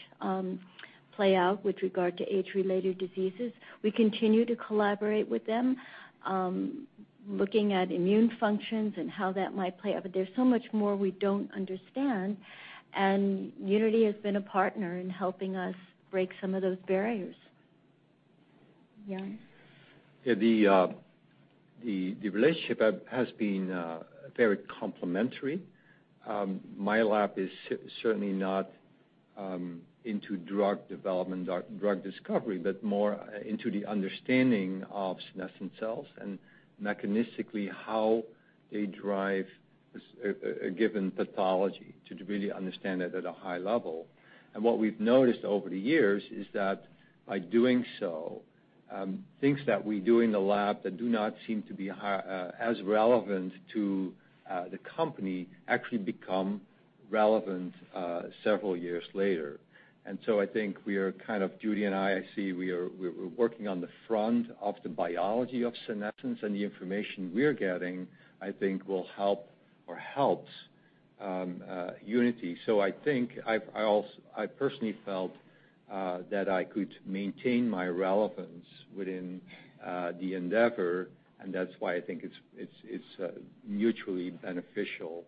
play out with regard to age-related diseases. We continue to collaborate with them looking at immune functions and how that might play out. There's so much more we don't understand, and Unity has been a partner in helping us break some of those barriers. Jan? The relationship has been very complementary. My lab is certainly not into drug development or drug discovery, but more into the understanding of senescent cells and mechanistically how they drive a given pathology to really understand it at a high level. What we've noticed over the years is that by doing so, things that we do in the lab that do not seem to be as relevant to the company actually become relevant several years later. I think we are kind of, Judy and I see we're working on the front of the biology of senescence, and the information we're getting, I think will help or helps Unity. I think I personally felt that I could maintain my relevance within the endeavor. That's why I think it's mutually beneficial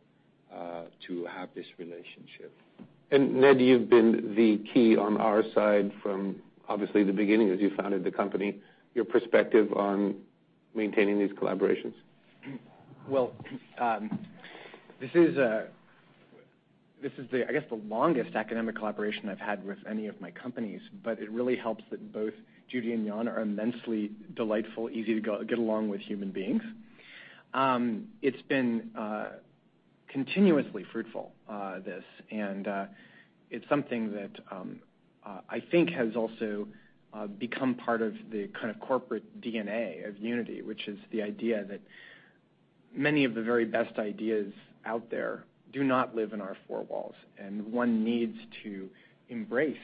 to have this relationship. Ned, you've been the key on our side from obviously the beginning as you founded the company, your perspective on maintaining these collaborations. This is the, I guess, the longest academic collaboration I've had with any of my companies, but it really helps that both Judy and Jan are immensely delightful, easy to get along with human beings. It's been continuously fruitful, this, and it's something that I think has also become part of the kind of corporate DNA of Unity, which is the idea that many of the very best ideas out there do not live in our four walls, and one needs to embrace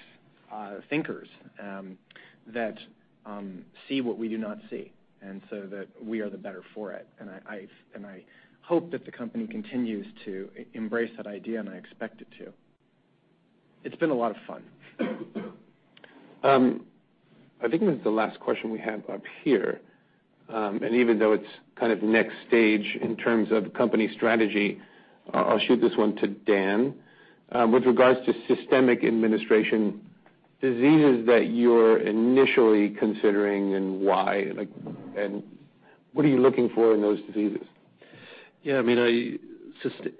thinkers that see what we do not see, that we are the better for it. I hope that the company continues to embrace that idea, and I expect it to. It's been a lot of fun. I think this is the last question we have up here. Even though it's kind of next stage in terms of company strategy, I'll shoot this one to Dan. With regards to systemic administration, diseases that you're initially considering and why, and what are you looking for in those diseases? Yeah, I mean,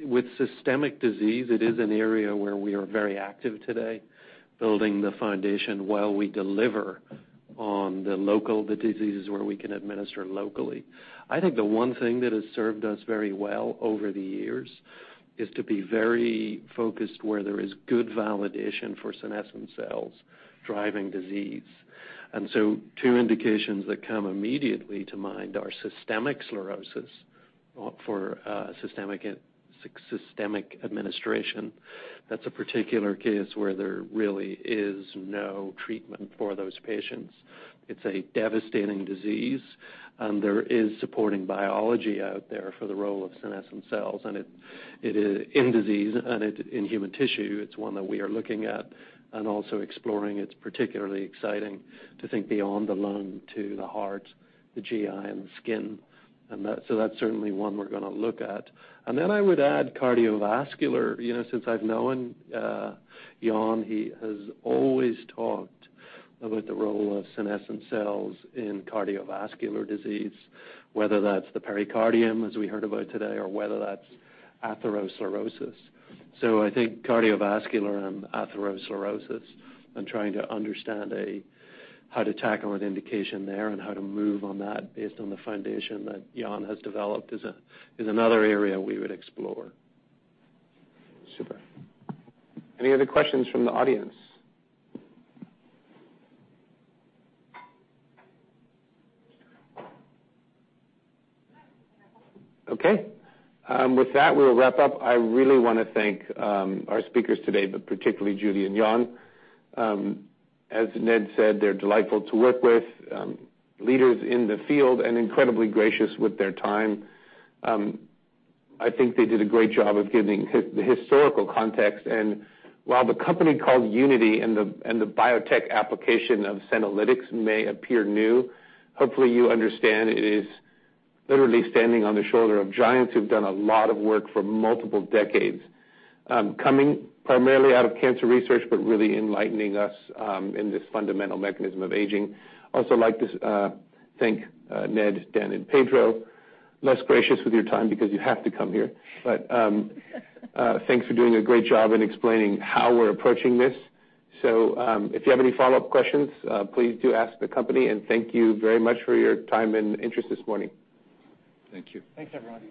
with systemic disease, it is an area where we are very active today, building the foundation while we deliver on the local, the diseases where we can administer locally. I think the one thing that has served us very well over the years is to be very focused where there is good validation for senescent cells driving disease. Two indications that come immediately to mind are systemic sclerosis for systemic administration. That's a particular case where there really is no treatment for those patients. It's a devastating disease, and there is supporting biology out there for the role of senescent cells in disease and in human tissue. It's one that we are looking at and also exploring. It's particularly exciting to think beyond the lung to the heart, the GI, and the skin, that's certainly one we're going to look at. I would add cardiovascular. Since I've known Jan, he has always talked about the role of senescent cells in cardiovascular disease, whether that's the pericardium, as we heard about today, or whether that's atherosclerosis. I think cardiovascular and atherosclerosis and trying to understand how to tackle an indication there and how to move on that based on the foundation that Jan has developed is another area we would explore. Super. Any other questions from the audience? Okay. With that, we'll wrap up. I really want to thank our speakers today, but particularly Judy and Jan. As Ned said, they're delightful to work with, leaders in the field, and incredibly gracious with their time. I think they did a great job of giving the historical context, and while the company called Unity and the biotech application of senolytics may appear new, hopefully you understand it is literally standing on the shoulder of giants who've done a lot of work for multiple decades, coming primarily out of cancer research, but really enlightening us in this fundamental mechanism of aging. Also like to thank Ned, Dan, and Pedro. Less gracious with your time because you have to come here. Thanks for doing a great job in explaining how we're approaching this. If you have any follow-up questions, please do ask the company, and thank you very much for your time and interest this morning. Thank you. Thanks, everyone.